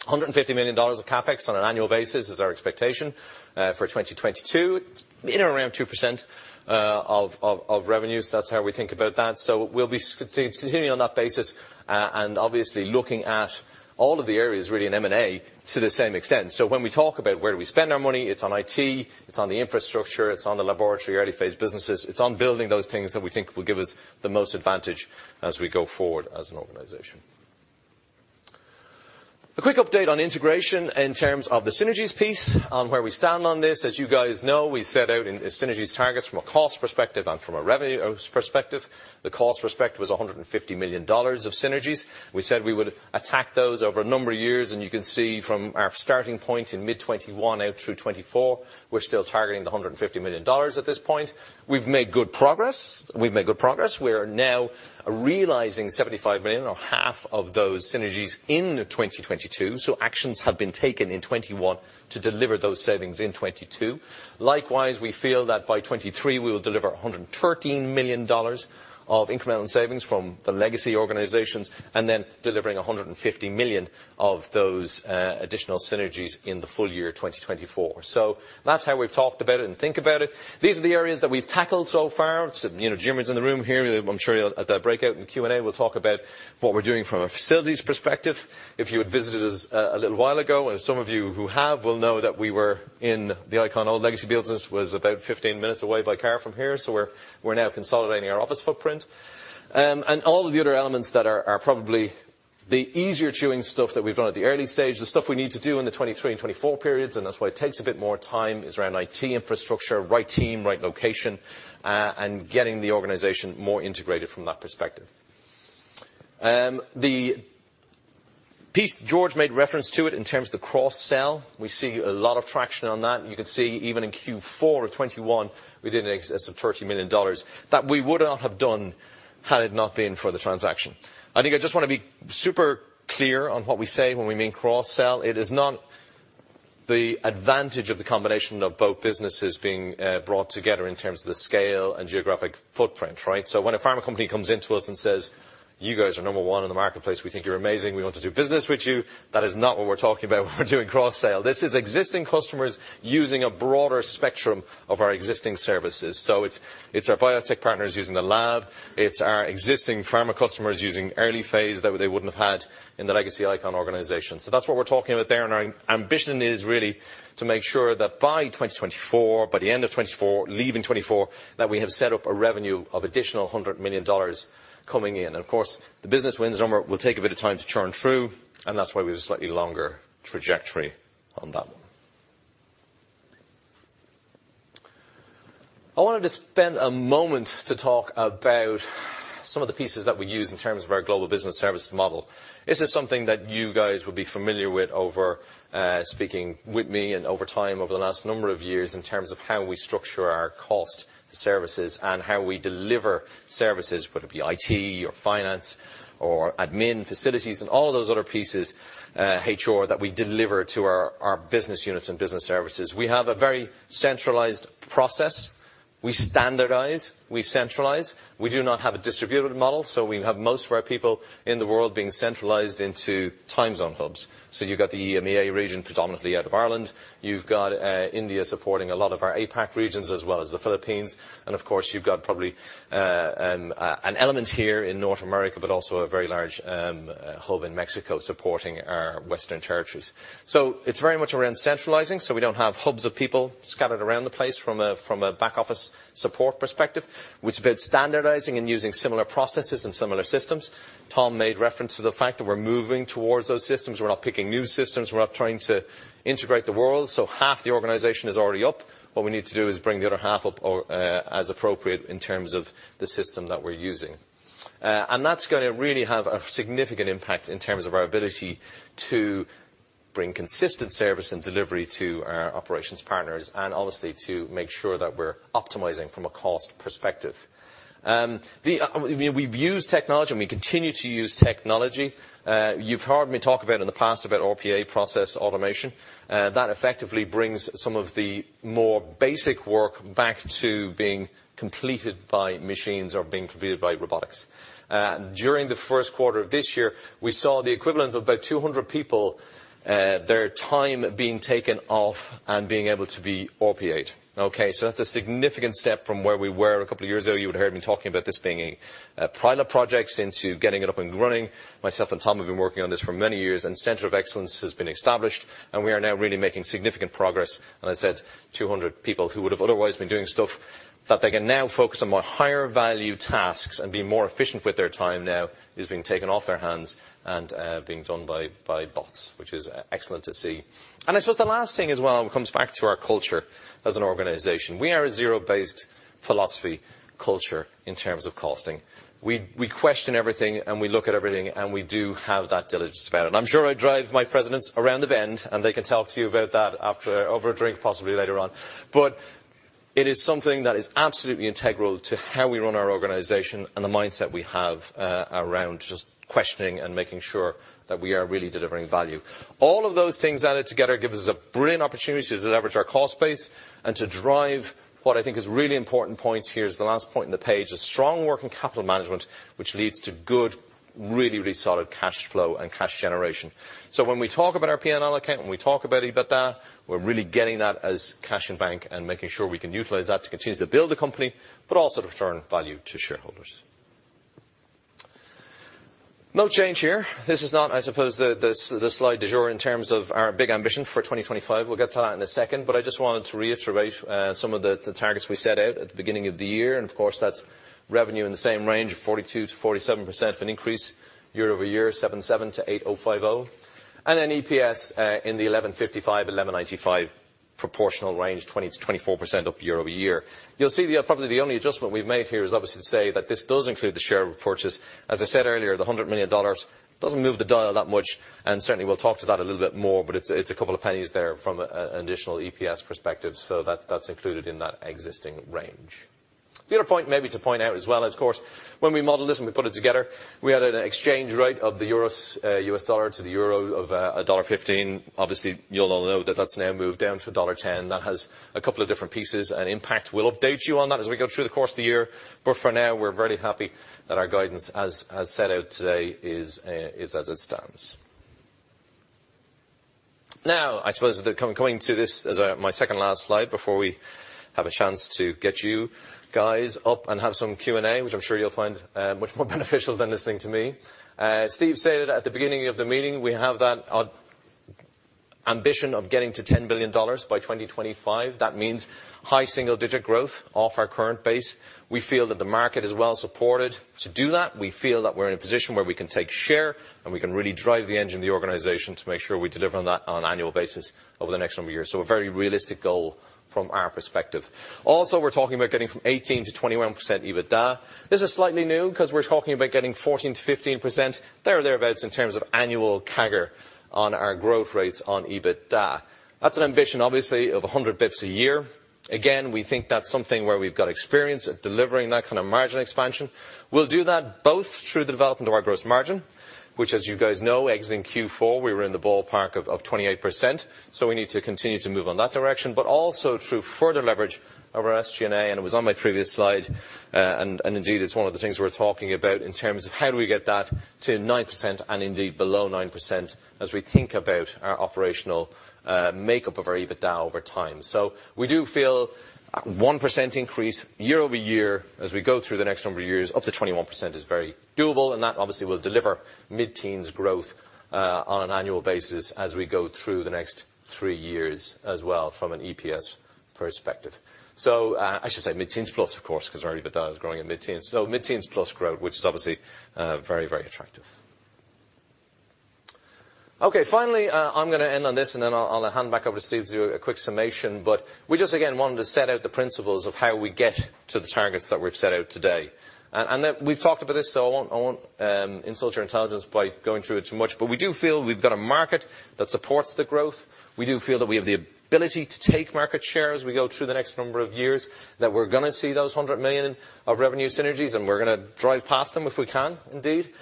$150 million of CapEx on an annual basis is our expectation for 2022. It's in around 2% of revenues. That's how we think about that. We'll be continuing on that basis, and obviously looking at all of the areas really in M&A to the same extent. When we talk about where do we spend our money, it's on IT, it's on the infrastructure, it's on the laboratory early phase businesses. It's on building those things that we think will give us the most advantage as we go forward as an organization. A quick update on integration in terms of the synergies piece, where we stand on this. As you guys know, we set out our synergies targets from a cost perspective and from a revenue perspective. The cost perspective was $150 million of synergies. We said we would attack those over a number of years, and you can see from our starting point in mid-2021 out through 2024, we're still targeting $150 million at this point. We've made good progress. We are now realizing $75 million or half of those synergies in 2022. Actions have been taken in 2021 to deliver those savings in 2022. Likewise, we feel that by 2023, we will deliver $113 million of incremental savings from the legacy organizations, and then delivering $150 million of those additional synergies in the full year 2024. That's how we've talked about it and think about it. These are the areas that we've tackled so far. You know, Jim is in the room here. I'm sure at the breakout and Q&A, we'll talk about what we're doing from a facilities perspective. If you had visited us a little while ago, and some of you who have will know that we were in the ICON old legacy business was about 15 minutes away by car from here. We're now consolidating our office footprint. And all of the other elements that are probably the easier chewing stuff that we've done at the early stage, the stuff we need to do in the 2023 and 2024 periods, and that's why it takes a bit more time, is around IT infrastructure, right team, right location, and getting the organization more integrated from that perspective. The piece George made reference to it in terms of the cross-sell, we see a lot of traction on that. You can see even in Q4 of 2021, we did in excess of $30 million that we would not have done had it not been for the transaction. I think I just wanna be super clear on what we say when we mean cross-sell. It is not the advantage of the combination of both businesses being brought together in terms of the scale and geographic footprint, right? When a pharma company comes in to us and says, "You guys are number one in the marketplace. We think you're amazing. We want to do business with you," that is not what we're talking about when we're doing cross-sell. This is existing customers using a broader spectrum of our existing services. It's our biotech partners using the lab. It's our existing pharma customers using early phase that they wouldn't have had in the Legacy ICON organization. That's what we're talking about there, and our ambition is really to make sure that by 2024, by the end of 2024, leaving 2024, that we have set up a revenue of additional $100 million coming in. Of course, the business wins number will take a bit of time to churn through, and that's why we have a slightly longer trajectory on that one. I wanted to spend a moment to talk about some of the pieces that we use in terms of our global business service model. This is something that you guys would be familiar with, speaking with me and over time over the last number of years in terms of how we structure our cost services and how we deliver services, whether it be IT or finance or admin, facilities and all those other pieces, HR, that we deliver to our business units and business services. We have a very centralized process. We standardize. We centralize. We do not have a distributed model, so we have most of our people in the world being centralized into time zone hubs. You've got the EMEA region predominantly out of Ireland. You've got India supporting a lot of our APAC regions, as well as the Philippines. Of course, you've got probably an element here in North America but also a very large hub in Mexico supporting our western territories. It's very much around centralizing, so we don't have hubs of people scattered around the place from a back office support perspective, which is about standardizing and using similar processes and similar systems. Tom made reference to the fact that we're moving towards those systems. We're not picking new systems. We're not trying to integrate the world, so half the organization is already up. What we need to do is bring the other half up, or as appropriate in terms of the system that we're using. That's gonna really have a significant impact in terms of our ability to bring consistent service and delivery to our operations partners and obviously to make sure that we're optimizing from a cost perspective. You know, we've used technology, and we continue to use technology. You've heard me talk about in the past about RPA process automation. That effectively brings some of the more basic work back to being completed by machines or being completed by robotics. During the Q1 of this year, we saw the equivalent of about 200 people, their time being taken off and being able to be RPA'd, okay? So that's a significant step from where we were a couple years ago. You would have heard me talking about this being pilot projects into getting it up and running. Myself and Tom have been working on this for many years, and Center of Excellence has been established, and we are now really making significant progress. I said 200 people who would've otherwise been doing stuff that they can now focus on more higher value tasks and be more efficient with their time now is being taken off their hands and being done by bots, which is excellent to see. I suppose the last thing as well comes back to our culture as an organization. We are a zero-based philosophy culture in terms of costing. We question everything, and we look at everything, and we do have that diligence about it. I'm sure I drive my presidents around the bend, and they can talk to you about that after over a drink possibly later on. It is something that is absolutely integral to how we run our organization and the mindset we have around just questioning and making sure that we are really delivering value. All of those things added together gives us a brilliant opportunity to leverage our cost base and to drive what I think is a really important point here is the last point in the page, a strong working capital management, which leads to good really solid cash flow and cash generation. When we talk about our P&L account, when we talk about EBITDA, we're really getting that as cash in bank and making sure we can utilize that to continue to build the company but also to return value to shareholders. No change here. This is not, I suppose, the slide du jour in terms of our big ambition for 2025. We'll get to that in a second. I just wanted to reiterate some of the targets we set out at the beginning of the year, and of course, that's revenue in the same range of 42%-47% of an increase year-over-year, $770-$805. EPS in the 11.55-11.95 proportional range, 20%-24% up year-over-year. You'll see probably the only adjustment we've made here is obviously to say that this does include the share repurchase. As I said earlier, the $100 million doesn't move the dial that much, and certainly we'll talk to that a little bit more, but it's a couple of pennies there from an additional EPS perspective. That's included in that existing range. The other point maybe to point out as well is, of course, when we model this and we put it together, we had an exchange rate of the euros, US dollar to the euro of $1.15. Obviously you'll all know that that's now moved down to $1.10. That has a couple of different pieces and impact. We'll update you on that as we go through the course of the year. For now, we're very happy that our guidance, as set out today, is as it stands. Now, I suppose coming to this as my second to last slide before we have a chance to get you guys up and have some Q&A, which I'm sure you'll find much more beneficial than listening to me. Steve said it at the beginning of the meeting. We have our ambition of getting to $10 billion by 2025. That means high single-digit growth off our current base. We feel that the market is well supported to do that. We feel that we're in a position where we can take share, and we can really drive the engine of the organization to make sure we deliver on that on an annual basis over the next number of years. A very realistic goal from our perspective. We're talking about getting from 18%-21% EBITDA. This is slightly new because we're talking about getting 14%-15%, there or thereabouts, in terms of annual CAGR on our growth rates on EBITDA. That's an ambition, obviously, of 100 basis points a year. Again, we think that's something where we've got experience at delivering that kind of margin expansion. We'll do that both through the development of our gross margin, which, as you guys know, exiting Q4, we were in the ballpark of 28%, so we need to continue to move on that direction, but also through further leverage of our SG&A, and it was on my previous slide. Indeed, it's one of the things we're talking about in terms of how do we get that to 9% and indeed below 9% as we think about our operational makeup of our EBITDA over time. We do feel 1% increase year-over-year as we go through the next number of years, up to 21% is very doable, and that obviously will deliver mid-teens growth on an annual basis as we go through the next 3 years as well from an EPS perspective. I should say mid-teens plus, of course, because our EBITDA is growing at mid-teens. Mid-teens plus growth, which is obviously, very, very attractive. Okay. Finally, I'm gonna end on this, and then I'll hand back over to Steve to do a quick summation. We just, again, wanted to set out the principles of how we get to the targets that we've set out today. Then we've talked about this, so I won't insult your intelligence by going through it too much. We do feel we've got a market that supports the growth. We do feel that we have the ability to take market share as we go through the next number of years, that we're gonna see those $100 million of revenue synergies, and we're gonna drive past them if we can indeed.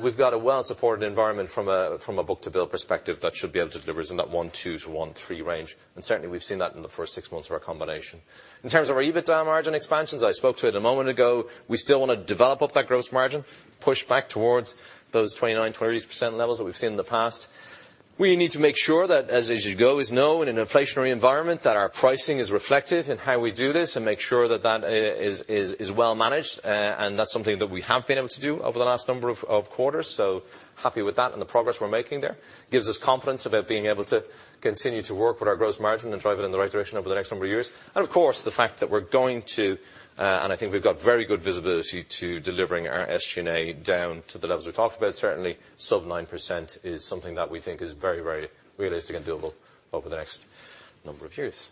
We've got a well-supported environment from a book-to-bill perspective that should be able to deliver us in that 1.2-1.3 range. Certainly, we've seen that in the first six months of our combination. In terms of our EBITDA margin expansions, I spoke to it a moment ago. We still wanna develop up that gross margin, push back towards those 29%-30% levels that we've seen in the past. We need to make sure that, as you guys know, in an inflationary environment, that our pricing is reflected in how we do this and make sure that that is well managed. That's something that we have been able to do over the last number of quarters, so happy with that and the progress we're making there. Gives us confidence about being able to continue to work with our gross margin and drive it in the right direction over the next number of years. Of course, the fact that we're going to and I think we've got very good visibility to delivering our SG&A down to the levels we talked about. Certainly sub 9% is something that we think is very, very realistic and doable over the next number of years.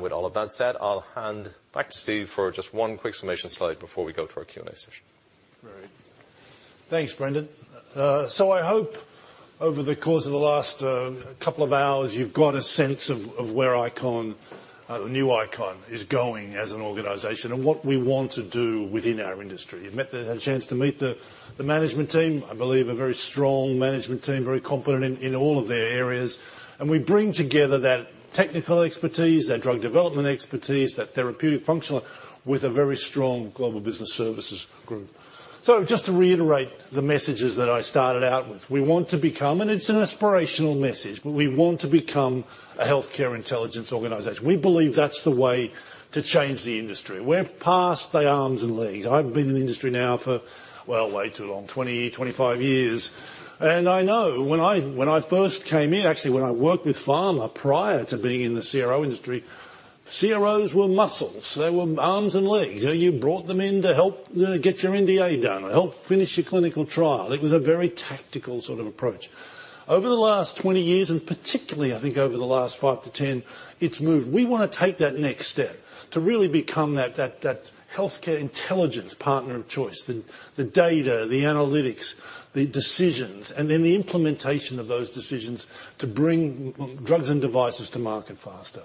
With all of that said, I'll hand back to Steve for just one quick summation slide before we go to our Q&A session. Great. Thanks, Brendan. I hope over the course of the last couple of hours, you've got a sense of where ICON, the new ICON is going as an organization and what we want to do within our industry. You've had a chance to meet the management team. I believe a very strong management team, very competent in all of their areas. We bring together that technical expertise, that drug development expertise, that therapeutic functional with a very strong global business services group. Just to reiterate the messages that I started out with, we want to become, and it's an aspirational message, but we want to become a healthcare intelligence organization. We believe that's the way to change the industry. We're past the arms and legs. I've been in the industry now for, well, way too long, 25 years. I know when I first came in, actually, when I worked with pharma prior to being in the CRO industry, CROs were muscles. They were arms and legs. You know, you brought them in to help, you know, get your NDA done or help finish your clinical trial. It was a very tactical sort of approach. Over the last 20 years, and particularly, I think, over the last 5 to 10, it's moved. We wanna take that next step to really become that healthcare intelligence partner of choice. The data, the analytics, the decisions, and then the implementation of those decisions to bring drugs and devices to market faster.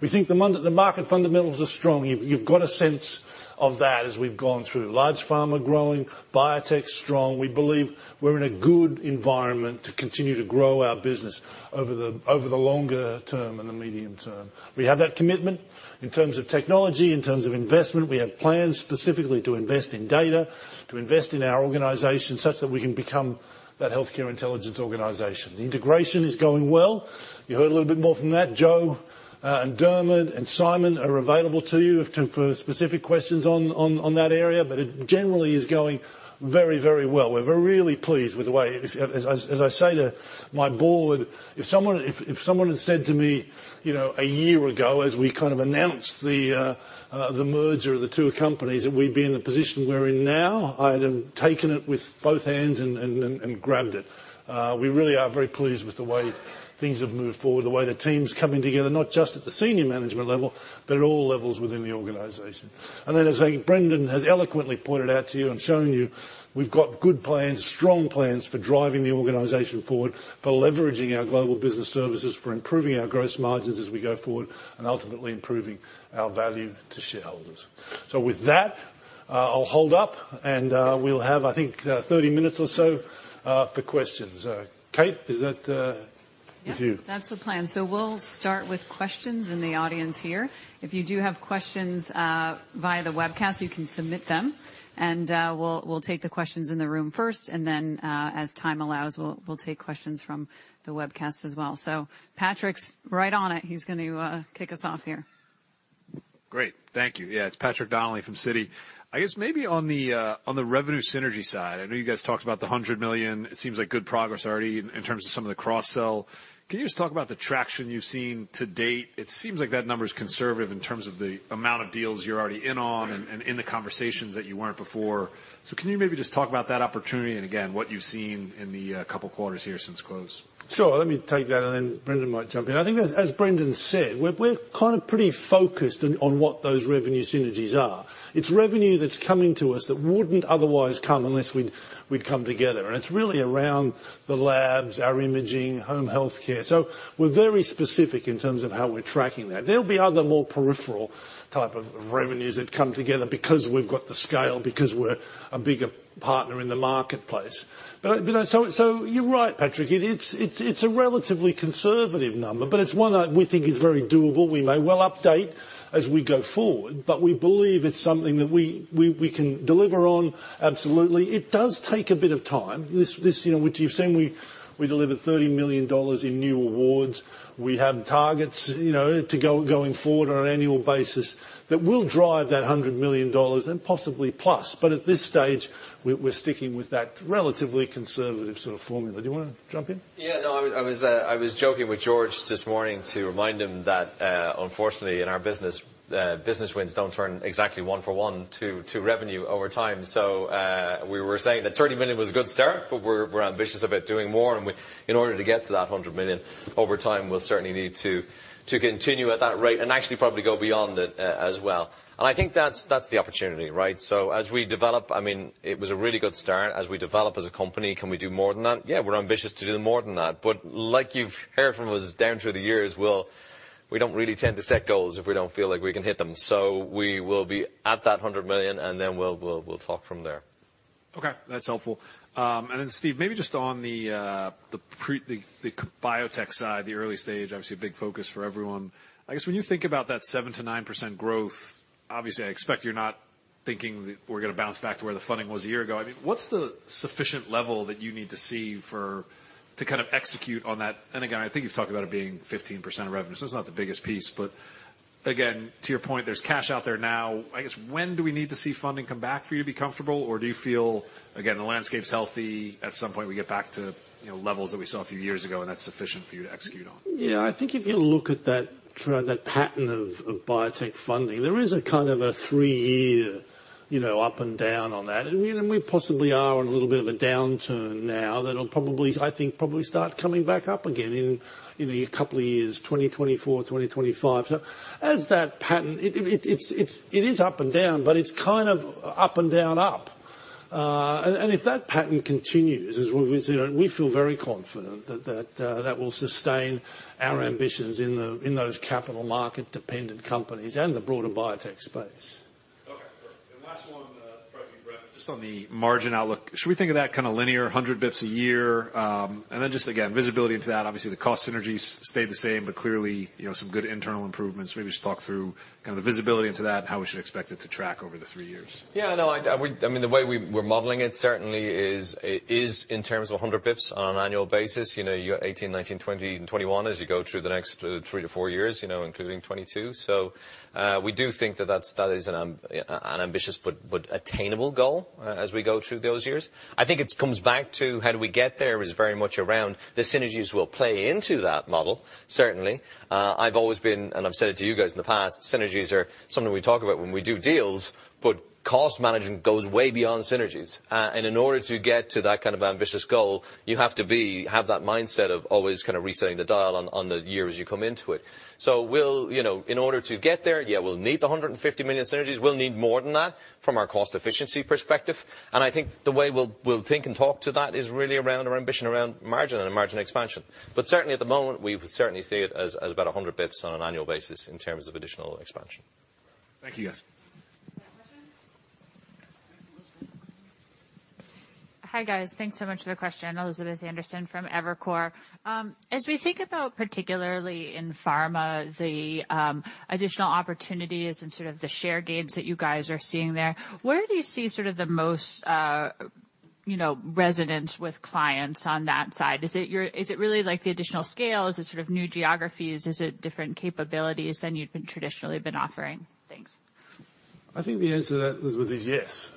We think the market fundamentals are strong. You've got a sense of that as we've gone through. Large pharma growing, biotech's strong. We believe we're in a good environment to continue to grow our business over the longer term and the medium term. We have that commitment in terms of technology, in terms of investment. We have plans specifically to invest in data, to invest in our organization such that we can become that healthcare intelligence organization. The integration is going well. You heard a little bit more from that. Joe, and Diaramid and Simon are available to you if you have specific questions on that area. It generally is going very, very well. We're really pleased with the way. As I say to my board, if someone had said to me, you know, a year ago as we kind of announced the merger of the two companies, that we'd be in the position we're in now, I'd have taken it with both hands and grabbed it. We really are very pleased with the way things have moved forward, the way the team's coming together, not just at the senior management level, but at all levels within the organization. Then as Brendan has eloquently pointed out to you and shown you, we've got good plans, strong plans for driving the organization forward, for leveraging our global business services, for improving our gross margins as we go forward, and ultimately improving our value to shareholders. With that, I'll wrap up, and we'll have, I think, 30 minutes or so for questions. Kate, is that Yeah. With you. That's the plan. We'll start with questions in the audience here. If you do have questions via the webcast, you can submit them. We'll take the questions in the room first, and then as time allows, we'll take questions from the webcast as well. Patrick's right on it. He's going to kick us off here. Great. Thank you. Yeah, it's Patrick Donnelly from Citi. I guess maybe on the revenue synergy side. I know you guys talked about $100 million. It seems like good progress already in terms of some of the cross-sell. Can you just talk about the traction you've seen to date? It seems like that number is conservative in terms of the amount of deals you're already in on- Right in the conversations that you weren't before. Can you maybe just talk about that opportunity and again, what you've seen in the couple quarters here since close? Sure. Let me take that and then Brendan might jump in. I think as Brendan said, we're kind of pretty focused on what those revenue synergies are. It's revenue that's coming to us that wouldn't otherwise come unless we'd come together. It's really around the labs, our imaging, home healthcare. We're very specific in terms of how we're tracking that. There'll be other more peripheral type of revenues that come together because we've got the scale, because we're a bigger partner in the marketplace. You know, so you're right, Patrick. It's a relatively conservative number, but it's one that we think is very doable. We may well update as we go forward, but we believe it's something that we can deliver on. Absolutely. It does take a bit of time. This, you know, what you've seen, we delivered $30 million in new awards. We have targets, you know, going forward on an annual basis that will drive that $100 million and possibly plus, but at this stage, we're sticking with that relatively conservative sort of formula. Do you wanna jump in? Yeah, no. I was joking with George this morning to remind him that unfortunately in our business business wins don't turn exactly one for one to revenue over time. We were saying that $30 million was a good start, but we're ambitious about doing more and in order to get to that $100 million over time, we'll certainly need to continue at that rate and actually probably go beyond it as well. I think that's the opportunity, right? As we develop, I mean, it was a really good start. As we develop as a company, can we do more than that? Yeah, we're ambitious to do more than that, but like you've heard from us down through the years, we'll, we don't really tend to set goals if we don't feel like we can hit them. We will be at that $100 million and then we'll talk from there. Okay. That's helpful. Steve, maybe just on the biotech side, the early stage, obviously a big focus for everyone. I guess when you think about that 7%-9% growth, obviously I expect you're not thinking that we're gonna bounce back to where the funding was a year ago. I mean, what's the sufficient level that you need to see for to kind of execute on that? Again, I think you've talked about it being 15% of revenue, so it's not the biggest piece, but again, to your point, there's cash out there now. I guess when do we need to see funding come back for you to be comfortable, or do you feel again, the landscape's healthy, at some point we get back to, you know, levels that we saw a few years ago, and that's sufficient for you to execute on? Yeah, I think if you look at that trend, that pattern of biotech funding, there is a kind of a three-year, you know, up and down on that. We possibly are on a little bit of a downturn now that'll probably, I think, start coming back up again in, you know, a couple of years, 2024, 2025. As that pattern, it is up and down, but it's kind of up and down up. If that pattern continues as we've seen, we feel very confident that that will sustain our ambitions in those capital market dependent companies and the broader biotech space. Okay, perfect. Last one, probably for Brendan, just on the margin outlook. Should we think of that kind of linear, 100 bps a year? Just again, visibility into that. Obviously, the cost synergies stay the same, but clearly, you know, some good internal improvements. Maybe just talk through kind of the visibility into that and how we should expect it to track over the three years. Yeah, no. I mean, the way we're modeling it certainly is in terms of 100 basis points on an annual basis. You know, you've got 2018, 2019, 2020, and 2021 as you go through the next three to four years, you know, including 2022. We do think that that is an ambitious but attainable goal as we go through those years. I think it comes back to how we get there is very much around the synergies will play into that model certainly. I've always been, and I've said it to you guys in the past, synergies are something we talk about when we do deals, but cost management goes way beyond synergies. In order to get to that kind of ambitious goal, you have to be, have that mindset of always kind of resetting the dial on the year as you come into it. We'll, you know, in order to get there, yeah, we'll need the $150 million synergies. We'll need more than that from our cost efficiency perspective. I think the way we'll think and talk to that is really around our ambition around margin and margin expansion. Certainly at the moment, we would certainly see it as about 100 basis points on an annual basis in terms of additional expansion. Thank you, guys. Next question. Hi, guys. Thanks so much for the question. Elizabeth Anderson from Evercore. As we think about particularly in pharma, the additional opportunities and sort of the share gains that you guys are seeing there, where do you see sort of the most, you know, resonance with clients on that side? Is it really like the additional scale? Is it sort of new geographies? Is it different capabilities than you'd traditionally been offering? Thanks. I think the answer to that, Elizabeth, is yes.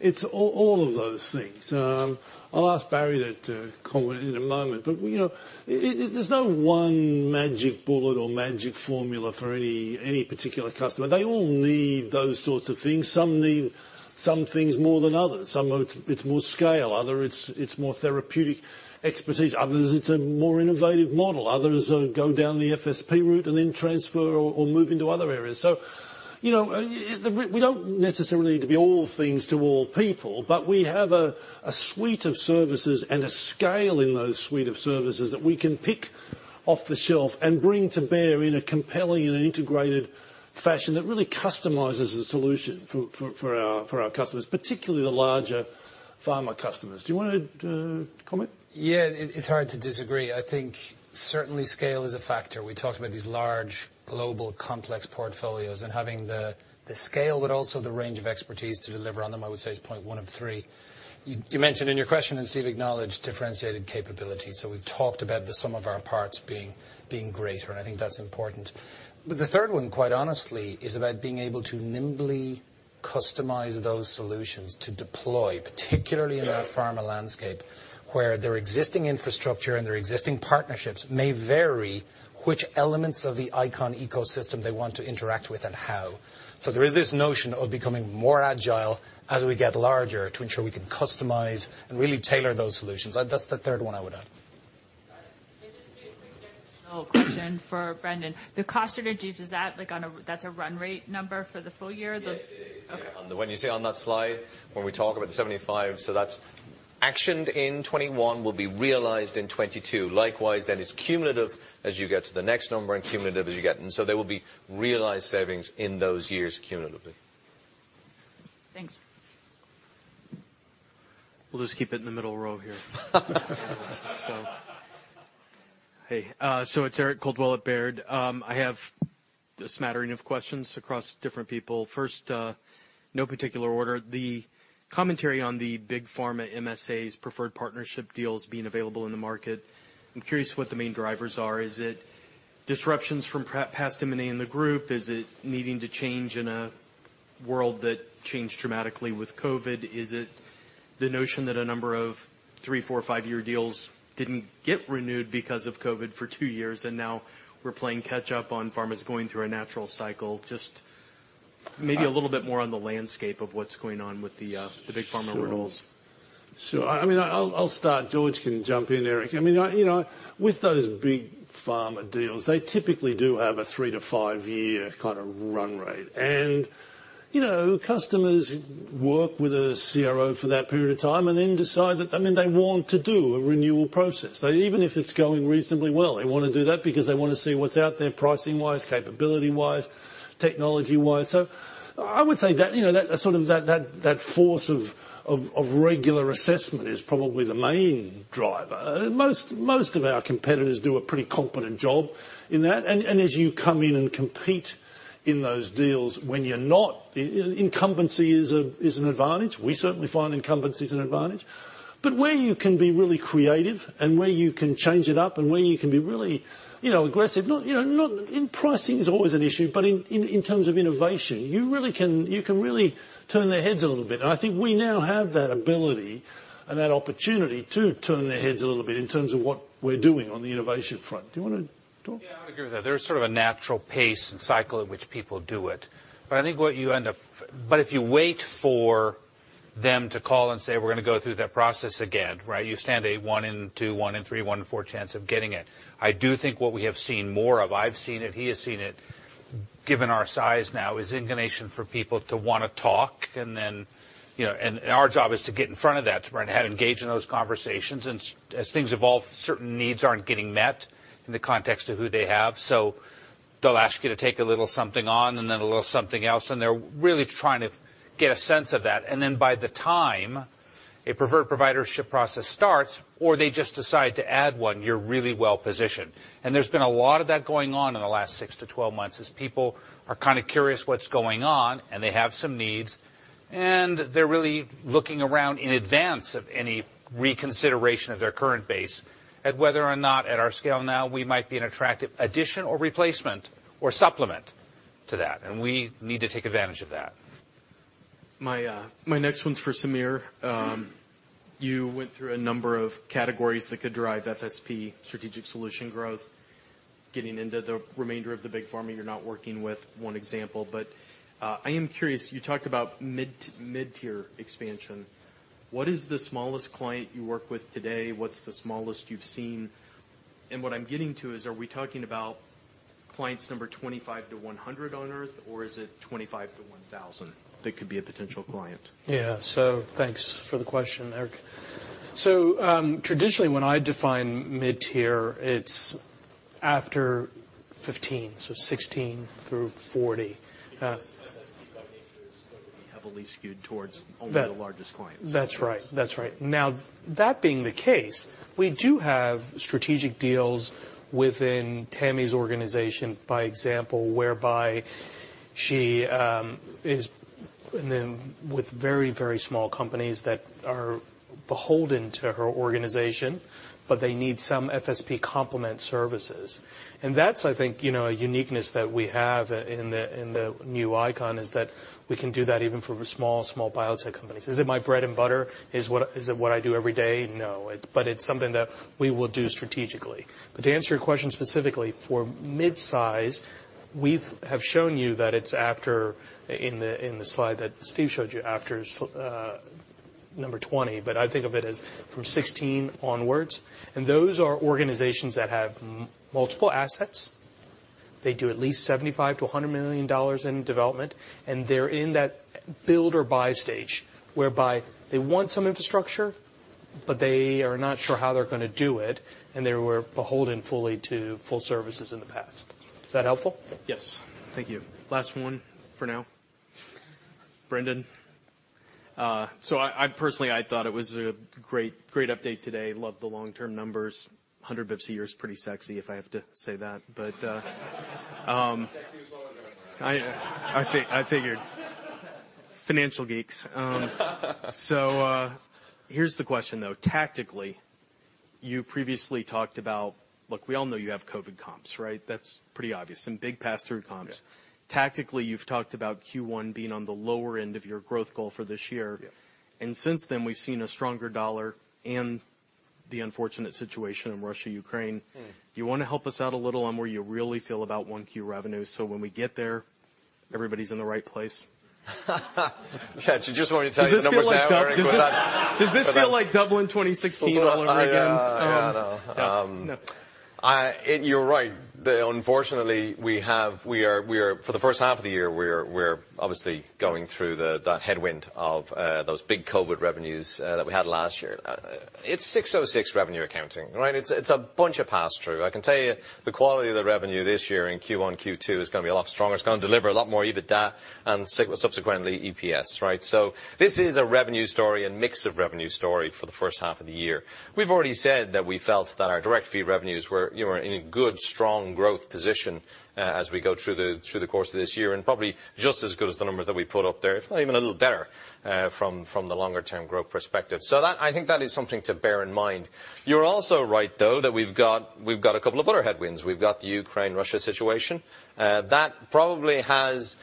It's all of those things. I'll ask Barry to comment in a moment, but you know, there's no one magic bullet or magic formula for any particular customer. They all need those sorts of things. Some need some things more than others. Some of it's more scale. Other it's more therapeutic expertise. Others, it's a more innovative model. Others, go down the FSP route and then transfer or move into other areas. You know, we don't necessarily need to be all things to all people, but we have a suite of services and a scale in those suite of services that we can pick off the shelf and bring to bear in a compelling and an integrated fashion that really customizes the solution for our customers, particularly the larger pharma customers. Do you wanna comment? Yeah. It's hard to disagree. I think certainly scale is a factor. We talked about these large global complex portfolios and having the scale but also the range of expertise to deliver on them, I would say, is point one of three. You mentioned in your question, and Steve acknowledged differentiated capabilities. We've talked about the sum of our parts being greater, and I think that's important. The third one, quite honestly, is about being able to nimbly- Customize those solutions to deploy, particularly in our pharma landscape, where their existing infrastructure and their existing partnerships may vary which elements of the ICON ecosystem they want to interact with and how. There is this notion of becoming more agile as we get larger to ensure we can customize and really tailor those solutions. That's the third one I would add. All right. Maybe a quick definitional question for Brendan. The cost synergies, is that like a run rate number for the full year? Yes. It is. Okay. When you see on that slide, when we talk about the 75, so that's actioned in 2021, will be realized in 2022. Likewise, it's cumulative as you get to the next number and cumulative as you get to the next. There will be realized savings in those years cumulatively. Thanks. We'll just keep it in the middle row here. Hey, it's Eric Coldwell at Baird. I have a smattering of questions across different people. First, no particular order. The commentary on the big pharma MSAs preferred partnership deals being available in the market, I'm curious what the main drivers are. Is it disruptions from past M&A in the group? Is it needing to change in a world that changed dramatically with COVID? Is it the notion that a number of three, four, five-year deals didn't get renewed because of COVID for two years and now we are playing catch-up on pharma's going through a natural cycle? Just maybe a little bit more on the landscape of what is going on with the big pharma rules? Sure. I mean, I'll start. George can jump in, Eric. I mean, you know, with those big pharma deals, they typically do have a 3-5-year kinda run rate. You know, customers work with a CRO for that period of time and then decide that, I mean, they want to do a renewal process. They even if it's going reasonably well, they wanna do that because they wanna see what's out there pricing-wise, capability-wise, technology-wise. I would say that, you know, that sort of force of regular assessment is probably the main driver. Most of our competitors do a pretty competent job in that. As you come in and compete in those deals when you're not, incumbency is an advantage. We certainly find incumbency is an advantage. Where you can be really creative and where you can change it up and where you can be really, you know, aggressive, not, you know, not in pricing is always an issue, but in terms of innovation, you really can, you can really turn their heads a little bit. I think we now have that ability and that opportunity to turn their heads a little bit in terms of what we're doing on the innovation front. Do you wanna talk? Yeah, I would agree with that. There's sort of a natural pace and cycle in which people do it. If you wait for them to call and say, "We're gonna go through that process again," right? You stand a one in two, one in three, one in four chance of getting it. I do think what we have seen more of, I've seen it, he has seen it, given our size now, is inclination for people to wanna talk and then, you know. Our job is to get in front of that, to try and engage in those conversations. As things evolve, certain needs aren't getting met in the context of who they have. They'll ask you to take a little something on and then a little something else, and they're really trying to get a sense of that. Then by the time a preferred providership process starts, or they just decide to add one, you're really well-positioned. There's been a lot of that going on in the last 6-12 months, as people are kinda curious what's going on, and they have some needs, and they're really looking around in advance of any reconsideration of their current base at whether or not, at our scale now, we might be an attractive addition or replacement or supplement to that. We need to take advantage of that. My next one's for Samir. You went through a number of categories that could drive FSP Strategic Solutions growth. Getting into the remainder of the big pharma you're not working with, one example. I am curious, you talked about mid-tier expansion. What is the smallest client you work with today? What's the smallest you've seen? And what I'm getting to is, are we talking about clients number 25 to 100 on earth, or is it 25 to 1,000 that could be a potential client? Thanks for the question, Eric. Traditionally, when I define mid-tier, it's after 15, so 16 through 40. Because FSP, by nature, is going to be heavily skewed towards only. That. The largest clients. That's right. That's right. Now, that being the case, we do have strategic deals within Tammy's organization, for example, whereby she is with very small companies that are beholden to her organization, but they need some FSP complementary services. That's, I think, you know, a uniqueness that we have in the new ICON, is that we can do that even for small biotech companies. Is it my bread and butter? Is it what I do every day? No. It's something that we will do strategically. To answer your question specifically, for mid-size, we have shown you that it's after in the slide that Steve showed you, after number 20. But I think of it as from 16 onwards. Those are organizations that have multiple assets. They do at least $75 million-$100 million in development, and they're in that build or buy stage, whereby they want some infrastructure, but they are not sure how they're gonna do it, and they were beholden fully to full services in the past. Is that helpful? Yes. Thank you. Last one for now. Brendan, I personally thought it was a great update today. Loved the long-term numbers. 100 basis points a year is pretty sexy, if I have to say that. (inaudible) I figured. Financial geeks. Here's the question, though. Tactically. You previously talked about. Look, we all know you have COVID comps, right? That's pretty obvious, and big pass-through comps. Yeah. Tactically, you've talked about Q1 being on the lower end of your growth goal for this year. Yeah. Since then, we've seen a stronger dollar and the unfortunate situation in Russia, Ukraine. You wanna help us out a little on where you really feel about 1Q revenue, so when we get there, everybody's in the right place? Yeah, do you just want me to tell you the numbers now and we're gonna go home? Does this feel like Dublin 2016 all over again? Look, I yeah, no. No. You're right. Unfortunately, we are for the first half of the year, we're obviously going through that headwind of those big COVID revenues that we had last year. It's ASC 606 revenue accounting, right? It's a bunch of pass-through. I can tell you, the quality of the revenue this year in Q1, Q2 is gonna be a lot stronger. It's gonna deliver a lot more EBITDA and subsequently EPS, right? This is a revenue story and mix of revenue story for the first half of the year. We've already said that we felt that our direct fee revenues were, you know, in a good, strong growth position as we go through the course of this year, and probably just as good as the numbers that we put up there. If not even a little better, from the longer term growth perspective. That I think is something to bear in mind. You're also right, though, that we've got a couple of other headwinds. We've got the Ukraine-Russia situation. That probably has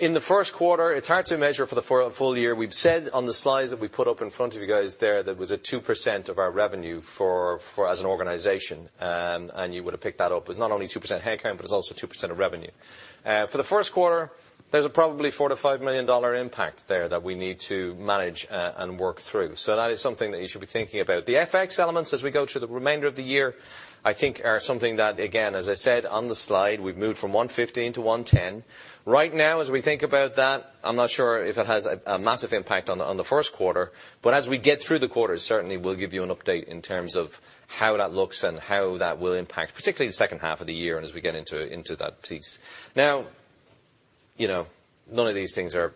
in the Q1. It's hard to measure for the full year. We've said on the slides that we put up in front of you guys there that it was a 2% of our revenue for as an organization. You would've picked that up. It's not only 2% headcount, but it's also 2% of revenue. For the Q1, there's probably a $4 million-$5 million impact there that we need to manage and work through. That is something that you should be thinking about. The FX elements as we go through the remainder of the year, I think are something that, again, as I said on the slide, we've moved from $1.15-$1.10. Right now as we think about that, I'm not sure if it has a massive impact on the Q1, but as we get through the quarters, certainly we'll give you an update in terms of how that looks and how that will impact, particularly the second half of the year and as we get into that piece. Now, you know, none of these things are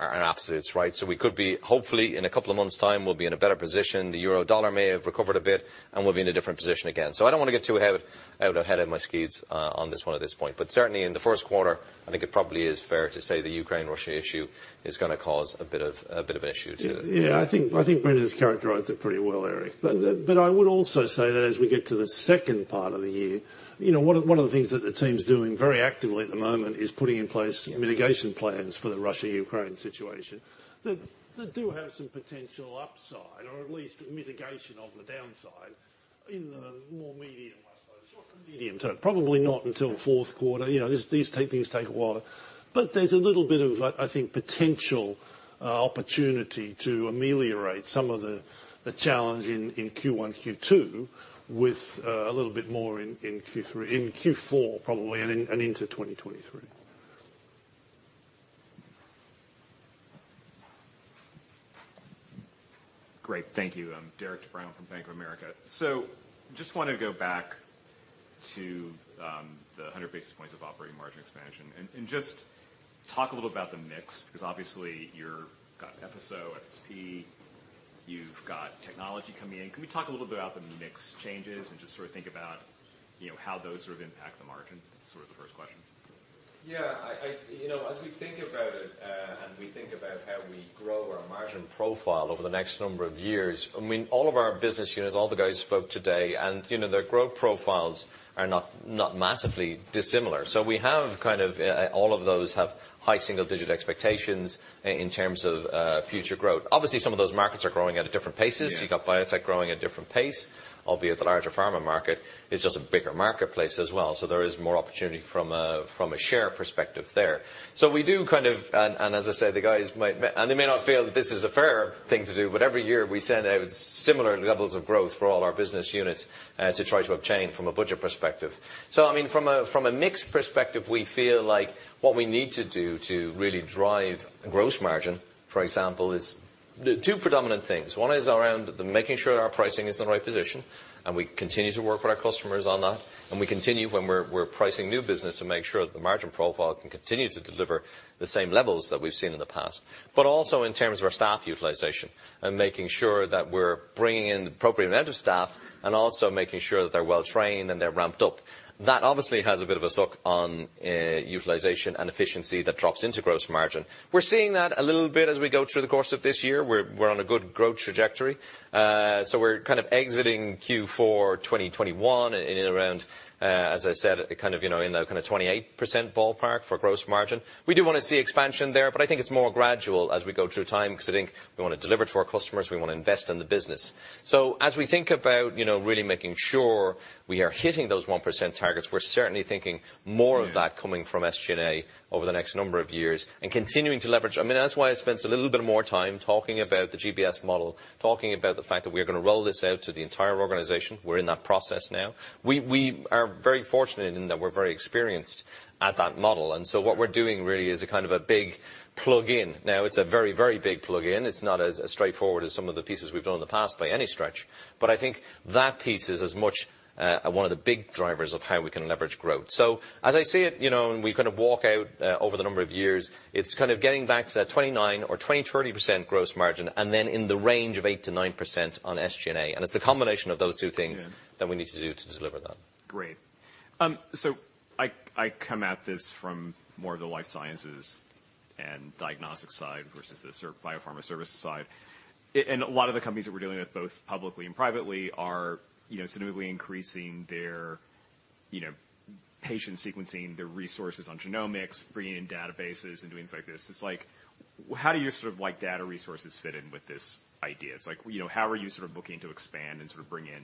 absolutes, right? So we could be. Hopefully, in a couple of months' time we'll be in a better position. The euro/dollar may have recovered a bit, and we'll be in a different position again. I don't wanna get out ahead of my skis on this one at this point. Certainly in the Q1, I think it probably is fair to say the Ukraine-Russia issue is gonna cause a bit of an issue, too. Yeah. Yeah, I think Brendan has characterized it pretty well, Eric. I would also say that as we get to the second part of the year, you know, one of the things that the team's doing very actively at the moment is putting in place mitigation plans for the Russia-Ukraine situation that do have some potential upside, or at least mitigation of the downside in the more medium, I suppose, sort of medium term. Probably not until Q4. You know, these type things take a while. There's a little bit of, I think, potential opportunity to ameliorate some of the challenge in Q1, Q2 with a little bit more in Q3, in Q4 probably, and into 2023. Great. Thank you. I'm Derek Brown from Bank of America. Just wanted to go back to the 100 basis points of operating margin expansion. Just talk a little about the mix, 'cause obviously you've got FSP, you've got technology coming in. Can we talk a little bit about the mix changes and just sort of think about, you know, how those sort of impact the margin? Sort of the first question. Yeah. You know, as we think about it, and we think about how we grow our margin profile over the next number of years, I mean, all of our business units, all the guys who spoke today, and, you know, their growth profiles are not massively dissimilar. We have kind of all of those have high single digit expectations in terms of future growth. Obviously, some of those markets are growing at different paces. Yeah. You got biotech growing at different pace, albeit the larger pharma market is just a bigger marketplace as well. There is more opportunity from a share perspective there. We do kind of as I say, the guys might and they may not feel that this is a fair thing to do, but every year we set out similar levels of growth for all our business units to try to obtain from a budget perspective. I mean, from a mix perspective, we feel like what we need to do to really drive gross margin, for example, is two predominant things. One is around the making sure our pricing is in the right position, and we continue to work with our customers on that, and we continue when we're pricing new business to make sure that the margin profile can continue to deliver the same levels that we've seen in the past. Also in terms of our staff utilization and making sure that we're bringing in the appropriate amount of staff and also making sure that they're well trained and they're ramped up. That obviously has a bit of a suck on, utilization and efficiency that drops into gross margin. We're seeing that a little bit as we go through the course of this year. We're on a good growth trajectory. We're kind of exiting Q4 2021 in and around, as I said, kind of, you know, in the kinda 28% ballpark for gross margin. We do wanna see expansion there, but I think it's more gradual as we go through time, 'cause I think we wanna deliver to our customers, we wanna invest in the business. As we think about, you know, really making sure we are hitting those 1% targets, we're certainly thinking more of that. Yeah coming from SG&A over the next number of years, and continuing to leverage. I mean, that's why I spent a little bit more time talking about the GBS model, talking about the fact that we're gonna roll this out to the entire organization. We're in that process now. We are very fortunate in that we're very experienced at that model, and so what we're doing really is a kind of a big plug-in. Now, it's a very, very big plug-in. It's not as straightforward as some of the pieces we've done in the past by any stretch. I think that piece is as much one of the big drivers of how we can leverage growth. As I see it, you know, and we kind of walk out over the number of years, it's kind of getting back to that 29% or 20%-30% gross margin, and then in the range of 8%-9% on SG&A. It's the combination of those two things. Yeah that we need to do to deliver that. Great. I come at this from more of the life sciences and diagnostic side versus the biopharma services side. And a lot of the companies that we're dealing with, both publicly and privately are, you know, significantly increasing their, you know, patient sequencing, their resources on genomics, bringing in databases, and doing things like this. It's like, how do your sort of like data resources fit in with this idea? It's like, you know, how are you sort of looking to expand and sort of bring in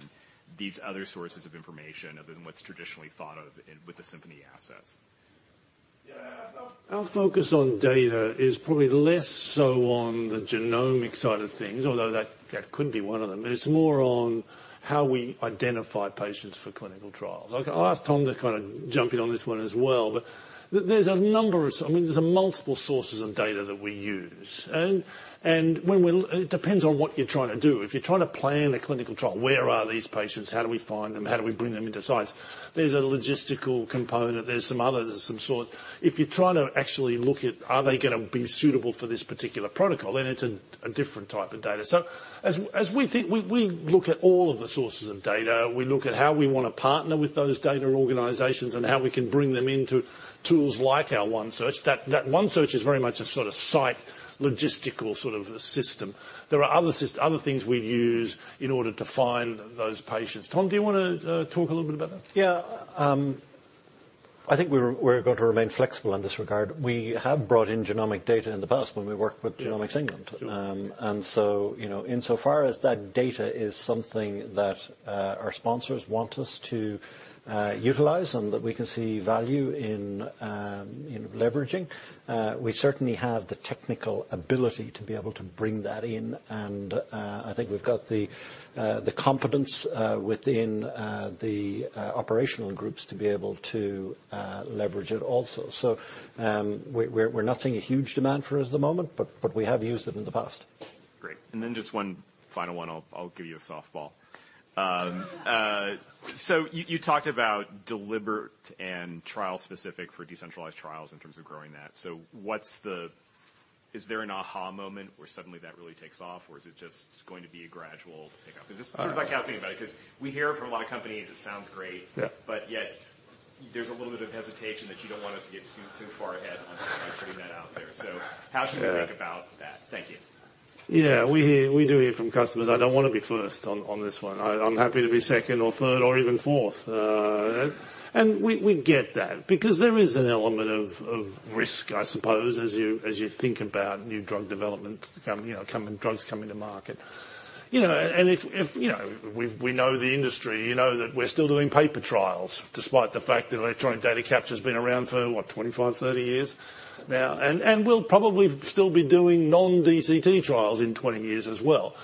these other sources of information other than what's traditionally thought of in with the Symphony assets? Yeah. Our focus on data is probably less so on the genomic side of things, although that could be one of them. It's more on how we identify patients for clinical trials. I'll ask Tom to kinda jump in on this one as well. There's a number of... I mean, there's a multiple sources of data that we use, and when we're it depends on what you're trying to do. If you're trying to plan a clinical trial, where are these patients? How do we find them? How do we bring them into sites? There's a logistical component. There's some other... There's some sort. If you're trying to actually look at, are they gonna be suitable for this particular protocol, then it's a different type of data. As we think, we look at all of the sources of data. We look at how we wanna partner with those data organizations and how we can bring them into tools like our OneSearch. That OneSearch is very much a sort of site logistical sort of system. There are other things we use in order to find those patients. Tom, do you wanna talk a little bit about that? I think we're going to remain flexible in this regard. We have brought in genomic data in the past when we worked with Yeah Genomics England. Sure. You know, insofar as that data is something that our sponsors want us to utilize and that we can see value in in leveraging, we certainly have the technical ability to be able to bring that in. I think we've got the competence within the operational groups to be able to leverage it also. We're not seeing a huge demand for it at the moment, but we have used it in the past. Great. Then just one final one. I'll give you a softball. So you talked about deliberate and trial specific for decentralized trials in terms of growing that. So what's the aha moment where suddenly that really takes off, or is it just going to be a gradual pickup? Because this is sort of like how I was thinking about it, 'cause we hear it from a lot of companies. It sounds great. Yeah. Yet there's a little bit of hesitation that you don't want us to get too far ahead putting that out there. How should we Yeah think about that? Thank you. Yeah. We hear from customers, "I don't wanna be first on this one. I'm happy to be second or third or even fourth." We get that because there is an element of risk, I suppose, as you think about new drug development coming to market. You know, we know the industry. You know that we're still doing paper trials despite the fact that electronic data capture's been around for, what? 25, 30 years now. We'll probably still be doing non-DCT trials in 20 years as well.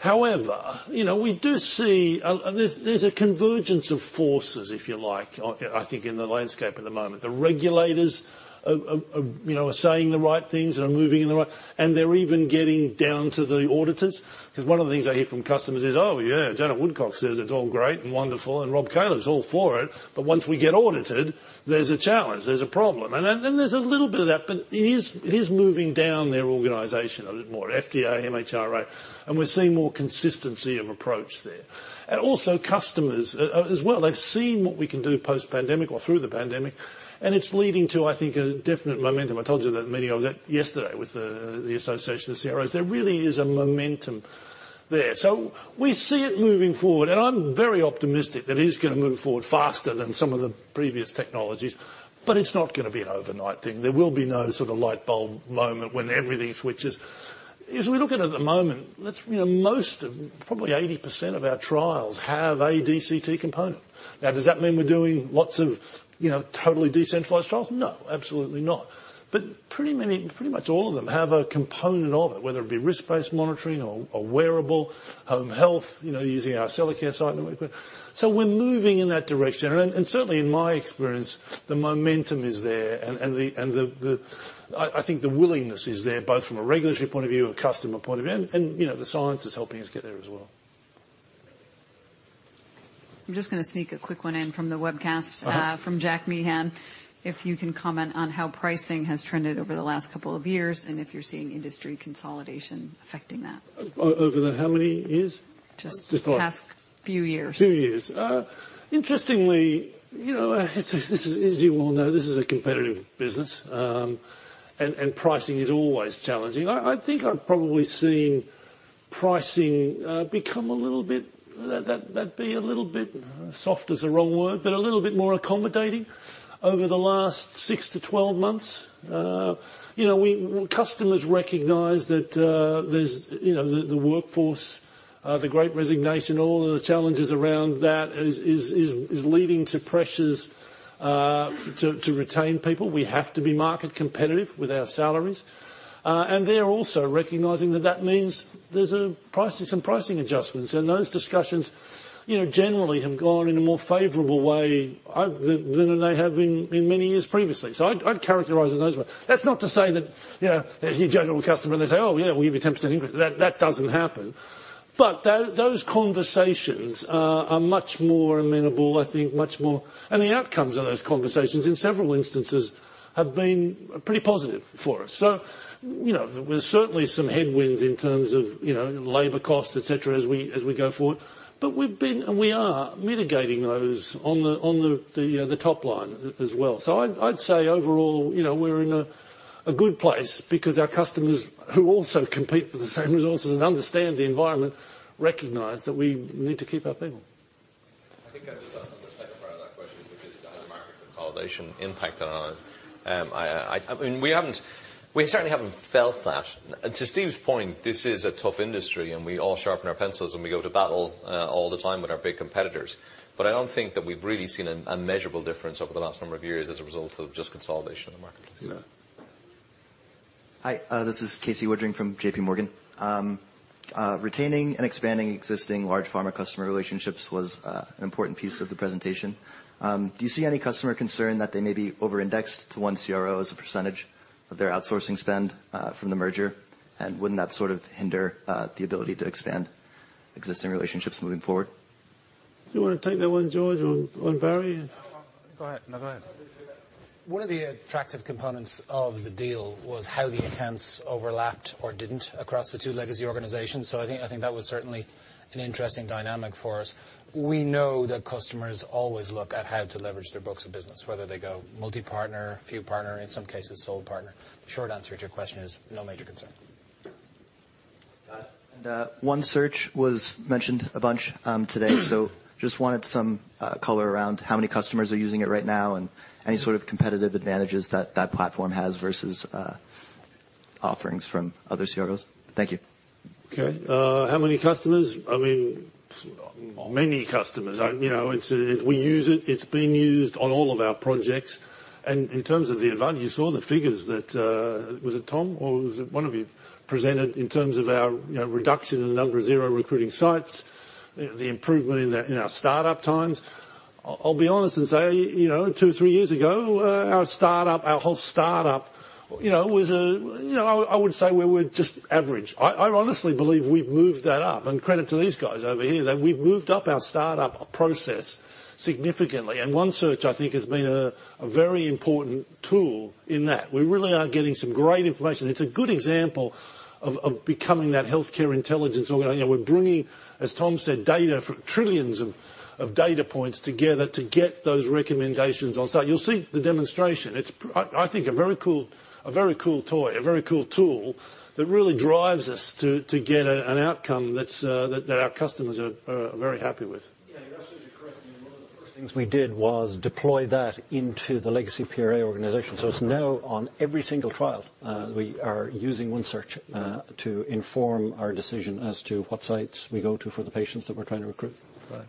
However, you know, we do see a convergence of forces, if you like, I think in the landscape at the moment. The regulators, you know, are saying the right things and are moving in the right direction. They're even getting down to the auditors. 'Cause one of the things I hear from customers is, "Oh yeah, Janet Woodcock says it's all great and wonderful, and Rob Califf's all for it. But once we get audited, there's a challenge, there's a problem." Then there's a little bit of that, but it is moving down their organization a bit more. FDA, MHRA, and we're seeing more consistency of approach there. Also customers as well, they've seen what we can do post-pandemic or through the pandemic, and it's leading to, I think, a definite momentum. I told you that meeting I was at yesterday with the Association of CROs. There really is a momentum there. We see it moving forward, and I'm very optimistic that it is gonna move forward faster than some of the previous technologies. It's not gonna be an overnight thing. There will be no sort of light bulb moment when everything switches. As we look at it at the moment, you know, probably 80% of our trials have a DCT component. Now, does that mean we're doing lots of, you know, totally decentralized trials? No, absolutely not. Pretty much all of them have a component of it, whether it be risk-based monitoring or a wearable, home health, you know, using our Accellacare site that we put. We're moving in that direction. Certainly in my experience, the momentum is there and the. I think the willingness is there, both from a regulatory point of view or customer point of view. You know, the science is helping us get there as well. I'm just gonna sneak a quick one in from the webcast from Jack Meehan. If you can comment on how pricing has trended over the last couple of years, and if you're seeing industry consolidation affecting that? Over the how many years? Just. Just the past. past few years. Few years. Interestingly, you know, this is a competitive business. As you all know, this is a competitive business. Pricing is always challenging. I think I've probably seen pricing become a little bit more accommodating over the last 6-12 months. Soft is the wrong word. You know, customers recognize that there's, you know, the workforce, the great resignation, all of the challenges around that is leading to pressures to retain people. We have to be market competitive with our salaries. They're also recognizing that that means there's some pricing adjustments. Those discussions, you know, generally have gone in a more favorable way than they have in many years previously. I'd characterize it in those ways. That's not to say that, you know, that your general customer, they say, "Oh yeah, we'll give you 10% increase." That doesn't happen. Those conversations are much more amenable, I think much more. The outcomes of those conversations in several instances have been pretty positive for us. You know, there was certainly some headwinds in terms of, you know, labor costs, et cetera, as we go forward. We've been and we are mitigating those on the top line as well. I'd say overall, you know, we're in a good place because our customers, who also compete for the same resources and understand the environment, recognize that we need to keep our people. I think I'll just add on the second part of that question, which is, has market consolidation impacted on it? I mean, we haven't, we certainly haven't felt that. To Steve's point, this is a tough industry, and we all sharpen our pencils, and we go to battle all the time with our big competitors. But I don't think that we've really seen a measurable difference over the last number of years as a result of just consolidation in the marketplace. Yeah. Hi, this is Casey Woodring from J.P. Morgan. Retaining and expanding existing large pharma customer relationships was an important piece of the presentation. Do you see any customer concern that they may be over-indexed to one CRO as a percentage of their outsourcing spend from the merger? Wouldn't that sort of hinder the ability to expand existing relationships moving forward? Do you wanna take that one, George or Barry? Go ahead. No, go ahead. One of the attractive components of the deal was how the accounts overlapped or didn't across the two legacy organizations. I think that was certainly an interesting dynamic for us. We know that customers always look at how to leverage their books of business, whether they go multi-partner, few partner, in some cases, sole partner. Short answer to your question is no major concern. Got it. OneSearch was mentioned a bunch today. Just wanted some color around how many customers are using it right now and any sort of competitive advantages that that platform has versus offerings from other CROs. Thank you. Okay. How many customers? I mean, many customers. You know, it's, we use it. It's being used on all of our projects. In terms of, you saw the figures that, was it Tom or was it one of you, presented in terms of our, you know, reduction in the number of zero recruiting sites, the improvement in the, in our startup times. I'll be honest and say, you know, 2, 3 years ago, our startup, our whole startup, you know, was. You know, I would say we were just average. I honestly believe we've moved that up, and credit to these guys over here, that we've moved up our startup process significantly. OneSearch, I think, has been a very important tool in that. We really are getting some great information. It's a good example of becoming that healthcare intelligence organization. You know, we're bringing, as Tom said, data from trillions of data points together to get those recommendations on site. You'll see the demonstration. It's, I think, a very cool toy, a very cool tool that really drives us to get an outcome that's that our customers are very happy with. Yeah, your assessment is correct. I mean, one of the first things we did was deploy that into the legacy PRA organization. It's now on every single trial, we are using OneSearch to inform our decision as to what sites we go to for the patients that we're trying to recruit. Go ahead. Okay. We probably have time for one more. Any last questions in the room?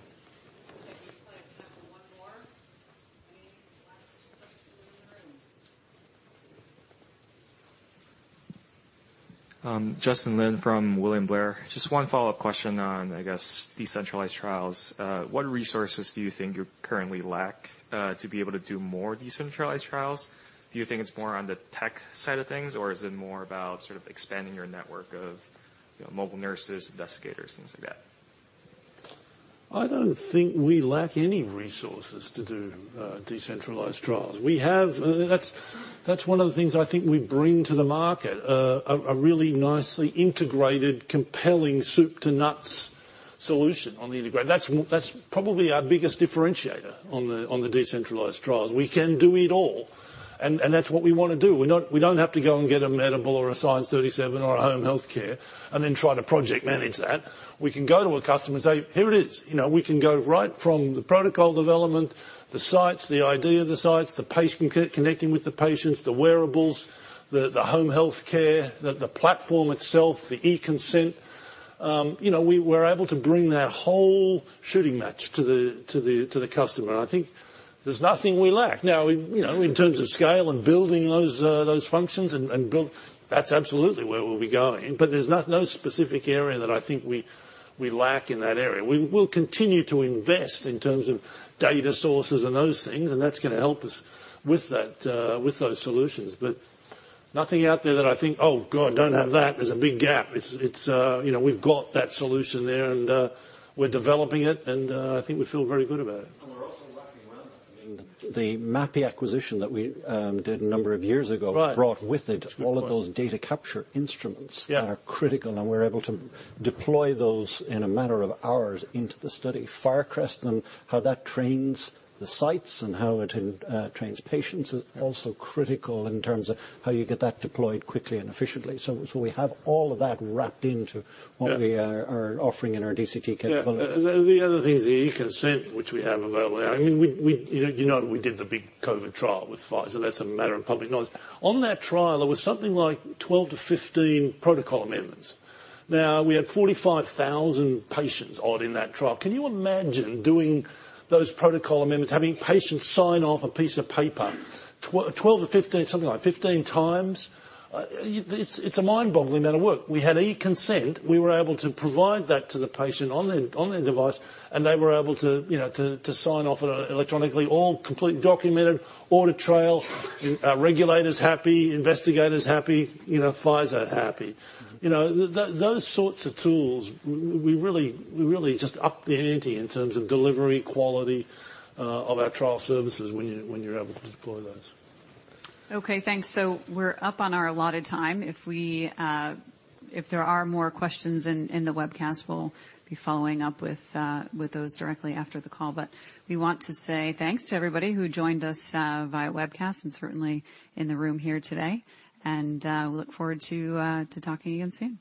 Justin Lin from William Blair. Just one follow-up question on, I guess, decentralized trials. What resources do you think you currently lack to be able to do more decentralized trials? Do you think it's more on the tech side of things, or is it more about sort of expanding your network of, you know, mobile nurses, investigators, things like that? I don't think we lack any resources to do decentralized trials. We have. That's one of the things I think we bring to the market. A really nicely integrated, compelling soup to nuts solution on the integrate. That's probably our biggest differentiator on the decentralized trials. We can do it all, and that's what we wanna do. We don't have to go and get a Medable or a Science 37 or a Home Healthcare and then try to project manage that. We can go to a customer and say, "Here it is." You know, we can go right from the protocol development, the sites, the idea of the sites, the patient connecting with the patients, the wearables, the home healthcare, the platform itself, the e-consent. You know, we're able to bring that whole shooting match to the customer. I think there's nothing we lack. Now, you know, in terms of scale and building those functions and build, that's absolutely where we'll be going. But there's no specific area that I think we lack in that area. We will continue to invest in terms of data sources and those things, and that's gonna help us with that, with those solutions. But nothing out there that I think, "Oh, God, don't have that. There's a big gap." It's you know, we've got that solution there and, we're developing it and, I think we feel very good about it. (inaudible) the Mapi acquisition that we did a number of years ago. Right. That's a good point. brought with it all of those data capture instruments. Yeah that are critical, and we're able to deploy those in a matter of hours into the study. FIRECREST and how that trains the sites and how it trains patients is also critical in terms of how you get that deployed quickly and efficiently. We have all of that wrapped into. Yeah What we are offering in our DCT capability. Yeah. The other thing is the e-consent, which we have available. I mean, you know we did the big Covid trial with Pfizer. That's a matter of public knowledge. On that trial, there was something like 12-15 protocol amendments. Now, we had 45,000 patients odd in that trial. Can you imagine doing those protocol amendments, having patients sign off a piece of paper 12-15, something like 15 times? It's a mind-boggling amount of work. We had e-consent. We were able to provide that to the patient on their device, and they were able to, you know, sign off on it electronically, all complete documented audit trail. Regulators happy, investigators happy, you know, Pfizer happy. You know, those sorts of tools, we really just up the ante in terms of delivery quality of our trial services when you're able to deploy those. Okay, thanks. We're up on our allotted time. If there are more questions in the webcast, we'll be following up with those directly after the call. We want to say thanks to everybody who joined us via webcast and certainly in the room here today. We look forward to talking again soon.